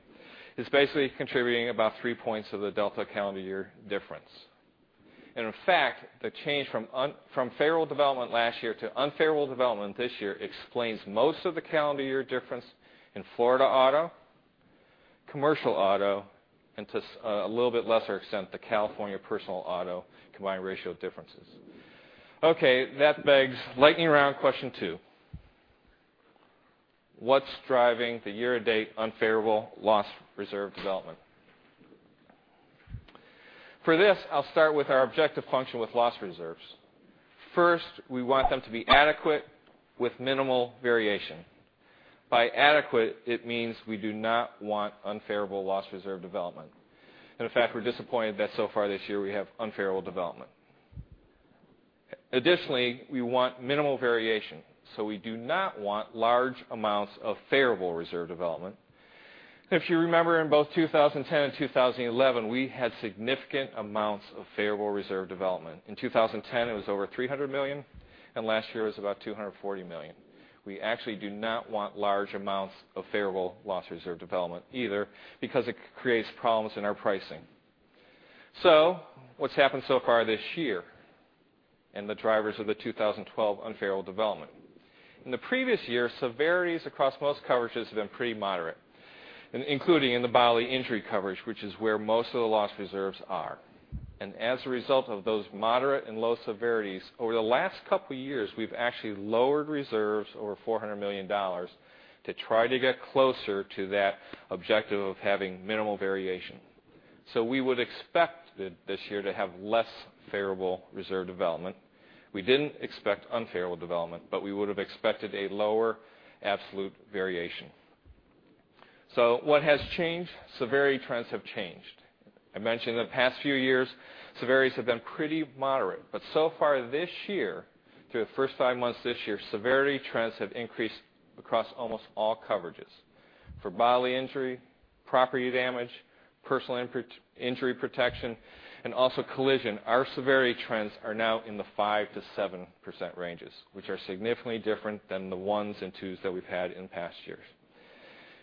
is basically contributing about three points to the delta calendar year difference. In fact, the change from favorable development last year to unfavorable development this year explains most of the calendar year difference in Florida Auto, commercial auto, and to a little bit lesser extent, the California personal auto combined ratio differences. Okay. That begs lightning round question 2. What's driving the year-to-date unfavorable loss reserve development? For this, I'll start with our objective function with loss reserves. First, we want them to be adequate with minimal variation. By adequate, it means we do not want unfavorable loss reserve development. In fact, we're disappointed that so far this year we have unfavorable development. Additionally, we want minimal variation, so we do not want large amounts of favorable reserve development. If you remember, in both 2010 and 2011, we had significant amounts of favorable reserve development. In 2010, it was over $300 million, and last year it was about $240 million. We actually do not want large amounts of favorable loss reserve development either because it creates problems in our pricing. What's happened so far this year and the drivers of the 2012 unfavorable development? In the previous year, severities across most coverages have been pretty moderate. Including in the bodily injury coverage, which is where most of the loss reserves are. As a result of those moderate and low severities, over the last couple of years, we've actually lowered reserves over $400 million to try to get closer to that objective of having minimal variation. So we would expect this year to have less favorable reserve development. We didn't expect unfavorable development, but we would've expected a lower absolute variation. What has changed? Severity trends have changed. I mentioned in the past few years, severities have been pretty moderate, but so far this year, through the first five months this year, severity trends have increased across almost all coverages. For bodily injury, property damage, personal injury protection, and also collision, our severity trends are now in the 5%-7% ranges, which are significantly different than the ones and twos that we've had in past years.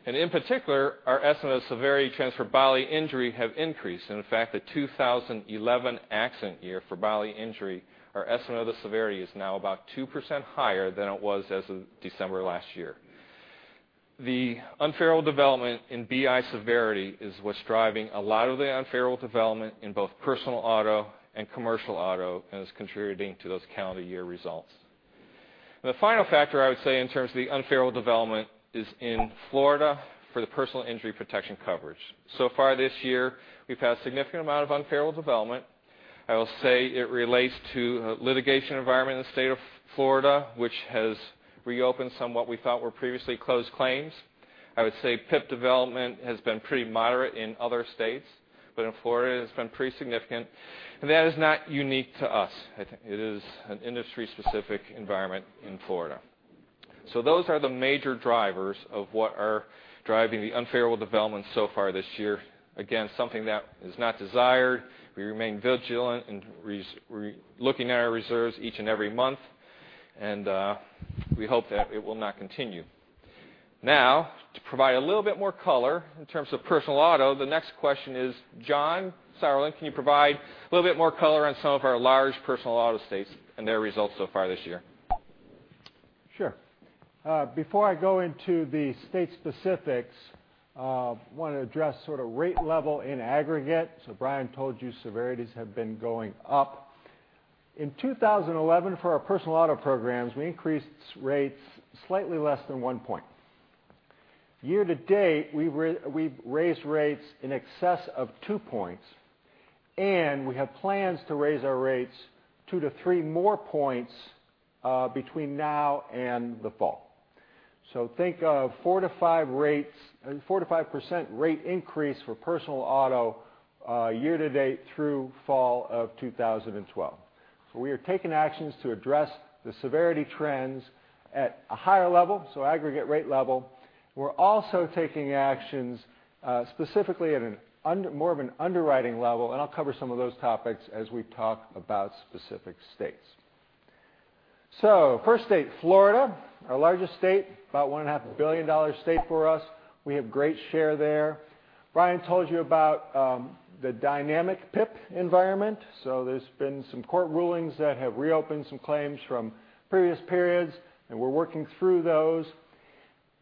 In particular, our estimate of severity trends for bodily injury have increased. In fact, the 2011 accident year for bodily injury, our estimate of the severity is now about 2% higher than it was as of December last year. The unfavorable development in BI severity is what's driving a lot of the unfavorable development in both personal auto and commercial auto, and is contributing to those calendar year results. The final factor I would say in terms of the unfavorable development is in Florida for the personal injury protection coverage. So far this year, we've had a significant amount of unfavorable development. I will say it relates to litigation environment in the state of Florida, which has reopened some what we thought were previously closed claims. I would say PIP development has been pretty moderate in other states, but in Florida, it's been pretty significant, and that is not unique to us. It is an industry-specific environment in Florida. Those are the major drivers of what are driving the unfavorable development so far this year. Again, something that is not desired. We remain vigilant in looking at our reserves each and every month. We hope that it will not continue. Now, to provide a little bit more color in terms of personal auto, the next question is, John Sauerland, can you provide a little bit more color on some of our large personal auto states and their results so far this year? Sure. Before I go into the state specifics, I want to address sort of rate level in aggregate. Brian told you severities have been going up. In 2011, for our personal auto programs, we increased rates slightly less than one point. Year to date, we've raised rates in excess of two points, and we have plans to raise our rates two to three more points between now and the fall. Think of 4%-5% rate increase for personal auto year to date through fall of 2012. We are taking actions to address the severity trends at a higher level, aggregate rate level. We're also taking actions specifically at more of an underwriting level, and I'll cover some of those topics as we talk about specific states. First state, Florida, our largest state, about a $1.5 billion state for us. We have great share there. Brian told you about the dynamic PIP environment, there's been some court rulings that have reopened some claims from previous periods, and we're working through those.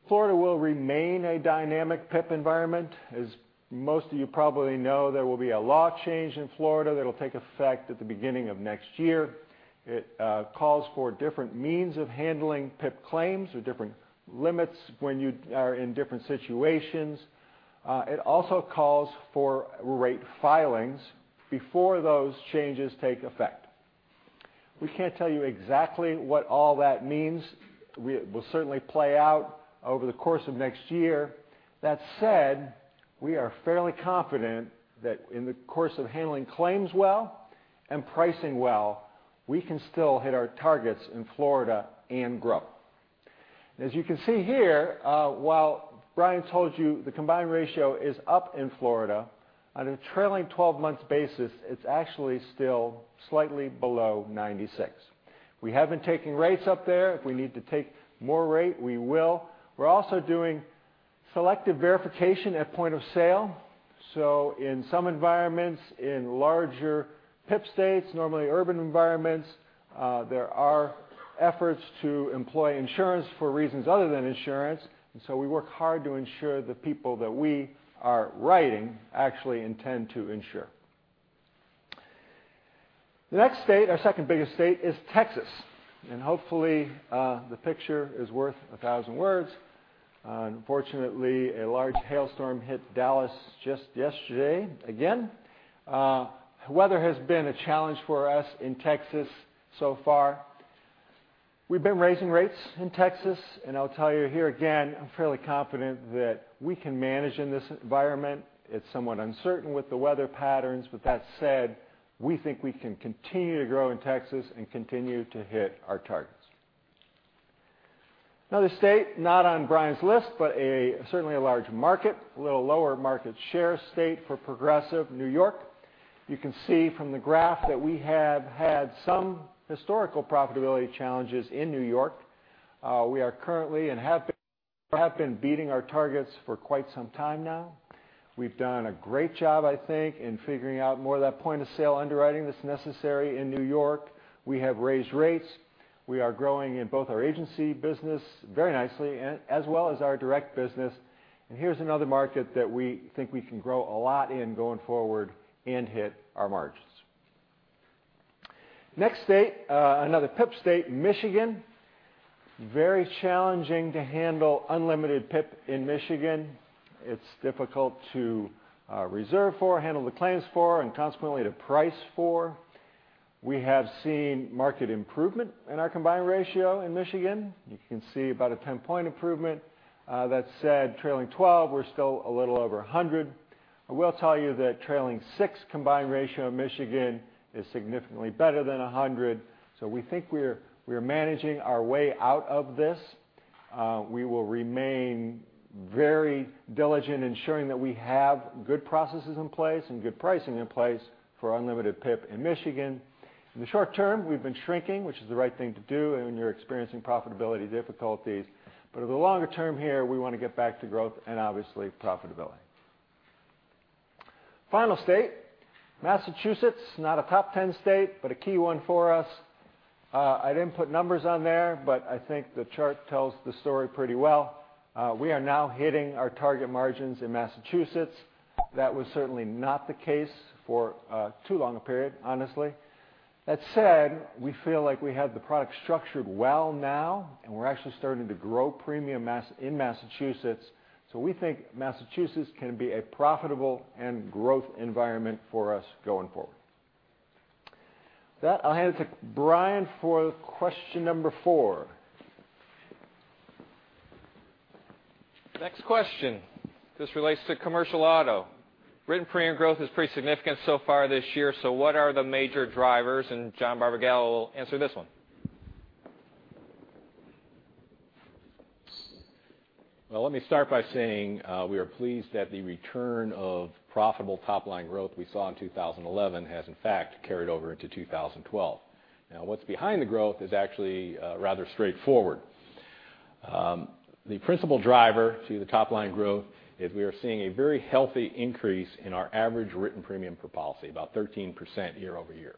Florida will remain a dynamic PIP environment. As most of you probably know, there will be a law change in Florida that'll take effect at the beginning of next year. It calls for different means of handling PIP claims with different limits when you are in different situations. It also calls for rate filings before those changes take effect. We can't tell you exactly what all that means. It will certainly play out over the course of next year. That said, we are fairly confident that in the course of handling claims well and pricing well, we can still hit our targets in Florida and grow. As you can see here, while Brian told you the combined ratio is up in Florida, on a trailing 12 months basis, it is actually still slightly below 96. We have been taking rates up there. If we need to take more rate, we will. We are also doing selective verification at point of sale, so in some environments, in larger PIP states, normally urban environments, there are efforts to employ insurance for reasons other than insurance, and so we work hard to ensure the people that we are writing actually intend to insure. The next state, our second biggest state is Texas, and hopefully, the picture is worth 1,000 words. Unfortunately, a large hailstorm hit Dallas just yesterday again. Weather has been a challenge for us in Texas so far. We've been raising rates in Texas, and I'll tell you here again, I'm fairly confident that we can manage in this environment. It's somewhat uncertain with the weather patterns, but that said, we think we can continue to grow in Texas and continue to hit our targets. Another state, not on Brian's list, but certainly a large market. A little lower market share state for Progressive, New York. You can see from the graph that we have had some historical profitability challenges in New York. We are currently and have been beating our targets for quite some time now. We've done a great job, I think, in figuring out more of that point-of-sale underwriting that's necessary in New York. We have raised rates. We are growing in both our agency business very nicely, as well as our direct business. Here's another market that we think we can grow a lot in going forward and hit our margins. Next state, another PIP state, Michigan. Very challenging to handle unlimited PIP in Michigan. It's difficult to reserve for, handle the claims for, and consequently, to price for. We have seen market improvement in our combined ratio in Michigan. You can see about a 10-point improvement. That said, trailing 12, we're still a little over 100. I will tell you that trailing six combined ratio in Michigan is significantly better than 100. We think we're managing our way out of this. We will remain very diligent ensuring that we have good processes in place and good pricing in place for unlimited PIP in Michigan. In the short term, we've been shrinking, which is the right thing to do when you're experiencing profitability difficulties. In the longer term here, we want to get back to growth and obviously profitability. Final state, Massachusetts, not a top 10 state, but a key one for us. I didn't put numbers on there, but I think the chart tells the story pretty well. We are now hitting our target margins in Massachusetts. That was certainly not the case for too long a period, honestly. That said, we feel like we have the product structured well now, and we're actually starting to grow premium in Massachusetts. We think Massachusetts can be a profitable and growth environment for us going forward. With that, I'll hand it to Brian for question number four. Next question. This relates to commercial auto. Written premium growth is pretty significant so far this year, what are the major drivers? John Barbagallo will answer this one. Well, let me start by saying we are pleased that the return of profitable top-line growth we saw in 2011 has in fact carried over into 2012. What's behind the growth is actually rather straightforward. The principal driver to the top-line growth is we are seeing a very healthy increase in our average written premium per policy, about 13% year-over-year.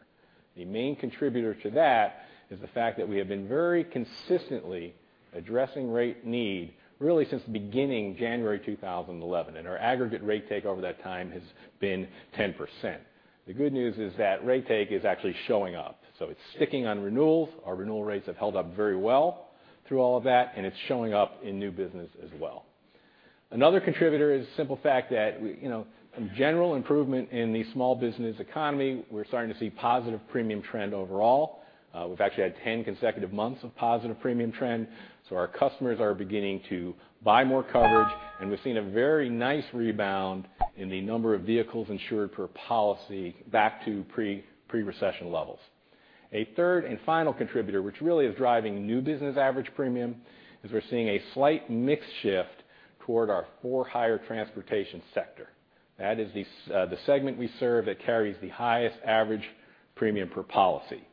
The main contributor to that is the fact that we have been very consistently addressing rate need really since the beginning January 2011. Our aggregate rate take over that time has been 10%. The good news is that rate take is actually showing up. It's sticking on renewals. Our renewal rates have held up very well through all of that, it's showing up in new business as well. Another contributor is the simple fact that in general improvement in the small business economy, we're starting to see positive premium trend overall. We've actually had 10 consecutive months of positive premium trend. Our customers are beginning to buy more coverage, we've seen a very nice rebound in the number of vehicles insured per policy back to pre-recession levels. A third and final contributor, which really is driving new business average premium, is we're seeing a slight mix shift toward our for-hire transportation sector. That is the segment we serve that carries the highest average premium per policy.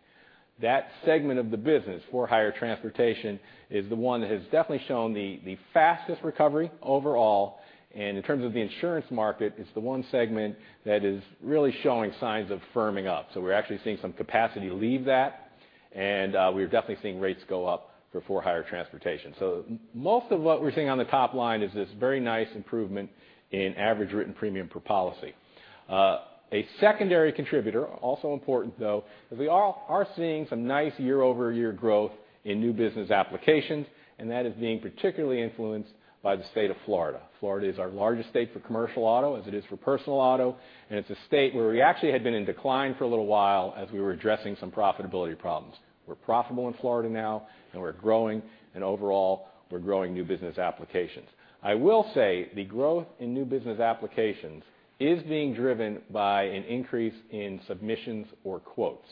That segment of the business, for-hire transportation, is the one that has definitely shown the fastest recovery overall. In terms of the insurance market, it's the one segment that is really showing signs of firming up. We're actually seeing some capacity leave that, we're definitely seeing rates go up for for-hire transportation. Most of what we're seeing on the top line is this very nice improvement in average written premium per policy. A secondary contributor, also important though, is we are seeing some nice year-over-year growth in new business applications, that is being particularly influenced by the state of Florida. Florida is our largest state for commercial auto as it is for personal auto, it's a state where we actually had been in decline for a little while as we were addressing some profitability problems. We're profitable in Florida now, we're growing. Overall, we're growing new business applications. I will say the growth in new business applications is being driven by an increase in submissions or quotes.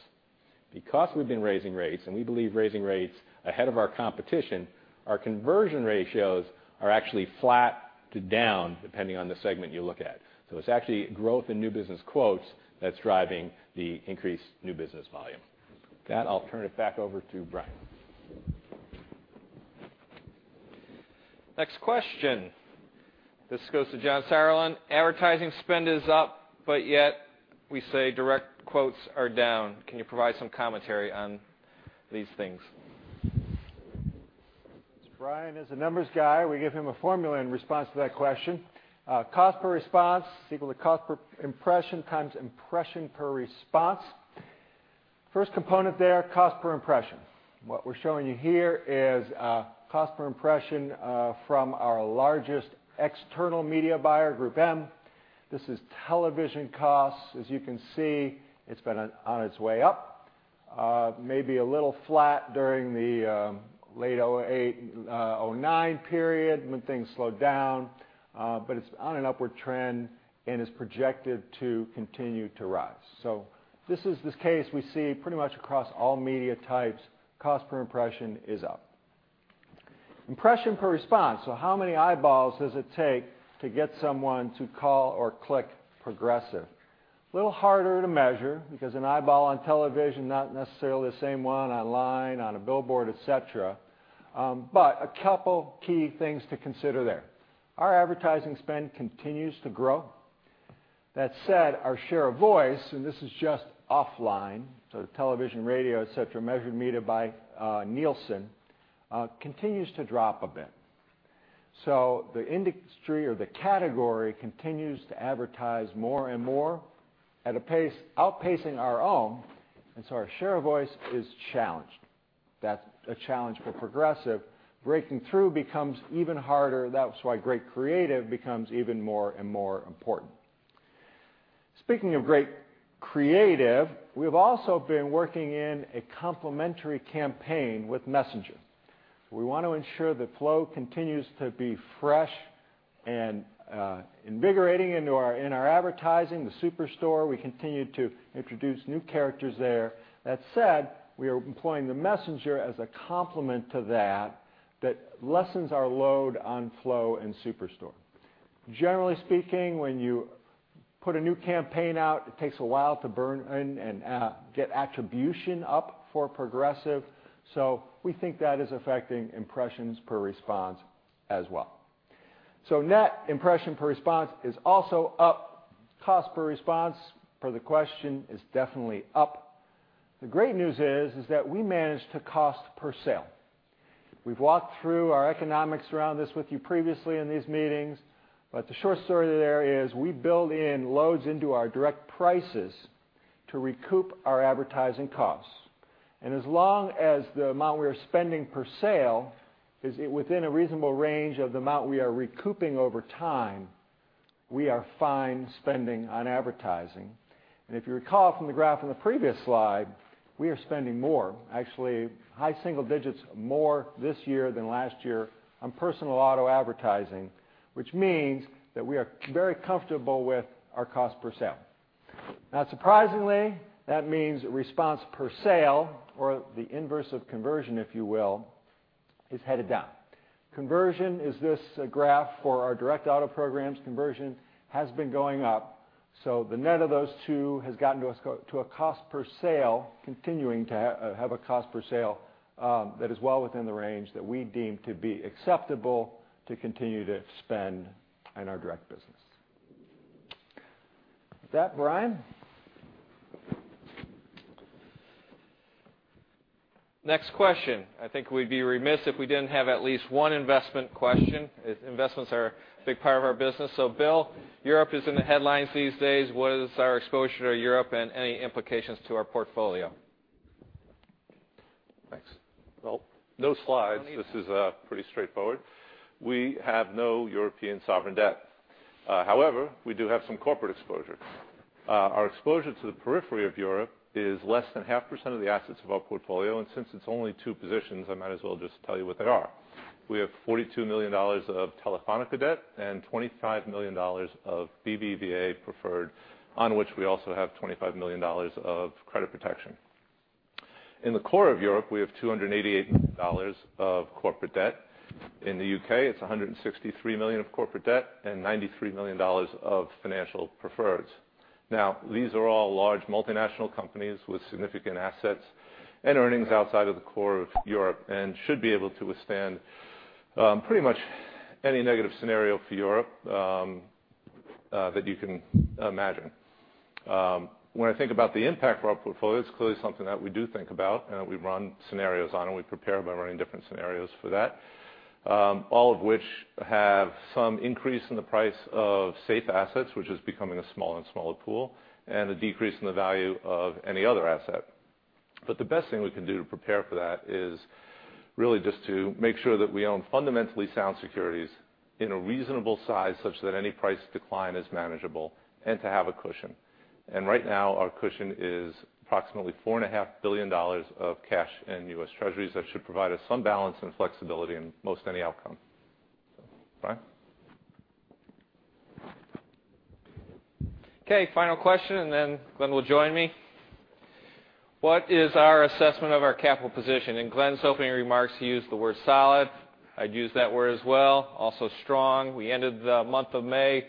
We've been raising rates, and we believe raising rates ahead of our competition, our conversion ratios are actually flat to down depending on the segment you look at. It's actually growth in new business quotes that's driving the increased new business volume. With that, I'll turn it back over to Brian. Next question. This goes to John Sauerland. Advertising spend is up, yet we say direct quotes are down. Can you provide some commentary on these things? Brian is a numbers guy. We give him a formula in response to that question. Cost per response equal to cost per impression times impression per response. First component there, cost per impression. What we're showing you here is cost per impression from our largest external media buyer, GroupM. This is television costs. As you can see, it's been on its way up. Maybe a little flat during the late 2008, 2009 period when things slowed down. It's on an upward trend and is projected to continue to rise. This is this case we see pretty much across all media types, cost per impression is up. Impression per response. How many eyeballs does it take to get someone to call or click Progressive? A little harder to measure because an eyeball on television, not necessarily the same one online, on a billboard, et cetera. A couple key things to consider there. Our advertising spend continues to grow. That said, our share of voice, and this is just offline, the television, radio, et cetera, measured, metered by Nielsen, continues to drop a bit. The industry or the category continues to advertise more and more at a pace outpacing our own, our share of voice is challenged. That's a challenge for Progressive. Breaking through becomes even harder. That's why great creative becomes even more and more important. Speaking of great creative, we've also been working in a complementary campaign with Messenger. We want to ensure that Flo continues to be fresh and invigorating in our advertising, the Superstore. We continue to introduce new characters there. That said, we are employing the Messenger as a complement to that lessens our load on Flo and Superstore. Generally speaking, when you put a new campaign out, it takes a while to burn in and get attribution up for Progressive. We think that is affecting impressions per response as well. Net impression per response is also up. Cost per response for the question is definitely up. The great news is that we managed to cost per sale. We've walked through our economics around this with you previously in these meetings, but the short story there is we build in loads into our direct prices to recoup our advertising costs. As long as the amount we are spending per sale is within a reasonable range of the amount we are recouping over time, we are fine spending on advertising. If you recall from the graph in the previous slide, we are spending more, actually high single digits more this year than last year on personal auto advertising, which means that we are very comfortable with our cost per sale. Not surprisingly, that means response per sale, or the inverse of conversion, if you will, is headed down. Conversion is this graph for our direct auto programs. Conversion has been going up. The net of those two has gotten to a cost per sale, continuing to have a cost per sale that is well within the range that we deem to be acceptable to continue to spend in our direct business. With that, Brian? Next question. I think we'd be remiss if we didn't have at least one investment question. Investments are a big part of our business. Bill, Europe is in the headlines these days. What is our exposure to Europe and any implications to our portfolio? Thanks. Well, no slides. This is pretty straightforward. We have no European sovereign debt. However, we do have some corporate exposure. Our exposure to the periphery of Europe is less than half percent of the assets of our portfolio, and since it's only two positions, I might as well just tell you what they are. We have $42 million of Telefónica debt and $25 million of BBVA preferred, on which we also have $25 million of credit protection. In the core of Europe, we have $288 million of corporate debt. In the U.K., it's $163 million of corporate debt and $93 million of financial preferreds. Now, these are all large multinational companies with significant assets and earnings outside of the core of Europe and should be able to withstand pretty much any negative scenario for Europe that you can imagine. When I think about the impact for our portfolio, it is clearly something that we do think about, we run scenarios on, and we prepare by running different scenarios for that, all of which have some increase in the price of safe assets, which is becoming a smaller and smaller pool, a decrease in the value of any other asset. The best thing we can do to prepare for that is really just to make sure that we own fundamentally sound securities in a reasonable size such that any price decline is manageable and to have a cushion. Right now, our cushion is approximately $4.5 billion of cash in US Treasuries. That should provide us some balance and flexibility in most any outcome. Brian? Okay, final question, Glenn will join me. What is our assessment of our capital position? In Glenn's opening remarks, he used the word solid. I would use that word as well. Also strong. We ended the month of May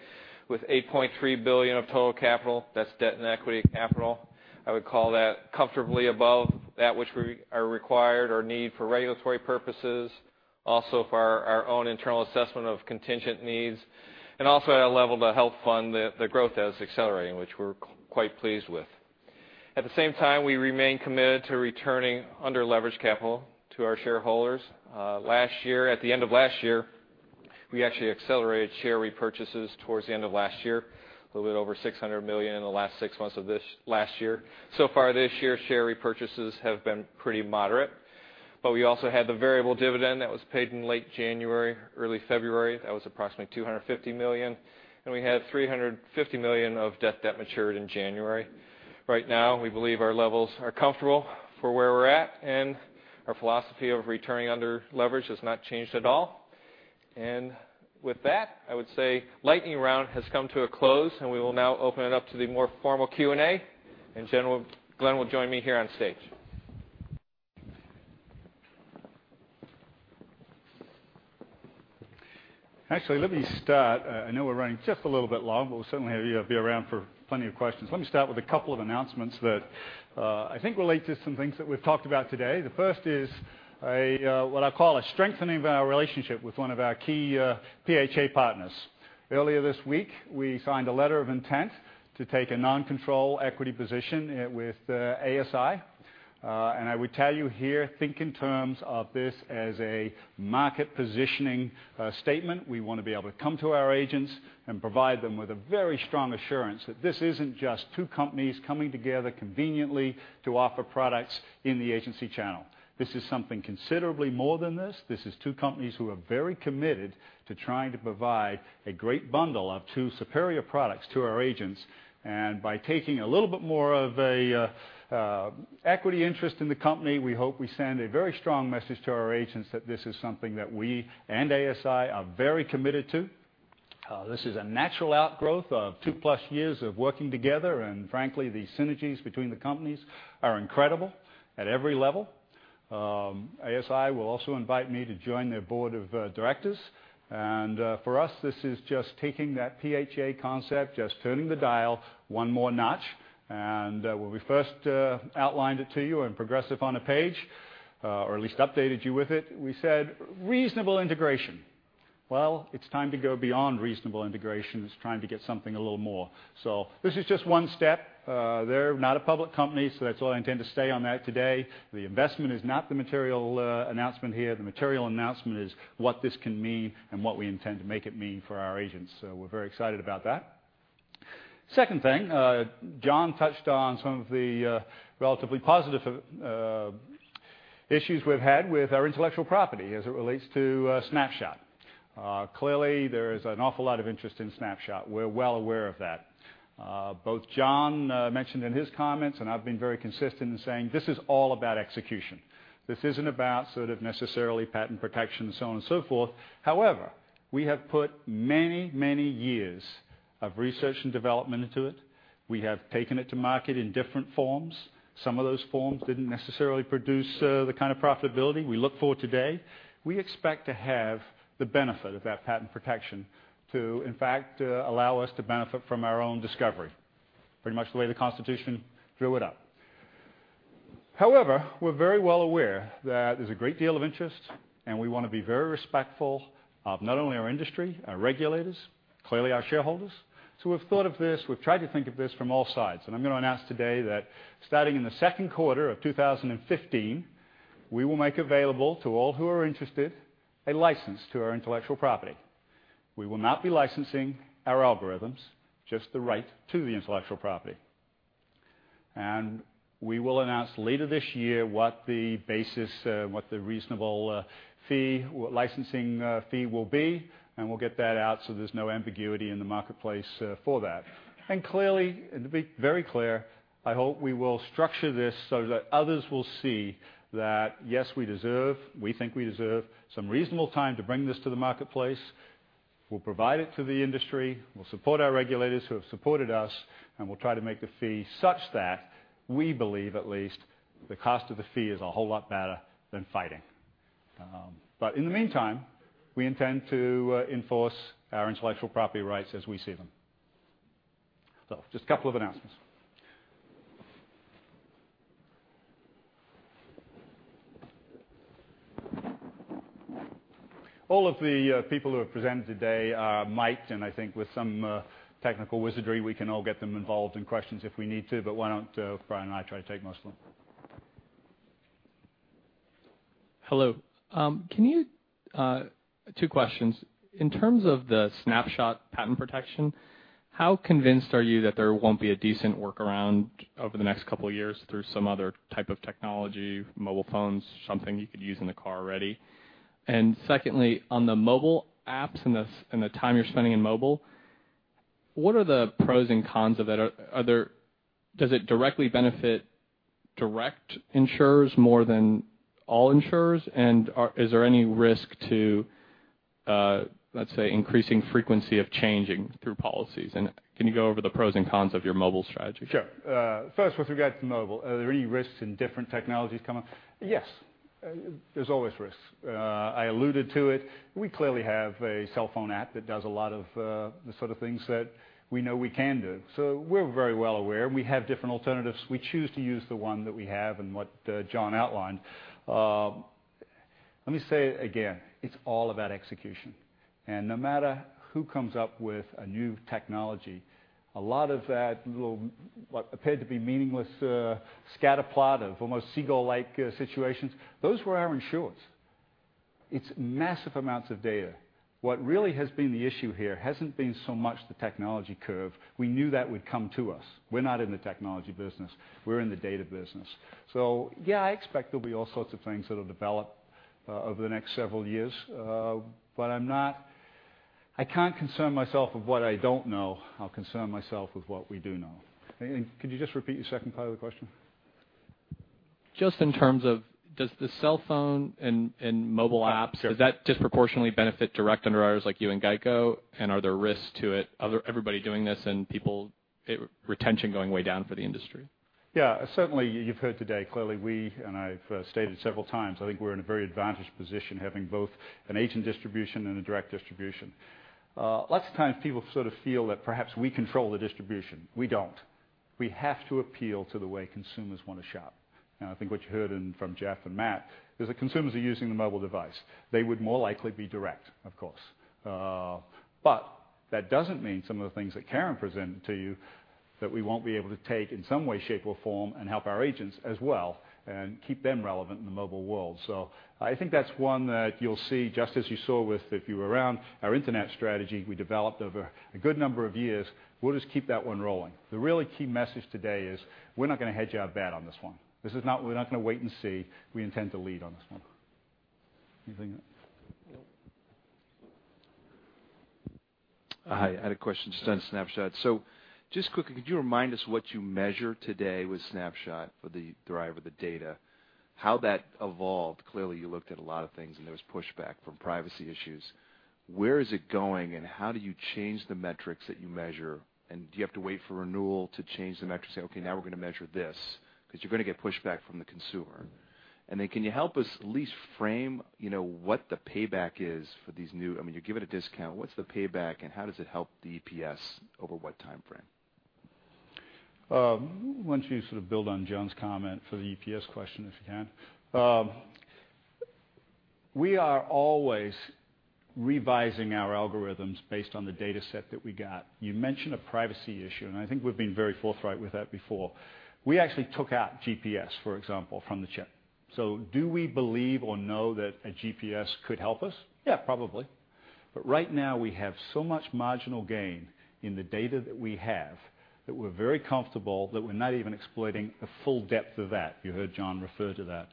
with $8.3 billion of total capital. That is debt and equity capital. I would call that comfortably above that which we are required or need for regulatory purposes, also for our own internal assessment of contingent needs, also at a level to help fund the growth that is accelerating, which we are quite pleased with. At the same time, we remain committed to returning under-leveraged capital to our shareholders. At the end of last year, we actually accelerated share repurchases towards the end of last year, a little bit over $600 million in the last six months of last year. So far this year, share repurchases have been pretty moderate. We also had the variable dividend that was paid in late January, early February. That was approximately $250 million. We had $350 million of debt that matured in January. Right now, we believe our levels are comfortable for where we are at, our philosophy of returning under leverage has not changed at all. With that, I would say lightning round has come to a close, we will now open it up to the more formal Q&A. Glenn will join me here on stage. Actually, let me start. I know we are running just a little bit long, we will certainly have you be around for plenty of questions. Let me start with a couple of announcements that I think relate to some things that we have talked about today. The first is what I call a strengthening of our relationship with one of our key PHA partners. Earlier this week, we signed a letter of intent to take a non-control equity position with ASI. I would tell you here, think in terms of this as a market positioning statement. We want to be able to come to our agents and provide them with a very strong assurance that this is not just two companies coming together conveniently to offer products in the agency channel. This is something considerably more than this. This is two companies who are very committed to trying to provide a great bundle of two superior products to our agents. By taking a little bit more of an equity interest in the company, we hope we send a very strong message to our agents that this is something that we and ASI are very committed to. This is a natural outgrowth of two-plus years of working together, and frankly, the synergies between the companies are incredible at every level. ASI will also invite me to join their board of directors. For us, this is just taking that PHA concept, just turning the dial one more notch. When we first outlined it to you in Progressive on a Page, or at least updated you with it, we said reasonable integration. It's time to go beyond reasonable integration. It's time to get something a little more. This is just one step. They're not a public company, that's all I intend to say on that today. The investment is not the material announcement here. The material announcement is what this can mean and what we intend to make it mean for our agents. We're very excited about that. Second thing, John touched on some of the relatively positive issues we've had with our intellectual property as it relates to Snapshot. Clearly, there is an awful lot of interest in Snapshot. We're well aware of that. Both John mentioned in his comments, I've been very consistent in saying this is all about execution. This isn't about sort of necessarily patent protection and so on and so forth. We have put many, many years of research and development into it. We have taken it to market in different forms. Some of those forms didn't necessarily produce the kind of profitability we look for today. We expect to have the benefit of that patent protection to, in fact, allow us to benefit from our own discovery. Pretty much the way the Constitution drew it up. We're very well aware that there's a great deal of interest, we want to be very respectful of not only our industry, our regulators, clearly our shareholders. We've thought of this, we've tried to think of this from all sides. I'm going to announce today that starting in the second quarter of 2015, we will make available to all who are interested, a license to our intellectual property. We will not be licensing our algorithms, just the right to the intellectual property. We will announce later this year what the basis, what the reasonable licensing fee will be, we'll get that out there's no ambiguity in the marketplace for that. To be very clear, I hope we will structure this that others will see that, yes, we think we deserve some reasonable time to bring this to the marketplace. We'll provide it to the industry. We'll support our regulators who have supported us, we'll try to make the fee such that we believe at least the cost of the fee is a whole lot better than fighting. In the meantime, we intend to enforce our intellectual property rights as we see them. Just a couple of announcements. All of the people who have presented today are miked. I think with some technical wizardry, we can all get them involved in questions if we need to, why don't Brian and I try to take most of them? Hello. Two questions. In terms of the Snapshot patent protection, how convinced are you that there won't be a decent workaround over the next couple of years through some other type of technology, mobile phones, something you could use in the car already? Secondly, on the mobile apps and the time you're spending in mobile, what are the pros and cons of it? Does it directly benefit direct insurers more than all insurers? Is there any risk to, let's say, increasing frequency of changing through policies? Can you go over the pros and cons of your mobile strategy? Sure. First with regard to mobile, are there any risks in different technologies coming? Yes. There's always risks. I alluded to it. We clearly have a cellphone app that does a lot of the sort of things that we know we can do. We're very well aware. We have different alternatives. We choose to use the one that we have and what John outlined. Let me say again, it's all about execution. No matter who comes up with a new technology, a lot of that will what appeared to be meaningless scatter plot of almost seagull-like situations, those were our insureds. It's massive amounts of data. What really has been the issue here hasn't been so much the technology curve. We knew that would come to us. We're not in the technology business. We're in the data business. Yeah, I expect there'll be all sorts of things that'll develop over the next several years. I can't concern myself with what I don't know. I'll concern myself with what we do know. Could you just repeat your second part of the question? Just in terms of does the cellphone and mobile apps- Yeah does that disproportionately benefit direct underwriters like you and GEICO? Are there risks to it, everybody doing this and retention going way down for the industry? Yeah. Certainly, you've heard today clearly, and I've stated several times, I think we're in a very advantaged position having both an agent distribution and a direct distribution. Lots of times people sort of feel that perhaps we control the distribution. We don't. We have to appeal to the way consumers want to shop. I think what you heard from Jeff and Matt is that consumers are using the mobile device. They would more likely be direct, of course. That doesn't mean some of the things that Karen presented to you, that we won't be able to take in some way, shape, or form and help our agents as well and keep them relevant in the mobile world. I think that's one that you'll see, just as you saw with, if you were around our internet strategy we developed over a good number of years, we'll just keep that one rolling. The really key message today is we're not going to hedge our bet on this one. We're not going to wait and see. We intend to lead on this one. Anything? Nope. Hi, I had a question just on Snapshot. Just quickly, could you remind us what you measure today with Snapshot for the driver, the data? How that evolved? Clearly, you looked at a lot of things, and there was pushback from privacy issues. Where is it going, and how do you change the metrics that you measure? Do you have to wait for renewal to change the metrics and say, "Okay, now we're going to measure this." Because you're going to get pushback from the consumer. Can you help us at least frame what the payback is for these new you're giving a discount, what's the payback, and how does it help the EPS over what timeframe? Why don't you sort of build on John's comment for the EPS question, if you can? We are always revising our algorithms based on the dataset that we got. You mentioned a privacy issue, and I think we've been very forthright with that before. We actually took out GPS, for example, from the chip. Do we believe or know that a GPS could help us? Yeah, probably. Right now, we have so much marginal gain in the data that we have that we're very comfortable that we're not even exploiting the full depth of that. You heard John refer to that.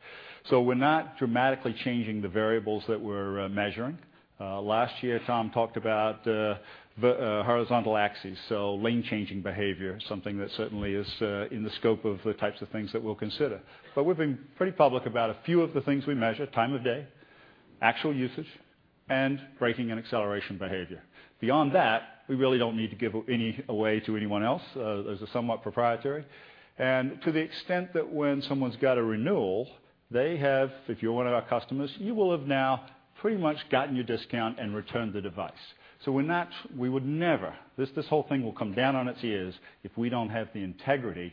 We're not dramatically changing the variables that we're measuring. Last year, Tom talked about the horizontal axis. Lane-changing behavior, something that certainly is in the scope of the types of things that we'll consider. We've been pretty public about a few of the things we measure, time of day, actual usage, and braking and acceleration behavior. Beyond that, we really don't need to give any away to anyone else. Those are somewhat proprietary. To the extent that when someone's got a renewal, they have, if you're one of our customers, you will have now pretty much gotten your discount and returned the device. We would never this whole thing will come down on its ears if we don't have the integrity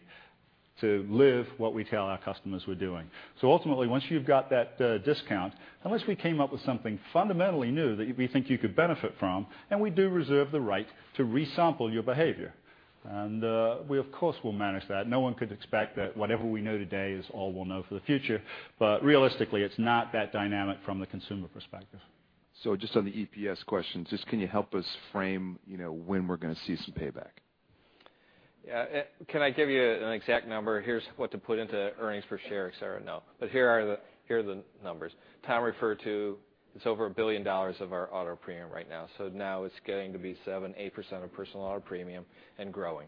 to live what we tell our customers we're doing. Ultimately, once you've got that discount, unless we came up with something fundamentally new that we think you could benefit from, and we do reserve the right to resample your behavior. We, of course, will manage that. No one could expect that whatever we know today is all we'll know for the future. Realistically, it's not that dynamic from the consumer perspective. Just on the EPS question, just can you help us frame when we're going to see some payback? Yeah. Can I give you an exact number? Here's what to put into earnings per share, et cetera. No. Here are the numbers. Tom referred to it's over $1 billion of our auto premium right now. Now it's getting to be 7%, 8% of personal auto premium and growing.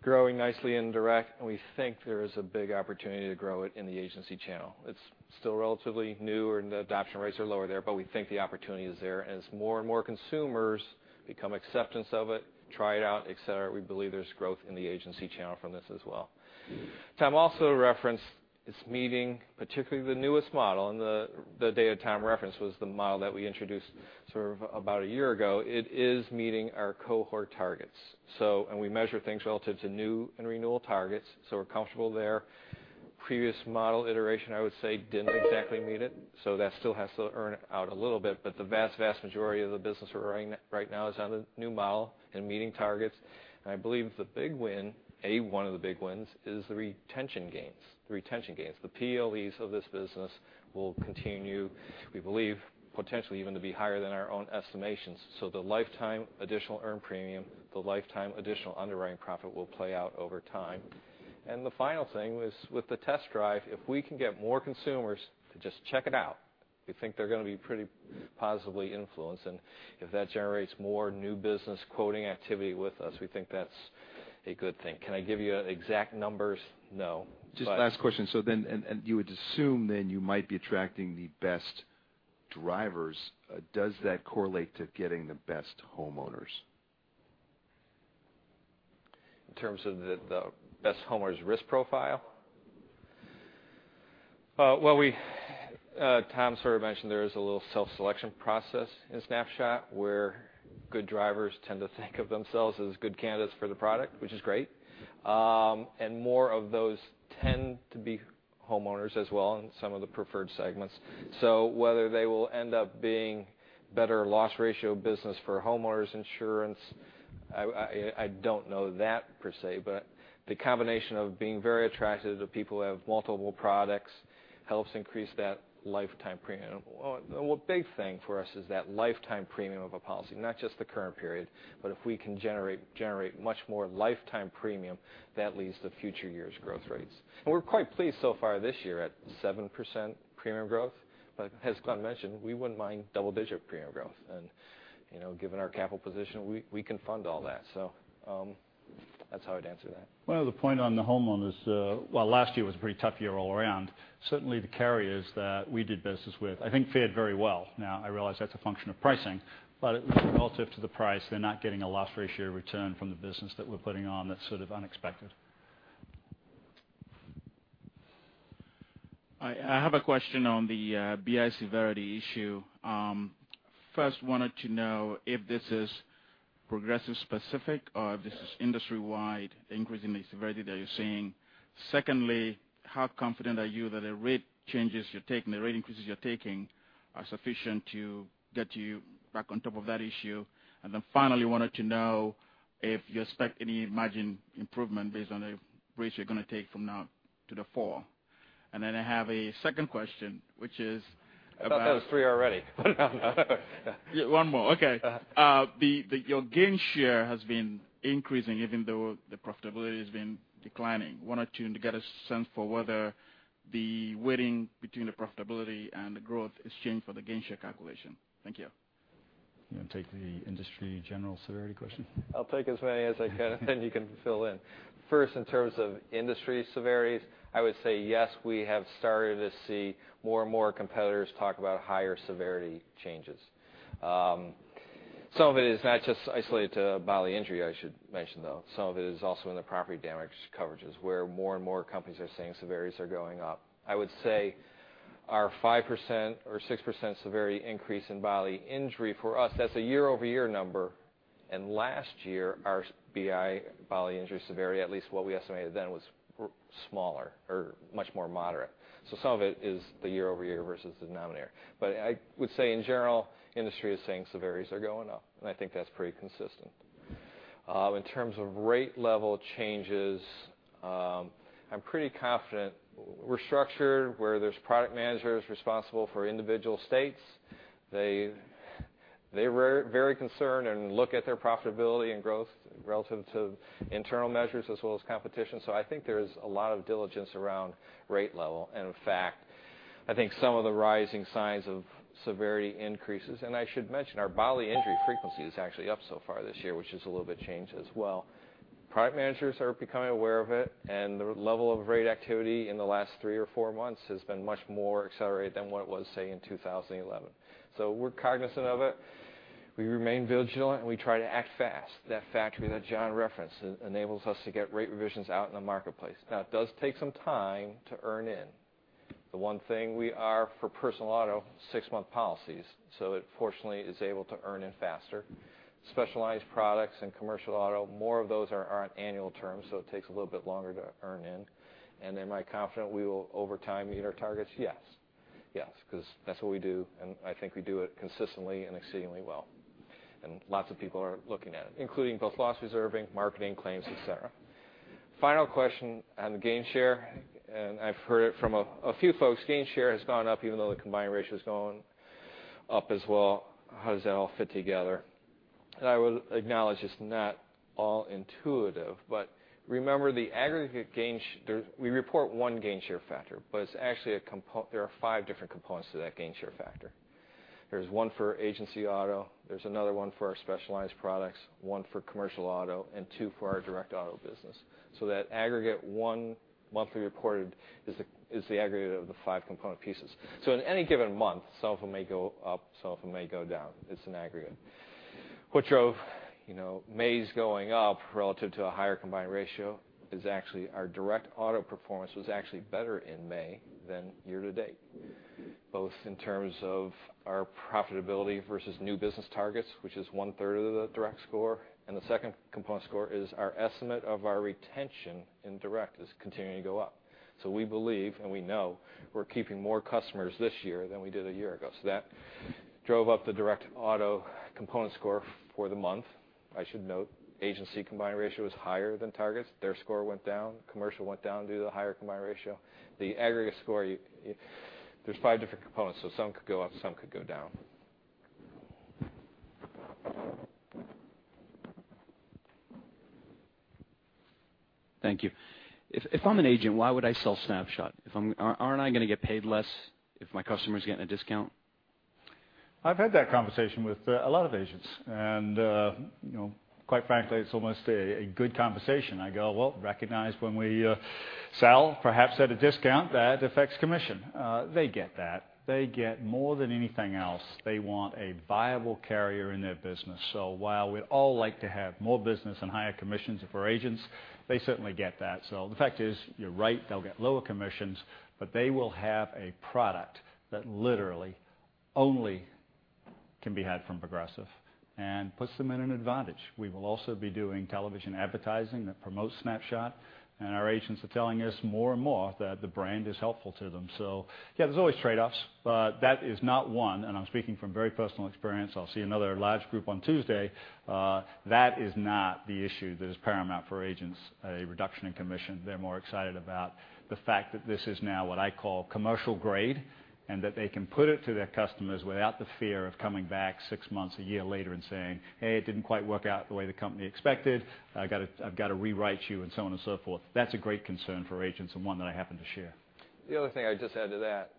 Growing nicely in direct, and we think there is a big opportunity to grow it in the agency channel. It's still relatively new and the adoption rates are lower there, but we think the opportunity is there. As more and more consumers become acceptance of it, try it out, et cetera, we believe there's growth in the agency channel from this as well. Tom also referenced it's meeting, particularly the newest model, and the data Tom referenced was the model that we introduced sort of about a year ago. It is meeting our cohort targets. We measure things relative to new and renewal targets, so we're comfortable there. Previous model iteration, I would say, didn't exactly meet it, so that still has to earn out a little bit. The vast majority of the business we're running right now is on the new model and meeting targets. I believe the big win, one of the big wins is the retention gains. The PLEs of this business will continue, we believe, potentially even to be higher than our own estimations. The lifetime additional earned premium, the lifetime additional underwriting profit will play out over time. The final thing is with the Test Drive, if we can get more consumers to just check it out, we think they're going to be pretty positively influenced. If that generates more new business quoting activity with us, we think that's a good thing. Can I give you exact numbers? No. Just last question. You would assume you might be attracting the best drivers. Does that correlate to getting the best homeowners? Well, Tom sort of mentioned there is a little self-selection process in Snapshot, where good drivers tend to think of themselves as good candidates for the product, which is great. More of those tend to be homeowners as well in some of the preferred segments. Whether they will end up being better loss ratio business for homeowners insurance, I don't know that per se, but the combination of being very attractive to people who have multiple products helps increase that lifetime premium. A big thing for us is that lifetime premium of a policy, not just the current period, but if we can generate much more lifetime premium, that leads to future years' growth rates. We're quite pleased so far this year at 7% premium growth. As Glenn mentioned, we wouldn't mind double-digit premium growth. Given our capital position, we can fund all that. That's how I'd answer that. Well, the point on the homeowners, well, last year was a pretty tough year all around. Certainly, the carriers that we did business with, I think, fared very well. I realize that's a function of pricing, relative to the price, they're not getting a loss ratio return from the business that we're putting on that's sort of unexpected. I have a question on the BI severity issue. First, wanted to know if this is Progressive specific or if this is industry-wide increase in the severity that you're seeing. Secondly, how confident are you that the rate changes you're taking, the rate increases you're taking, are sufficient to get you back on top of that issue? Finally, wanted to know if you expect any margin improvement based on the rates you're going to take from now to the fall. I have a second question. I thought that was three already. One more. Okay. Your gain share has been increasing even though the profitability has been declining. Wanted to get a sense for whether the weighting between the profitability and the growth is changed for the gain share calculation. Thank you. You want to take the industry general severity question? I'll take as many as I can, you can fill in. First, in terms of industry severities, I would say yes, we have started to see more and more competitors talk about higher severity changes. Some of it is not just isolated to bodily injury, I should mention, though. Some of it is also in the property damage coverages, where more and more companies are seeing severities are going up. I would say our 5% or 6% severity increase in bodily injury, for us, that's a year-over-year number. Last year, our BI, bodily injury severity, at least what we estimated then, was smaller or much more moderate. Some of it is the year-over-year versus the denominator. I would say in general, industry is saying severities are going up, and I think that's pretty consistent. In terms of rate level changes, I'm pretty confident we're structured where there's product managers responsible for individual states. They're very concerned and look at their profitability and growth relative to internal measures as well as competition. I think there's a lot of diligence around rate level. In fact, I think some of the rising signs of severity increases, I should mention our bodily injury frequency is actually up so far this year, which is a little bit changed as well. Product managers are becoming aware of it, the level of rate activity in the last three or four months has been much more accelerated than what it was, say, in 2011. We're cognizant of it. We remain vigilant, and we try to act fast. That factory that John referenced enables us to get rate revisions out in the marketplace. It does take some time to earn in. The one thing we are for personal auto, six-month policies, so it fortunately is able to earn in faster. Specialized products and commercial auto, more of those are on annual terms, so it takes a little bit longer to earn in. Am I confident we will, over time, meet our targets? Yes. Yes, because that's what we do, and I think we do it consistently and exceedingly well. Lots of people are looking at it, including both loss reserving, marketing, claims, et cetera. Final question on the gain share, I've heard it from a few folks. Gain share has gone up even though the combined ratio's gone up as well. How does that all fit together? I will acknowledge it's not all intuitive. Remember the aggregate gain. We report one gain share factor. There are five different components to that gain share factor. There's one for agency auto, there's another one for our specialized products, one for commercial auto, and two for our direct auto business. That aggregate one monthly reported is the aggregate of the five component pieces. In any given month, some of them may go up, some of them may go down. It's an aggregate. What drove May's going up relative to a higher combined ratio is actually our direct auto performance was actually better in May than year to date, both in terms of our profitability versus new business targets, which is one-third of the direct score, and the second component score is our estimate of our retention in direct is continuing to go up. We believe, and we know, we're keeping more customers this year than we did a year ago. That drove up the direct auto component score for the month. I should note, agency combined ratio is higher than targets. Their score went down. Commercial went down due to the higher combined ratio. The aggregate score, there's five different components, some could go up, some could go down. Thank you. If I'm an agent, why would I sell Snapshot? Aren't I going to get paid less if my customer's getting a discount? I've had that conversation with a lot of agents. Quite frankly, it's almost a good conversation. I go, well, recognize when we sell, perhaps at a discount, that affects commission. They get that. They get more than anything else, they want a viable carrier in their business. While we'd all like to have more business and higher commissions for agents, they certainly get that. The fact is, you're right, they'll get lower commissions, but they will have a product that literally only can be had from Progressive and puts them in an advantage. We will also be doing television advertising that promotes Snapshot, and our agents are telling us more and more that the brand is helpful to them. Yeah, there's always trade-offs, but that is not one, and I'm speaking from very personal experience. I'll see another large group on Tuesday. That is not the issue that is paramount for agents, a reduction in commission. They're more excited about the fact that this is now what I call commercial grade, and that they can put it to their customers without the fear of coming back six months, a year later and saying, "Hey, it didn't quite work out the way the company expected. I've got to rewrite you," and so on and so forth. That's a great concern for agents and one that I happen to share. The other thing I'd just add to that,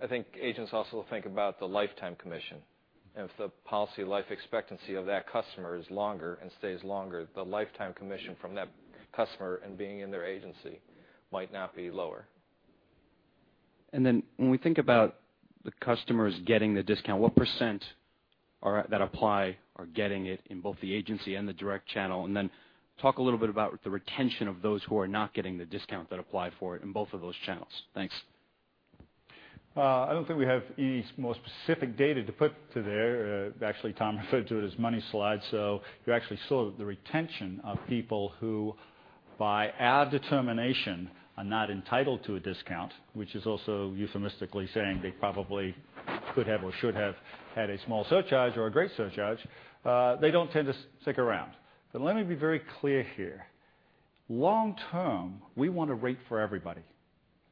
I think agents also think about the lifetime commission. If the policy life expectancy of that customer is longer and stays longer, the lifetime commission from that customer and being in their agency might not be lower. When we think about the customers getting the discount, what % that apply are getting it in both the agency and the direct channel. Talk a little bit about the retention of those who are not getting the discount that apply for it in both of those channels. Thanks. I don't think we have any more specific data to put to there. Actually, Tom referred to it as money slide. You actually saw that the retention of people who by our determination are not entitled to a discount, which is also euphemistically saying they probably could have or should have had a small surcharge or a great surcharge. They don't tend to stick around. Let me be very clear here. Long term, we want to rate for everybody.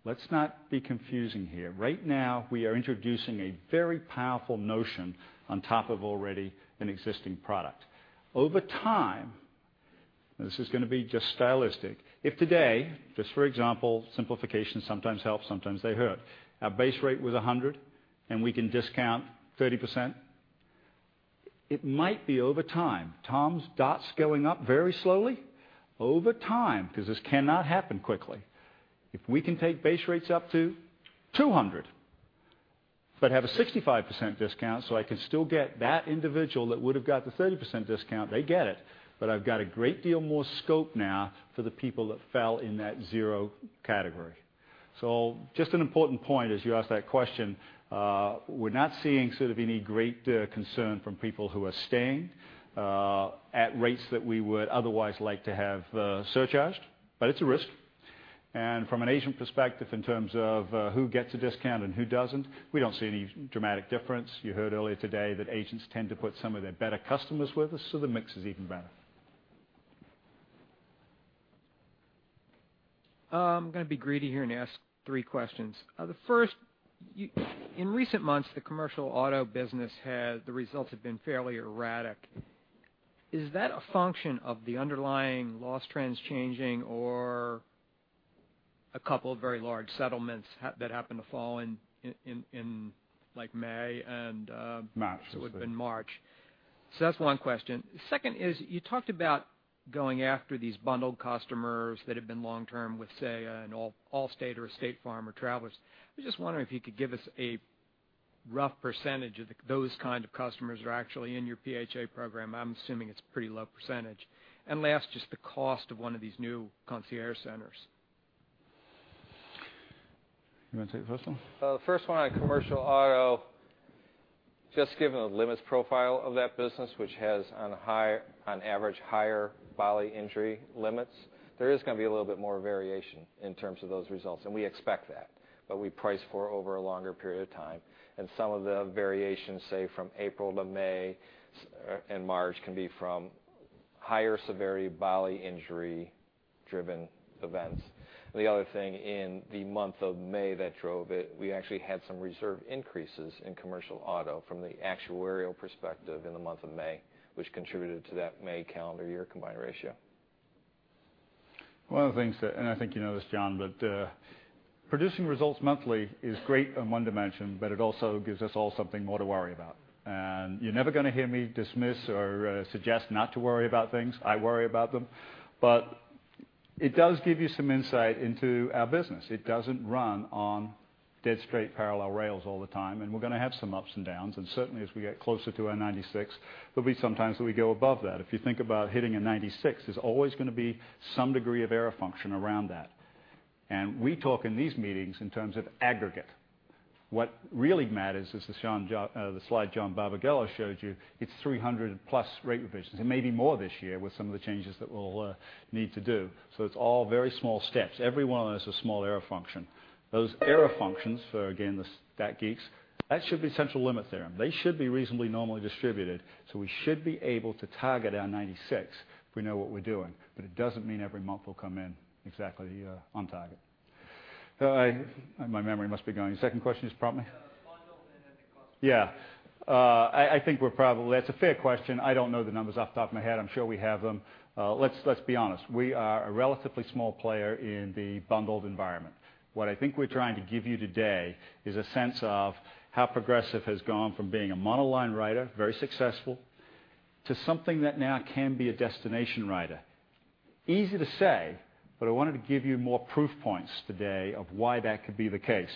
Let's not be confusing here. Right now, we are introducing a very powerful notion on top of already an existing product. Over time, this is going to be just stylistic. If today, just for example, simplification sometimes helps, sometimes they hurt. Our base rate was 100, and we can discount 30%. It might be over time, Tom's dots going up very slowly, over time, because this cannot happen quickly. If we can take base rates up to 200 but have a 65% discount so I can still get that individual that would have got the 30% discount, they get it, but I've got a great deal more scope now for the people that fell in that 0 category. Just an important point as you ask that question. We're not seeing any great concern from people who are staying at rates that we would otherwise like to have surcharged, but it's a risk. From an agent perspective, in terms of who gets a discount and who doesn't, we don't see any dramatic difference. You heard earlier today that agents tend to put some of their better customers with us, so the mix is even better. I'm going to be greedy here and ask three questions. The first, in recent months, the commercial auto business, the results have been fairly erratic. Is that a function of the underlying loss trends changing or a couple of very large settlements that happened to fall in May and- March it would've been March. That's one question. Second is, you talked about going after these bundled customers that have been long-term with, say, an Allstate or a State Farm or Travelers. I was just wondering if you could give us a rough percentage of those kind of customers who are actually in your PHA program. I'm assuming it's pretty low %. Last, just the cost of one of these new concierge centers. You want to take the first one? The first one on commercial auto, just given the limits profile of that business, which has on average higher bodily injury limits, there is going to be a little bit more variation in terms of those results, and we expect that. We price for over a longer period of time, and some of the variations, say, from April to May and March, can be from higher severity bodily injury driven events. The other thing in the month of May that drove it, we actually had some reserve increases in commercial auto from the actuarial perspective in the month of May, which contributed to that May calendar year combined ratio. One of the things that, I think you know this, John, but producing results monthly is great in one dimension, but it also gives us all something more to worry about. You're never going to hear me dismiss or suggest not to worry about things. I worry about them. It does give you some insight into our business. It doesn't run on dead straight parallel rails all the time, and we're going to have some ups and downs. Certainly as we get closer to our 96, there'll be some times that we go above that. If you think about hitting a 96, there's always going to be some degree of error function around that. We talk in these meetings in terms of aggregate. What really matters is the slide John Barbagallo showed you. It's 300-plus rate revisions. It may be more this year with some of the changes that we'll need to do. It's all very small steps. Every one of them is a small error function. Those error functions, for again, the stat geeks, that should be central limit theorem. They should be reasonably normally distributed, so we should be able to target our 96 if we know what we're doing. It doesn't mean every month will come in exactly on target. My memory must be going. Second question you just prompted me? Bundled and then the cost of the centers. That's a fair question. I don't know the numbers off the top of my head. I'm sure we have them. Let's be honest. We are a relatively small player in the bundled environment. What I think we're trying to give you today is a sense of how Progressive has gone from being a monoline writer, very successful, to something that now can be a destination writer. Easy to say, I wanted to give you more proof points today of why that could be the case.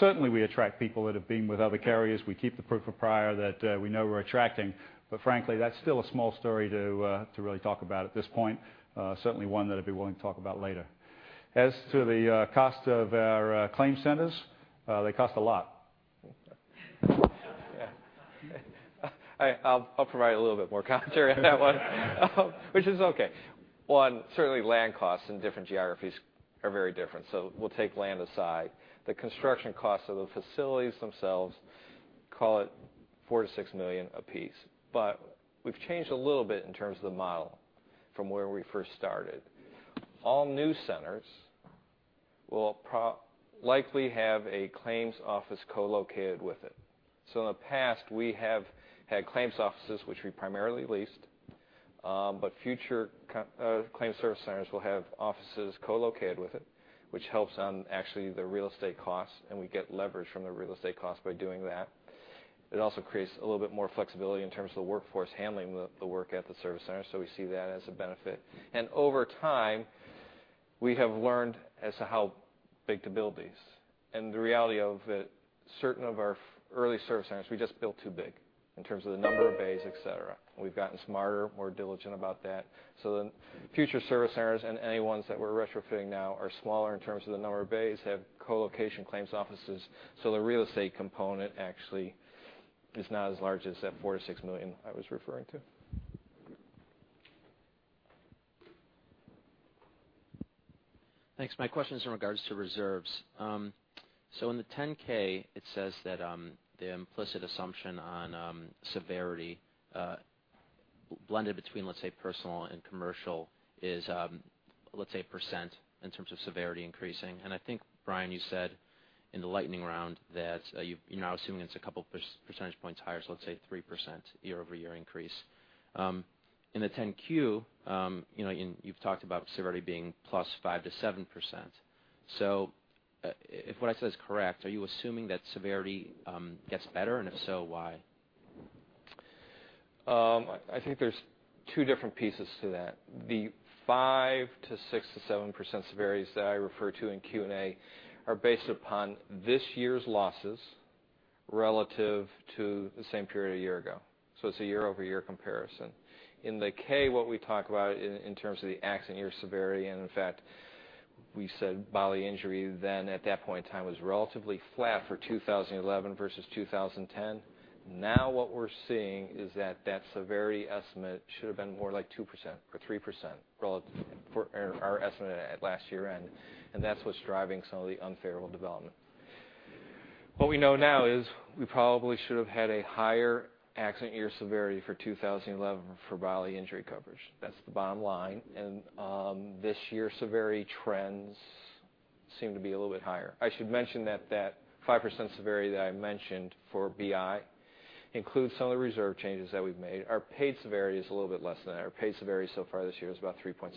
Certainly we attract people that have been with other carriers. We keep the proof of prior that we know we're attracting. Frankly, that's still a small story to really talk about at this point. Certainly one that I'd be willing to talk about later. As to the cost of our claim centers, they cost a lot. I'll provide a little bit more commentary on that one. Which is okay. One, certainly land costs in different geographies are very different. We'll take land aside. The construction costs of the facilities themselves, call it $4 million-$6 million apiece. We've changed a little bit in terms of the model from where we first started. All new centers will likely have a claims office co-located with it. In the past, we have had claims offices which we primarily leased. Future claims service centers will have offices co-located with it, which helps on actually the real estate costs, and we get leverage from the real estate costs by doing that. It also creates a little bit more flexibility in terms of the workforce handling the work at the service center. We see that as a benefit. Over time We have learned as to how big to build these. The reality of it, certain of our early service centers, we just built too big in terms of the number of bays, et cetera. We've gotten smarter, more diligent about that. Future service centers and any ones that we're retrofitting now are smaller in terms of the number of bays, have co-location claims offices. The real estate component actually is not as large as that $4 million-$6 million I was referring to. Thanks. My question is in regards to reserves. In the 10-K, it says that, the implicit assumption on severity, blended between, let's say, personal and commercial is, let's say, percent in terms of severity increasing. I think, Brian, you said in the lightning round that you're now assuming it's a couple percentage points higher, let's say 3% year-over-year increase. In the 10-Q, you've talked about severity being +5%-7%. If what I said is correct, are you assuming that severity gets better, and if so, why? I think there's two different pieces to that. The 5%-6%-7% severities that I refer to in Q&A are based upon this year's losses relative to the same period a year ago. It's a year-over-year comparison. In the K, what we talk about in terms of the accident year severity, and in fact, we said bodily injury then at that point in time was relatively flat for 2011 versus 2010. Now what we're seeing is that that severity estimate should have been more like 2% or 3% relative for our estimate at last year-end, and that's what's driving some of the unfavorable development. What we know now is we probably should have had a higher accident year severity for 2011 for bodily injury coverage. That's the bottom line. This year's severity trends seem to be a little bit higher. I should mention that that 5% severity that I mentioned for BI includes some of the reserve changes that we've made. Our paid severity is a little bit less than that. Our paid severity so far this year is about 3.6%.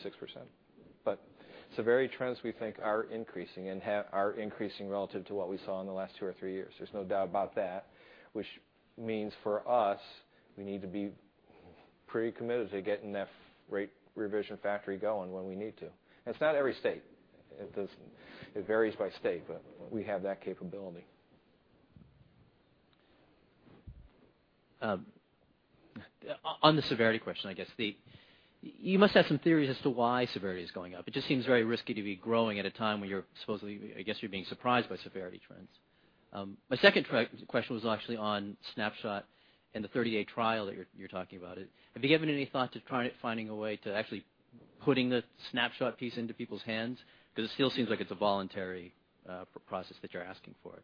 Severity trends we think are increasing and are increasing relative to what we saw in the last two or three years. There's no doubt about that. Which means for us, we need to be pretty committed to getting that rate revision factory going when we need to. It's not every state. It varies by state, but we have that capability. On the severity question, I guess you must have some theories as to why severity is going up. It just seems very risky to be growing at a time when you're supposedly, I guess you're being surprised by severity trends. My second question was actually on Snapshot and the 30-day trial that you're talking about. Have you given any thought to finding a way to actually putting the Snapshot piece into people's hands? Because it still seems like it's a voluntary process that you're asking for.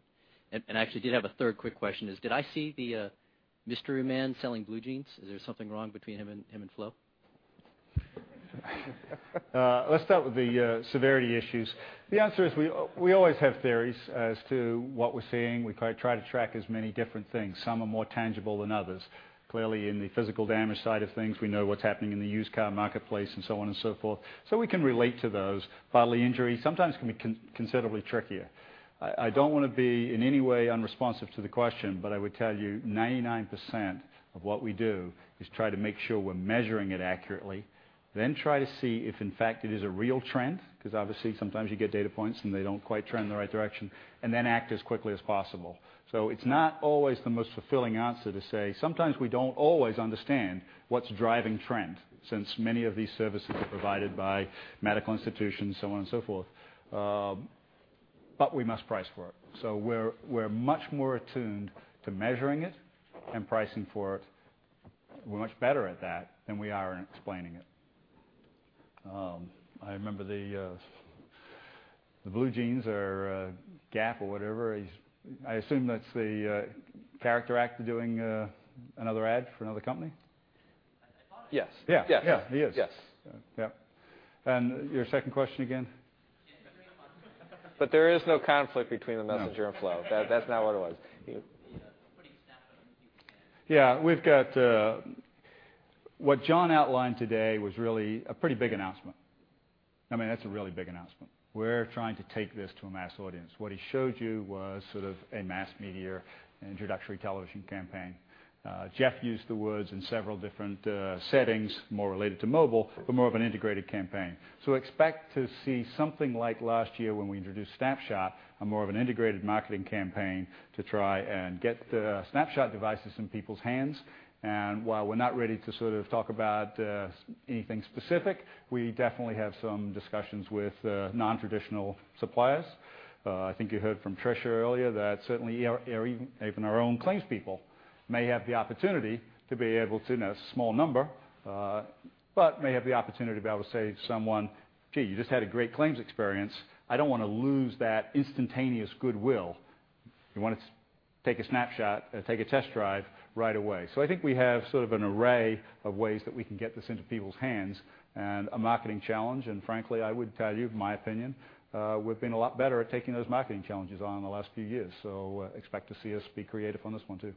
I actually did have a third quick question is, did I see the mystery man selling blue jeans? Is there something wrong between him and Flo? Let's start with the severity issues. The answer is we always have theories as to what we're seeing. We try to track as many different things. Some are more tangible than others. Clearly, in the physical damage side of things, we know what's happening in the used car marketplace and so on and so forth, so we can relate to those. Bodily injury sometimes can be considerably trickier. I don't want to be in any way unresponsive to the question, but I would tell you 99% of what we do is try to make sure we're measuring it accurately, then try to see if in fact it is a real trend, because obviously sometimes you get data points, and they don't quite trend in the right direction, and then act as quickly as possible. It's not always the most fulfilling answer to say, sometimes we don't always understand what's driving trend, since many of these services are provided by medical institutions, so on and so forth. We must price for it. We're much more attuned to measuring it and pricing for it. We're much better at that than we are in explaining it. I remember the blue jeans or Gap or whatever, I assume that's the character actor doing another ad for another company? I thought it was. Yes. Yeah. Yes. He is. Yes. Yep. Your second question again? Yeah, doing a module. There is no conflict between The Messenger. No Flo. That's not what it was. The putting Snapshot in people's hands. Yeah. What John outlined today was really a pretty big announcement. I mean, that's a really big announcement. We're trying to take this to a mass audience. What he showed you was sort of a mass media introductory television campaign. Jeff used the words in several different settings, more related to mobile, but more of an integrated campaign. Expect to see something like last year when we introduced Snapshot, a more of an integrated marketing campaign to try and get the Snapshot devices in people's hands. While we're not ready to sort of talk about anything specific, we definitely have some discussions with non-traditional suppliers. I think you heard from Tricia earlier that certainly even our own claims people may have the opportunity to be able to, in a small number, but may have the opportunity to be able to say to someone, "Gee, you just had a great claims experience. I don't want to lose that instantaneous goodwill. You want to take a Snapshot and take a Test Drive right away?" I think we have sort of an array of ways that we can get this into people's hands and a marketing challenge, and frankly, I would tell you my opinion, we've been a lot better at taking those marketing challenges on in the last few years. Expect to see us be creative on this one, too.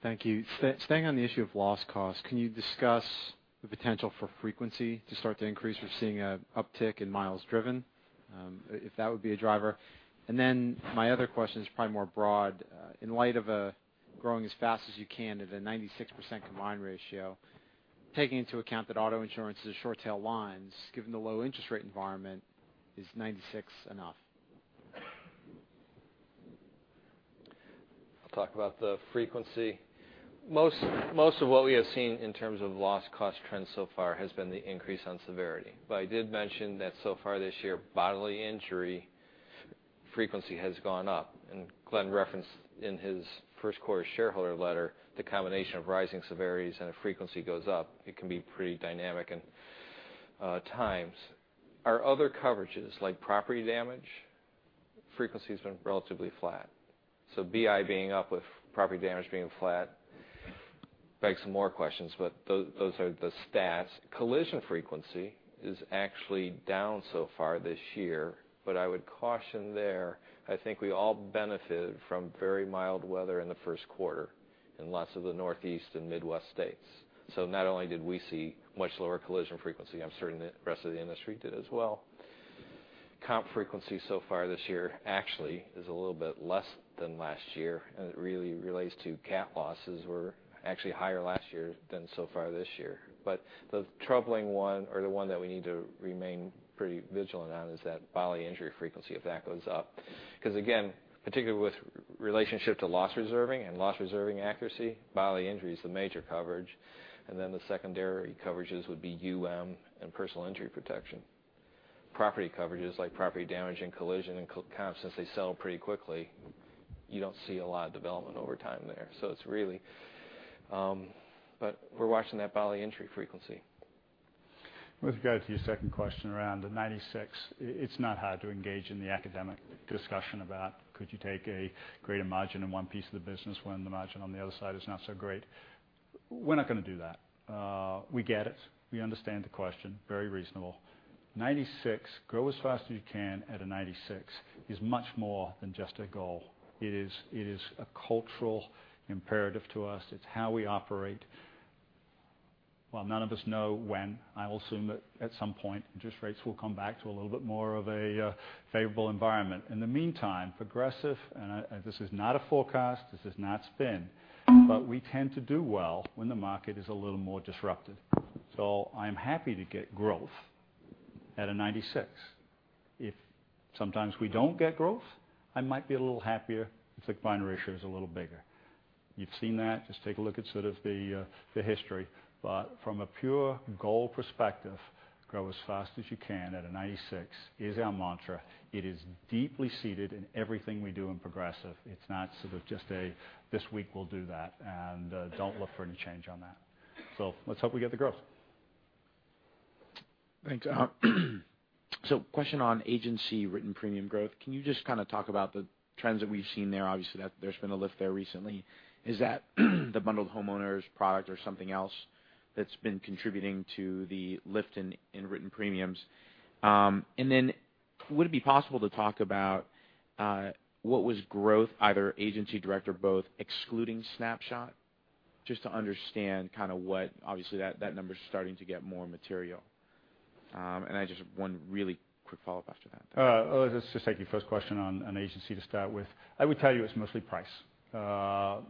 Thank you. Staying on the issue of loss cost, can you discuss the potential for frequency to start to increase. We're seeing an uptick in miles driven, if that would be a driver. My other question is probably more broad. In light of growing as fast as you can at a 96% combined ratio, taking into account that auto insurance is short-tail lines, given the low interest rate environment, is 96 enough? I'll talk about the frequency. Most of what we have seen in terms of loss cost trends so far has been the increase on severity. I did mention that so far this year, bodily injury frequency has gone up, and Glenn referenced in his first-quarter shareholder letter, the combination of rising severities and if frequency goes up, it can be pretty dynamic at times. Our other coverages, like property damage, frequency's been relatively flat. BI being up with property damage being flat begs some more questions, but those are the stats. collision frequency is actually down so far this year, I would caution there, I think we all benefited from very mild weather in the first quarter in lots of the Northeast and Midwest states. Not only did we see much lower collision frequency, I'm certain the rest of the industry did as well. Comp frequency so far this year actually is a little bit less than last year. It really relates to cat losses were actually higher last year than so far this year. The troubling one or the one that we need to remain pretty vigilant on is that bodily injury frequency, if that goes up. Because again, particularly with relationship to loss reserving and loss reserving accuracy, bodily injury is the major coverage, and then the secondary coverages would be UM and personal injury protection. Property coverages like property damage and collision and comp, since they settle pretty quickly, you don't see a lot of development over time there. We're watching that bodily injury frequency. Let's go to your second question around the 96. It's not hard to engage in the academic discussion about could you take a greater margin in one piece of the business when the margin on the other side is not so great. We're not going to do that. We get it. We understand the question. Very reasonable. 96, grow as fast as you can at a 96 is much more than just a goal. It is a cultural imperative to us. It's how we operate. While none of us know when, I will assume that at some point interest rates will come back to a little bit more of a favorable environment. In the meantime, Progressive, this is not a forecast, this is not spin, we tend to do well when the market is a little more disrupted. I'm happy to get growth at a 96. If sometimes we don't get growth, I might be a little happier if the combined ratio is a little bigger. You've seen that. Just take a look at the history. From a pure goal perspective, grow as fast as you can at a 96 is our mantra. It is deeply seated in everything we do in Progressive. It's not just a this week we'll do that, don't look for any change on that. Let's hope we get the growth. Thanks. Question on agency written premium growth. Can you just talk about the trends that we've seen there? Obviously, there's been a lift there recently. Is that the bundled homeowners product or something else that's been contributing to the lift in written premiums? Would it be possible to talk about what was growth, either agency, direct or both, excluding Snapshot? Just to understand what. Obviously, that number's starting to get more material. I just have one really quick follow-up after that. Let's just take your first question on agency to start with. I would tell you it's mostly price. I've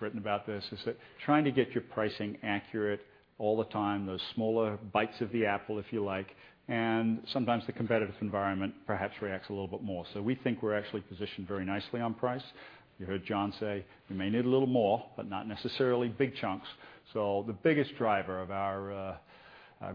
written about this. Is that trying to get your pricing accurate all the time, those smaller bites of the apple, if you like, and sometimes the competitive environment perhaps reacts a little bit more. We think we're actually positioned very nicely on price. You heard John say we may need a little more, but not necessarily big chunks. The biggest driver of our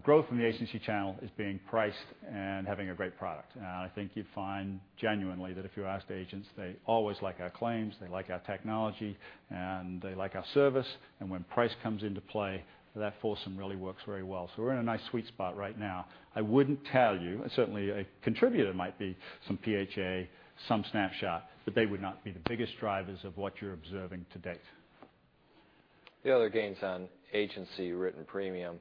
growth in the agency channel is being priced and having a great product. I think you'd find genuinely that if you asked agents, they always like our claims, they like our technology, and they like our service. When price comes into play, that foursome really works very well. We're in a nice sweet spot right now. I wouldn't tell you, certainly a contributor might be some PHA, some Snapshot, but they would not be the biggest drivers of what you're observing to date. The other gains on agency written premium,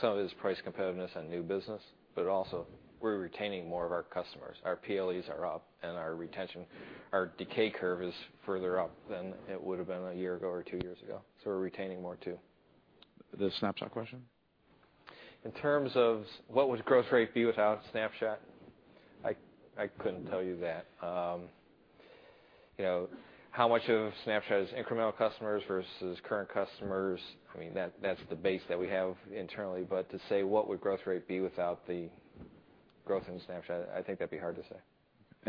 some of it is price competitiveness on new business, but also we're retaining more of our customers. Our PLEs are up and our retention, our decay curve is further up than it would've been a year ago or two years ago. We're retaining more too. The Snapshot question? In terms of what would growth rate be without Snapshot, I couldn't tell you that. How much of Snapshot is incremental customers versus current customers, I mean, that's the base that we have internally, but to say what would growth rate be without the growth in Snapshot, I think that'd be hard to say.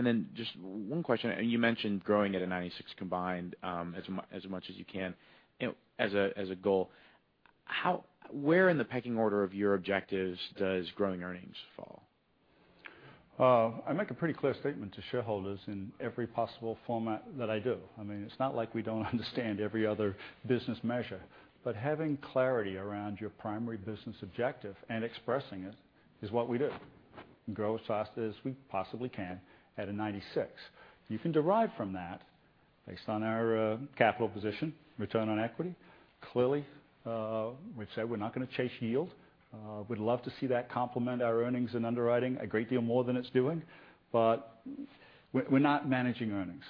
Then just one question. You mentioned growing at a 96 combined as much as you can as a goal. Where in the pecking order of your objectives does growing earnings fall? I make a pretty clear statement to shareholders in every possible format that I do. I mean, it's not like we don't understand every other business measure. Having clarity around your primary business objective and expressing it is what we do. Grow as fast as we possibly can at a 96. You can derive from that based on our capital position, return on equity. Clearly we've said we're not going to chase yield. We'd love to see that complement our earnings in underwriting a great deal more than it's doing. We're not managing earnings.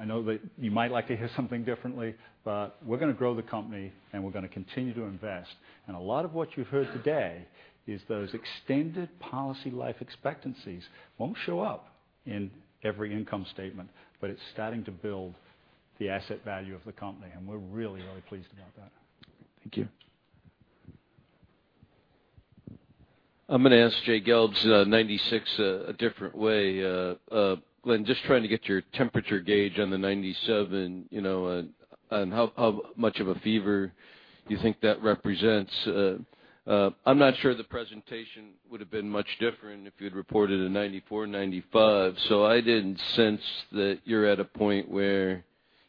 I know that you might like to hear something differently We're going to grow the company, and we're going to continue to invest. A lot of what you've heard today is those extended policy life expectancies won't show up in every income statement, but it's starting to build the asset value of the company, and we're really pleased about that. Thank you. I'm going to ask Jay Gelb's 96 a different way. Glenn, just trying to get your temperature gauge on the 97, and how much of a fever you think that represents. I'm not sure the presentation would've been much different if you'd reported a 94, 95. I didn't sense that you're at a point where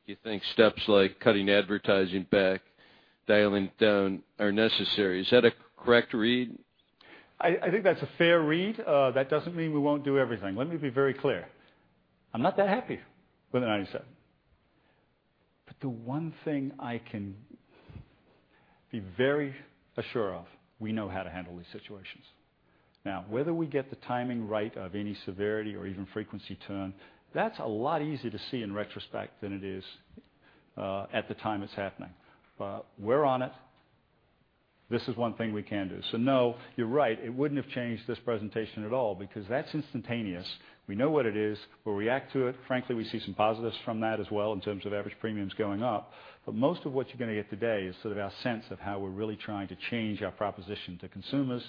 you think steps like cutting advertising back, dialing it down are necessary. Is that a correct read? I think that's a fair read. That doesn't mean we won't do everything. Let me be very clear. I'm not that happy with the 97. The one thing I can be very sure of, we know how to handle these situations. Now, whether we get the timing right of any severity or even frequency turn, that's a lot easier to see in retrospect than it is at the time it's happening. We're on it. This is one thing we can do. No, you're right. It wouldn't have changed this presentation at all because that's instantaneous. We know what it is. We'll react to it. Frankly, we see some positives from that as well in terms of average premiums going up. Most of what you're going to get today is sort of our sense of how we're really trying to change our proposition to consumers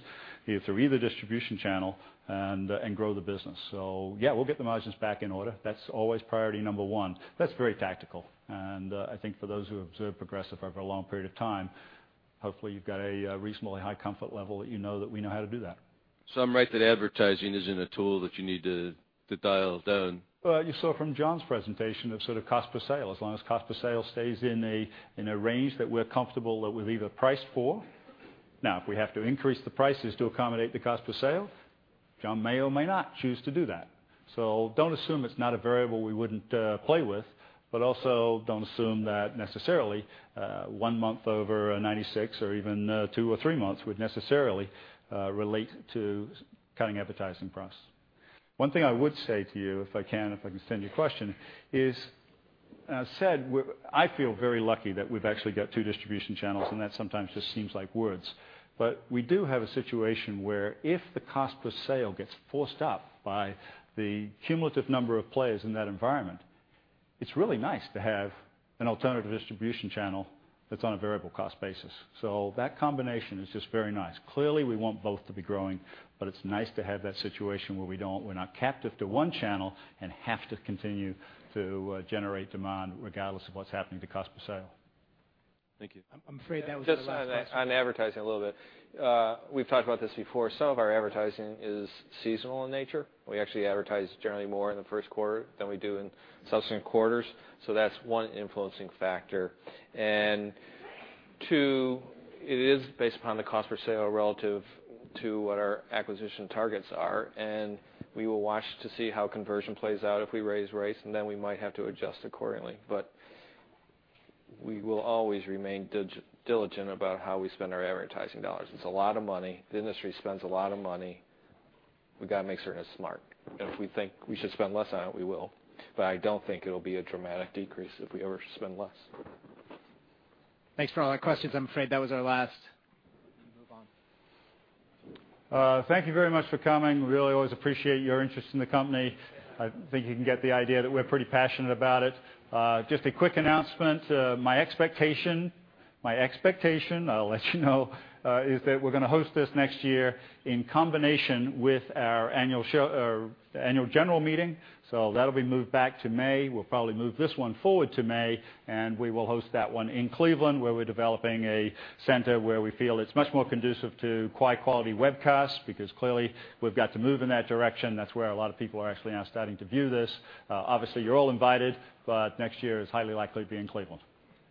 through either distribution channel and grow the business. Yeah, we'll get the margins back in order. That's always priority number 1. That's very tactical, and I think for those who have observed Progressive over a long period of time, hopefully you've got a reasonably high comfort level that you know that we know how to do that. I'm right that advertising isn't a tool that you need to dial down? Well, you saw from John's presentation of cost per sale, as long as cost per sale stays in a range that we're comfortable that we've either priced for. If we have to increase the prices to accommodate the cost per sale, John may or may not choose to do that. Don't assume it's not a variable we wouldn't play with, but also don't assume that necessarily, one month over a 96 or even two or three months would necessarily relate to cutting advertising costs. One thing I would say to you, if I can extend your question, is as said, I feel very lucky that we've actually got two distribution channels, and that sometimes just seems like words. We do have a situation where if the cost per sale gets forced up by the cumulative number of players in that environment, it's really nice to have an alternative distribution channel that's on a variable cost basis. That combination is just very nice. Clearly, we want both to be growing, but it's nice to have that situation where we're not captive to one channel and have to continue to generate demand regardless of what's happening to cost per sale. Thank you. I'm afraid that was our last question. Just on advertising a little bit. We've talked about this before. Some of our advertising is seasonal in nature. We actually advertise generally more in the first quarter than we do in subsequent quarters. That's one influencing factor. Two, it is based upon the cost per sale relative to what our acquisition targets are, and we will watch to see how conversion plays out if we raise rates. We might have to adjust accordingly. We will always remain diligent about how we spend our advertising dollars. It's a lot of money. The industry spends a lot of money. We got to make sure it's smart. If we think we should spend less on it, we will. I don't think it'll be a dramatic decrease if we ever spend less. Thanks for all the questions. I'm afraid that was our last. We move on. Thank you very much for coming. We really always appreciate your interest in the company. I think you can get the idea that we're pretty passionate about it. Just a quick announcement. My expectation, I'll let you know, is that we're going to host this next year in combination with our annual general meeting. That'll be moved back to May. We'll probably move this one forward to May, and we will host that one in Cleveland, where we're developing a center where we feel it's much more conducive to high-quality webcasts because clearly we've got to move in that direction. That's where a lot of people are actually now starting to view this. Obviously, you're all invited, next year is highly likely to be in Cleveland.